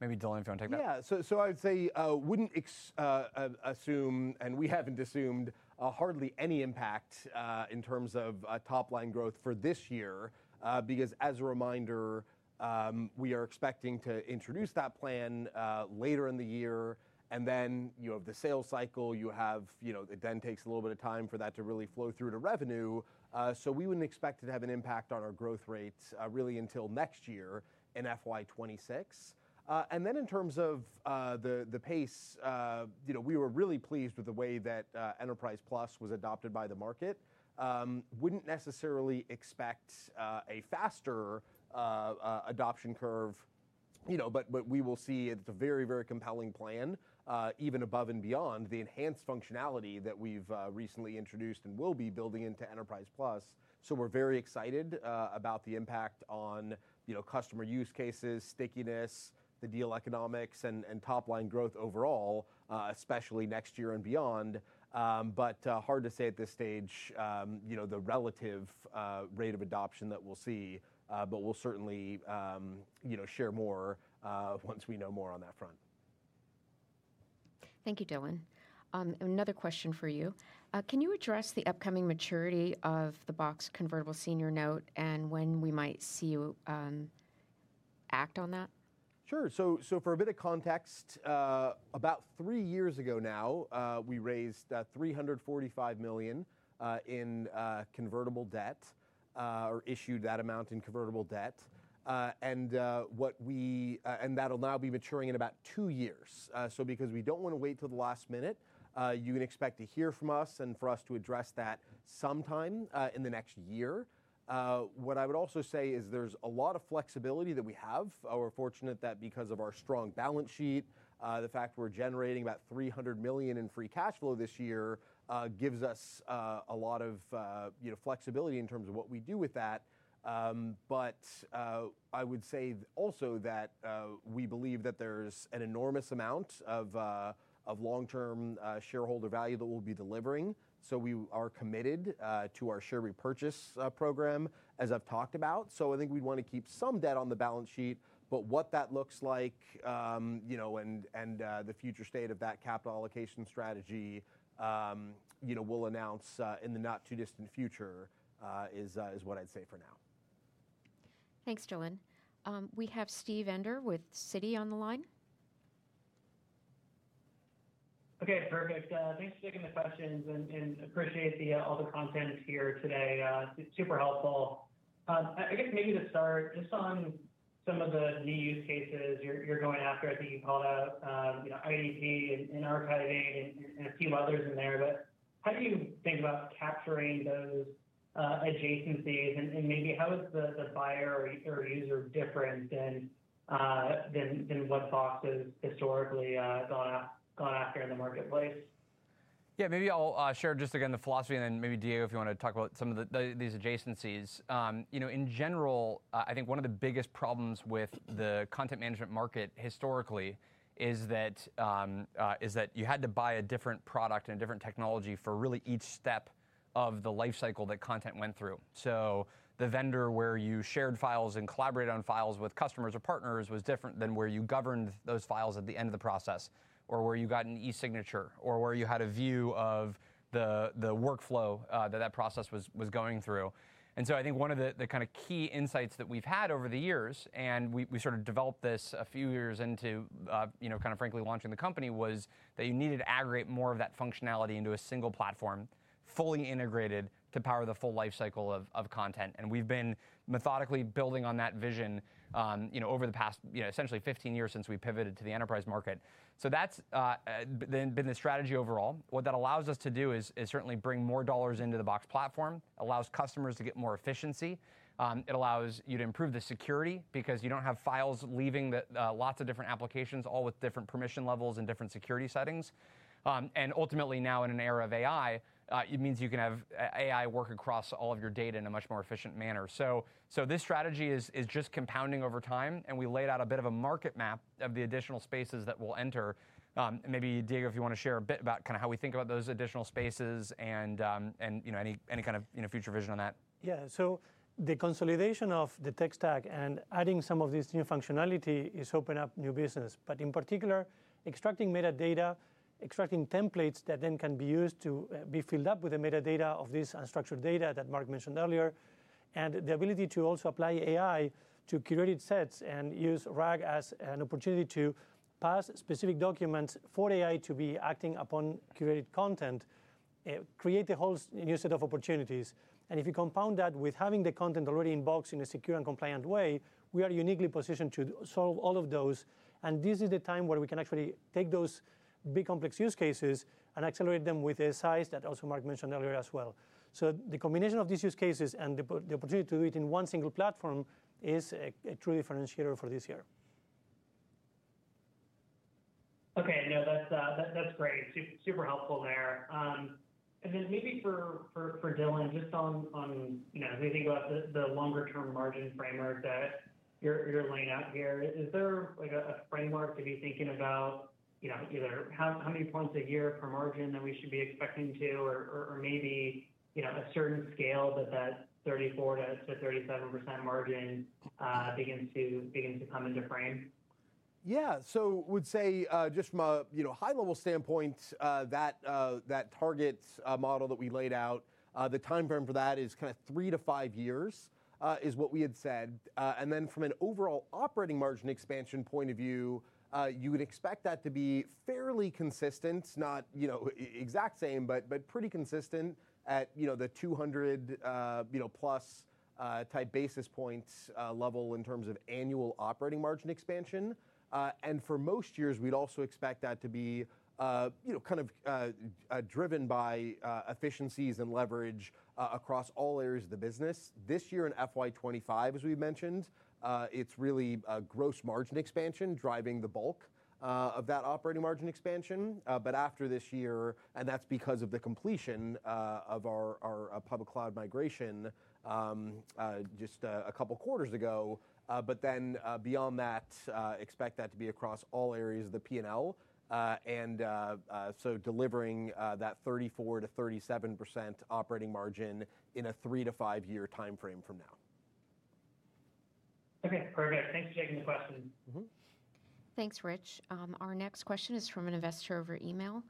Maybe, Dylan, if you wanna take that? Yeah. So I'd say wouldn't assume, and we haven't assumed hardly any impact in terms of top-line growth for this year. Because, as a reminder, we are expecting to introduce that plan later in the year, and then you have the sales cycle, you know, it then takes a little bit of time for that to really flow through to revenue. So we wouldn't expect it to have an impact on our growth rates really until next year in FY 2026. And then in terms of the pace, you know, we were really pleased with the way that Enterprise Plus was adopted by the market. Wouldn't necessarily expect a faster adoption curve, you know, but we will see it's a very, very compelling plan, even above and beyond the enhanced functionality that we've recently introduced and will be building into Enterprise Plus. So we're very excited about the impact on, you know, customer use cases, stickiness, the deal economics, and top-line growth overall, especially next year and beyond. But hard to say at this stage, you know, the relative rate of adoption that we'll see. But we'll certainly, you know, share more once we know more on that front. Thank you, Dylan. Another question for you. Can you address the upcoming maturity of the Box convertible senior note and when we might see you?... act on that? Sure. So for a bit of context, about three years ago now, we raised $345 million in convertible debt, or issued that amount in convertible debt. And that'll now be maturing in about two years. So because we don't want to wait till the last minute, you would expect to hear from us and for us to address that sometime in the next year. What I would also say is there's a lot of flexibility that we have. We're fortunate that because of our strong balance sheet, the fact we're generating about $300 million in free cash flow this year gives us a lot of, you know, flexibility in terms of what we do with that. But I would say also that we believe that there's an enormous amount of long-term shareholder value that we'll be delivering, so we are committed to our share repurchase program, as I've talked about. So I think we'd want to keep some debt on the balance sheet, but what that looks like, you know, and the future state of that capital allocation strategy, you know, we'll announce in the not-too-distant future, is what I'd say for now. Thanks, Dylan. We have Steven Enders with Citi on the line. Okay, perfect. Thanks for taking the questions and appreciate the all the content here today. Super helpful. I guess maybe to start, just on some of the new use cases you're going after, I think you called out, you know, IDP and archiving and a few others in there, but how do you think about capturing those adjacencies? And maybe how is the buyer or user different than what Box has historically gone after in the marketplace? Yeah, maybe I'll share just again, the philosophy and then maybe Diego, if you want to talk about some of the, the, these adjacencies. You know, in general, I think one of the biggest problems with the content management market historically is that you had to buy a different product and a different technology for really each step of the life cycle that content went through. So the vendor where you shared files and collaborated on files with customers or partners was different than where you governed those files at the end of the process, or where you got an e-signature, or where you had a view of the workflow that that process was going through. So I think one of the kind of key insights that we've had over the years, and we sort of developed this a few years into, you know, kind of frankly, launching the company, was that you needed to aggregate more of that functionality into a single platform, fully integrated to power the full life cycle of content. We've been methodically building on that vision, you know, over the past, you know, essentially 15 years since we pivoted to the enterprise market. So that's been the strategy overall. What that allows us to do is certainly bring more dollars into the Box platform, allows customers to get more efficiency. It allows you to improve the security because you don't have files leaving the lots of different applications, all with different permission levels and different security settings. And ultimately now in an era of AI, it means you can have AI work across all of your data in a much more efficient manner. So this strategy is just compounding over time, and we laid out a bit of a market map of the additional spaces that we'll enter. Maybe Diego, if you want to share a bit about kinda how we think about those additional spaces and, you know, any kind of future vision on that. Yeah. So the consolidation of the tech stack and adding some of this new functionality is opening up new business, but in particular, extracting metadata, extracting templates that then can be used to be filled up with the metadata of this unstructured data that Mark mentioned earlier. And the ability to also apply AI to curated sets and use RAG as an opportunity to pass specific documents for AI to be acting upon curated content, create a whole new set of opportunities. And if you compound that with having the content already in Box in a secure and compliant way, we are uniquely positioned to solve all of those. And this is the time where we can actually take those big, complex use cases and accelerate them with a size that also Mark mentioned earlier as well. So the combination of these use cases and the opportunity to do it in one single platform is a true differentiator for this year. Okay. No, that's, that's great. Super, super helpful there. And then maybe for, for, for Dylan, just on, on, you know, when we think about the, the longer term margin framework that you're, you're laying out here, is there like a, a framework to be thinking about, you know, either how, how many points a year per margin that we should be expecting to or, or, or maybe, you know, a certain scale that that 34%-37% margin, begins to, begins to come into frame? Yeah. So I would say, just from a, you know, high-level standpoint, that, that target, model that we laid out, the time frame for that is kinda three-five years, is what we had said. And then from an overall operating margin expansion point of view, you would expect that to be fairly consistent, not, you know, exact same, but, but pretty consistent at, you know, the 200, you know, plus, type basis points, level in terms of annual operating margin expansion. And for most years, we'd also expect that to be, you know, kind of, driven by, efficiencies and leverage across all areas of the business. This year in FY 2025, as we've mentioned, it's really gross margin expansion driving the bulk of that operating margin expansion. But after this year... And that's because of the completion of our public cloud migration just a couple quarters ago. But then, beyond that, expect that to be across all areas of the P&L. And so delivering that 34%-37% operating margin in a three- to five-year timeframe from now. Okay, perfect. Thanks for taking the question. Mm-hmm.... Thanks, Rich. Our next question is from an investor over email.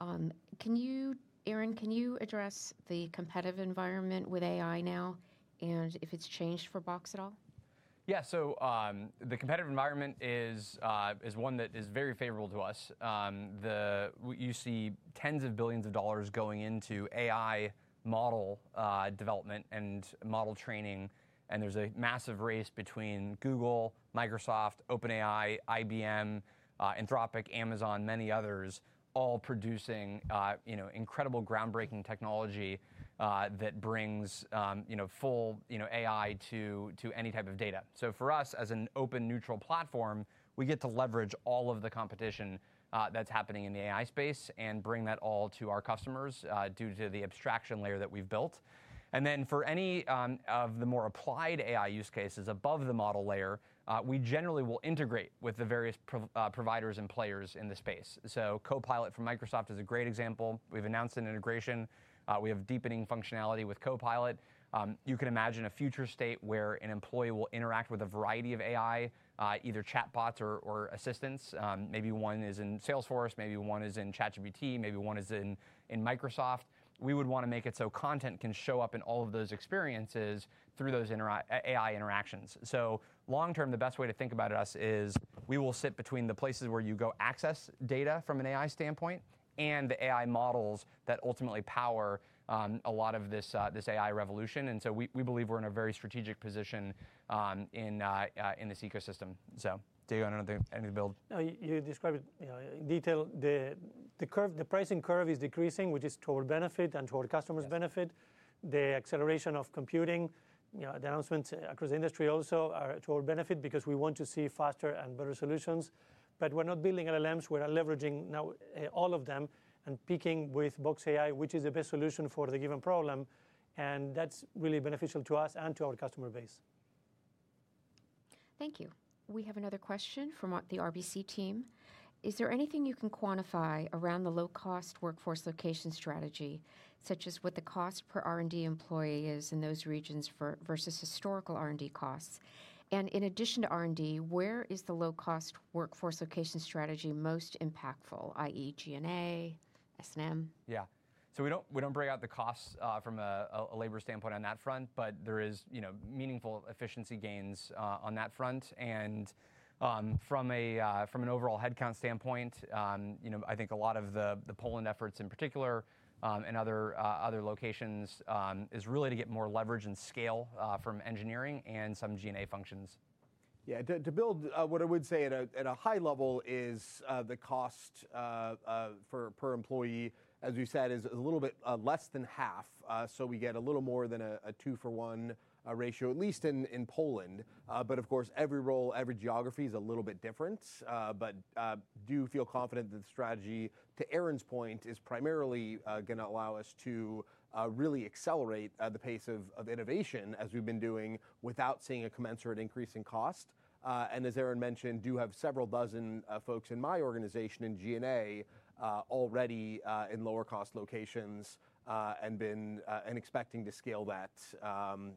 Can you, Aaron, can you address the competitive environment with AI now, and if it's changed for Box at all? Yeah. So, the competitive environment is one that is very favorable to us. You see tens of billions of dollars going into AI model development and model training, and there's a massive race between Google, Microsoft, OpenAI, IBM, Anthropic, Amazon, many others, all producing, you know, incredible groundbreaking technology that brings, you know, full, you know, AI to any type of data. So for us, as an open, neutral platform, we get to leverage all of the competition that's happening in the AI space and bring that all to our customers due to the abstraction layer that we've built. And then, for any of the more applied AI use cases above the model layer, we generally will integrate with the various providers and players in the space. So Copilot from Microsoft is a great example. We've announced an integration. We have deepening functionality with Copilot. You can imagine a future state where an employee will interact with a variety of AI, either chatbots or assistants. Maybe one is in Salesforce, maybe one is in ChatGPT, maybe one is in Microsoft. We would wanna make it so content can show up in all of those experiences through those AI interactions. So long-term, the best way to think about us is we will sit between the places where you go access data from an AI standpoint, and the AI models that ultimately power a lot of this, this AI revolution. So we believe we're in a very strategic position in this ecosystem. So Diego, I don't know, anything to build? No, you described it, you know, in detail. The curve, the pricing curve is decreasing, which is to our benefit and to our customers' benefit. Yes. The acceleration of computing, you know, the announcements across the industry also are to our benefit because we want to see faster and better solutions. But we're not building LLMs, we're leveraging now, all of them and picking with Box AI, which is the best solution for the given problem, and that's really beneficial to us and to our customer base. Thank you. We have another question from the RBC team. Is there anything you can quantify around the low-cost workforce location strategy, such as what the cost per R&D employee is in those regions versus historical R&D costs? And in addition to R&D, where is the low-cost workforce location strategy most impactful, i.e., G&A, S&M? Yeah. So we don't, we don't break out the costs from a labor standpoint on that front, but there is, you know, meaningful efficiency gains on that front. And from an overall headcount standpoint, you know, I think a lot of the Poland efforts in particular and other locations is really to get more leverage and scale from engineering and some G&A functions. Yeah, to build what I would say at a high level is the cost per employee, as we've said, is a little bit less than half. So we get a little more than a 2-for-1 ratio, at least in Poland. But of course, every role, every geography is a little bit different. But do feel confident that the strategy, to Aaron's point, is primarily gonna allow us to really accelerate the pace of innovation as we've been doing without seeing a commensurate increase in cost. And as Aaron mentioned, do have several dozen folks in my organization in G&A already in lower-cost locations, and been and expecting to scale that,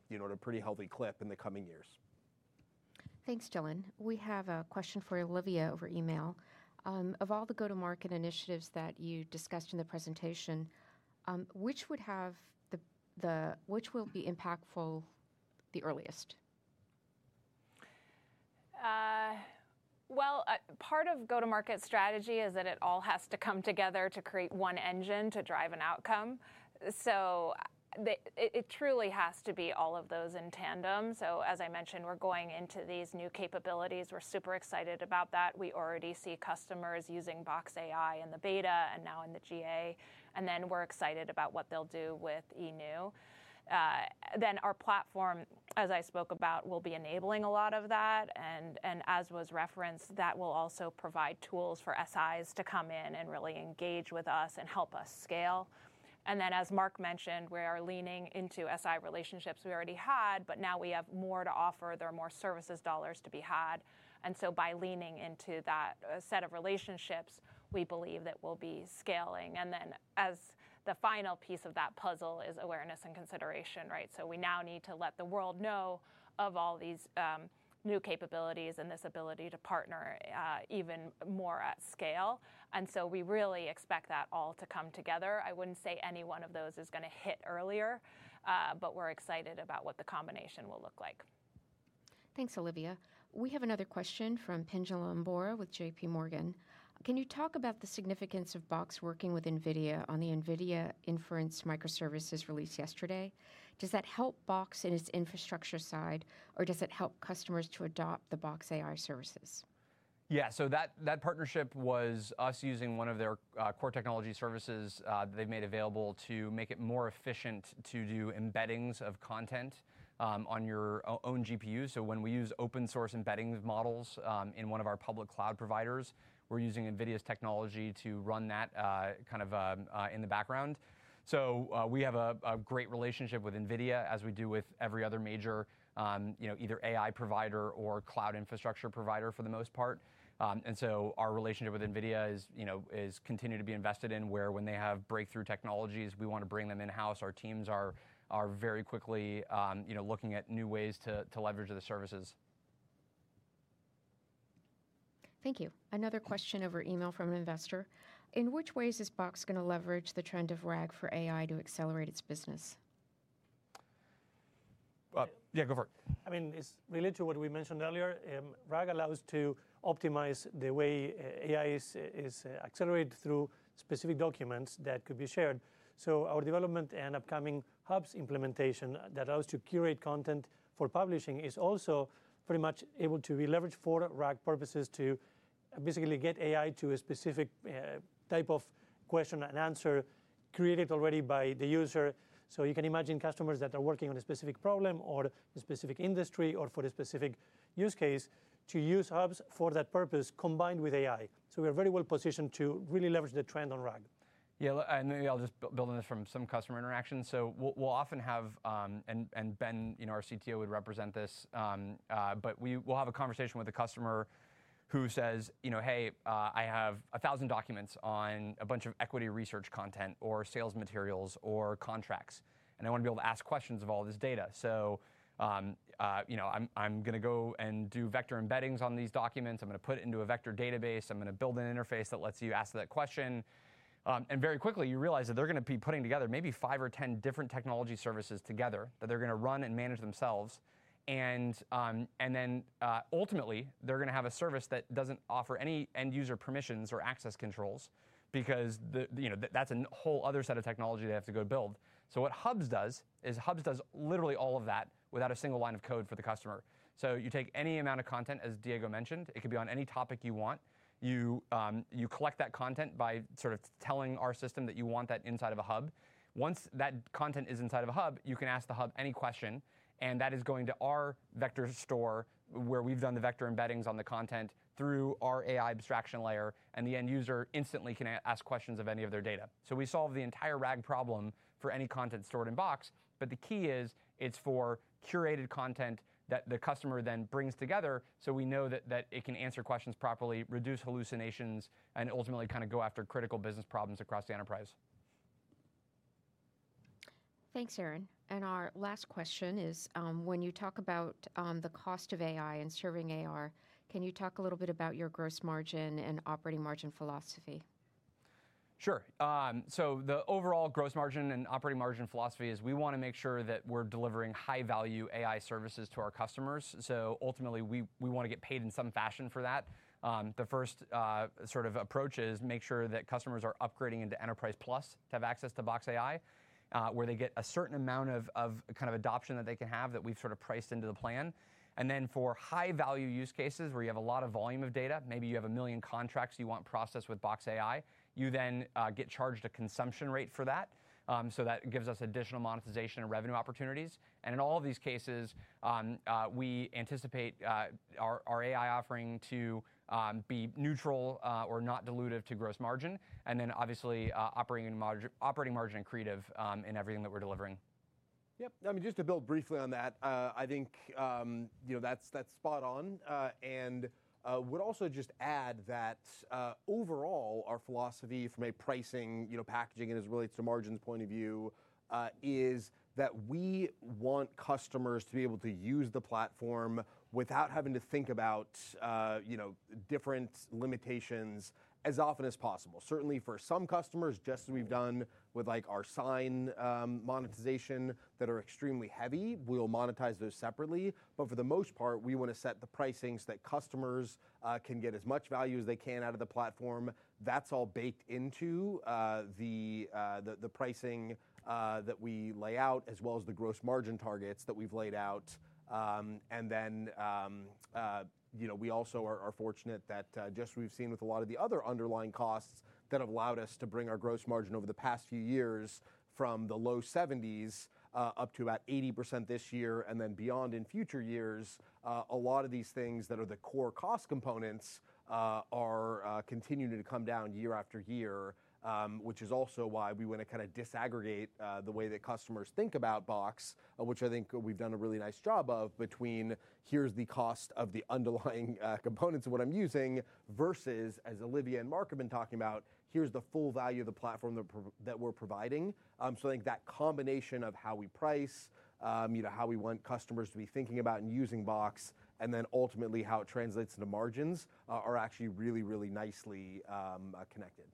you know, at a pretty healthy clip in the coming years. Thanks, Dylan. We have a question from Olivia over email. Of all the go-to-market initiatives that you discussed in the presentation, which will be impactful the earliest? Well, part of go-to-market strategy is that it all has to come together to create one engine to drive an outcome. So it truly has to be all of those in tandem. So as I mentioned, we're going into these new capabilities. We're super excited about that. We already see customers using Box AI in the beta and now in the GA, and then we're excited about what they'll do with in new. Then our platform, as I spoke about, will be enabling a lot of that, and as was referenced, that will also provide tools for SIs to come in and really engage with us and help us scale. And then, as Mark mentioned, we are leaning into SI relationships we already had, but now we have more to offer. There are more services dollars to be had, and so by leaning into that set of relationships, we believe that we'll be scaling. And then as the final piece of that puzzle is awareness and consideration, right? So we now need to let the world know of all these new capabilities and this ability to partner even more at scale. And so we really expect that all to come together. I wouldn't say any one of those is gonna hit earlier, but we're excited about what the combination will look like. Thanks, Olivia. We have another question from Pinjalim Bora with JPMorgan. Can you talk about the significance of Box working with NVIDIA on the NVIDIA Inference Microservices released yesterday? Does that help Box in its infrastructure side, or does it help customers to adopt the Box AI services? Yeah, so that partnership was us using one of their core technology services that they've made available to make it more efficient to do embeddings of content on your own GPU. So when we use open-source embedding models in one of our public cloud providers, we're using NVIDIA's technology to run that kind of in the background. So we have a great relationship with NVIDIA, as we do with every other major you know either AI provider or cloud infrastructure provider, for the most part. And so our relationship with NVIDIA is you know continued to be invested in, where when they have breakthrough technologies, we want to bring them in-house. Our teams are very quickly you know looking at new ways to leverage the services. ... Thank you. Another question over email from an investor: In which ways is Box going to leverage the trend of RAG for AI to accelerate its business? Yeah, go for it. I mean, it's related to what we mentioned earlier. RAG allows to optimize the way AI is accelerated through specific documents that could be shared. So our development and upcoming Hubs implementation that allows to curate content for publishing, is also pretty much able to be leveraged for RAG purposes to basically get AI to a specific type of question and answer created already by the user. So you can imagine customers that are working on a specific problem or a specific industry or for a specific use case, to use Hubs for that purpose, combined with AI. So we are very well positioned to really leverage the trend on RAG. Yeah, and maybe I'll just build on this from some customer interactions. So we'll, we'll often have. And Ben, you know, our CTO, would represent this. But we will have a conversation with a customer who says, you know, "Hey, I have 1,000 documents on a bunch of equity research content or sales materials or contracts, and I want to be able to ask questions of all this data. So, you know, I'm going to go and do vector embeddings on these documents. I'm going to put it into a vector database. I'm going to build an interface that lets you ask that question." And very quickly, you realize that they're going to be putting together maybe five or 10 different technology services together, that they're going to run and manage themselves. Ultimately, they're going to have a service that doesn't offer any end user permissions or access controls because the, you know, that's a whole other set of technology they have to go build. So what Hubs does is, Hubs does literally all of that without a single line of code for the customer. So you take any amount of content, as Diego mentioned, it could be on any topic you want. You, you collect that content by sort of telling our system that you want that inside of a hub. Once that content is inside of a hub, you can ask the hub any question, and that is going to our vector store, where we've done the vector embeddings on the content through our AI abstraction layer, and the end user instantly can ask questions of any of their data. So we solve the entire RAG problem for any content stored in Box, but the key is, it's for curated content that the customer then brings together, so we know that, that it can answer questions properly, reduce hallucinations, and ultimately kind of go after critical business problems across the enterprise. Thanks, Aaron. Our last question is, when you talk about the cost of AI and serving AI, can you talk a little bit about your gross margin and operating margin philosophy? Sure. So the overall gross margin and operating margin philosophy is we want to make sure that we're delivering high-value AI services to our customers. So ultimately, we want to get paid in some fashion for that. The first sort of approach is make sure that customers are upgrading into Enterprise Plus to have access to Box AI, where they get a certain amount of kind of adoption that they can have, that we've sort of priced into the plan. And then for high-value use cases where you have a lot of volume of data, maybe you have 1 million contracts you want processed with Box AI, you then get charged a consumption rate for that. So that gives us additional monetization and revenue opportunities. In all of these cases, we anticipate our AI offering to be neutral or not dilutive to gross margin, and then obviously operating margin accretive in everything that we're delivering. Yep. I mean, just to build briefly on that, I think, you know, that's, that's spot on. And would also just add that, overall, our philosophy from a pricing, you know, packaging and as related to margins point of view, is that we want customers to be able to use the platform without having to think about, you know, different limitations as often as possible. Certainly, for some customers, just as we've done with, like, our sign, monetization, that are extremely heavy, we'll monetize those separately. But for the most part, we want to set the pricing so that customers, can get as much value as they can out of the platform. That's all baked into the pricing that we lay out, as well as the gross margin targets that we've laid out. And then, you know, we also are fortunate that, just we've seen with a lot of the other underlying costs that have allowed us to bring our gross margin over the past few years from the low 70s, up to about 80% this year, and then beyond in future years. A lot of these things that are the core cost components are continuing to come down year after year. Which is also why we want to kind of disaggregate the way that customers think about Box, which I think we've done a really nice job of, between here's the cost of the underlying components of what I'm using, versus, as Olivia and Mark have been talking about, here's the full value of the platform that we're providing. So I think that combination of how we price, you know, how we want customers to be thinking about and using Box, and then ultimately how it translates into margins, are actually really, really nicely connected.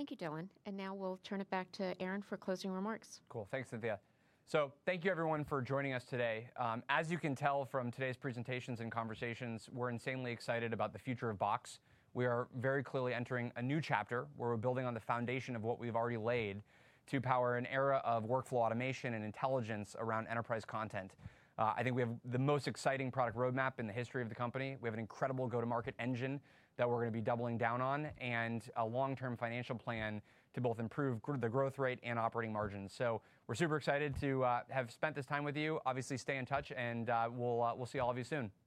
Thank you, Dylan. Now we'll turn it back to Aaron for closing remarks. Cool. Thanks, Cynthia. So thank you, everyone, for joining us today. As you can tell from today's presentations and conversations, we're insanely excited about the future of Box. We are very clearly entering a new chapter, where we're building on the foundation of what we've already laid to power an era of workflow automation and intelligence around enterprise content. I think we have the most exciting product roadmap in the history of the company. We have an incredible go-to-market engine that we're going to be doubling down on, and a long-term financial plan to both improve the growth rate and operating margins. So we're super excited to have spent this time with you. Obviously, stay in touch, and we'll see all of you soon. Thank you.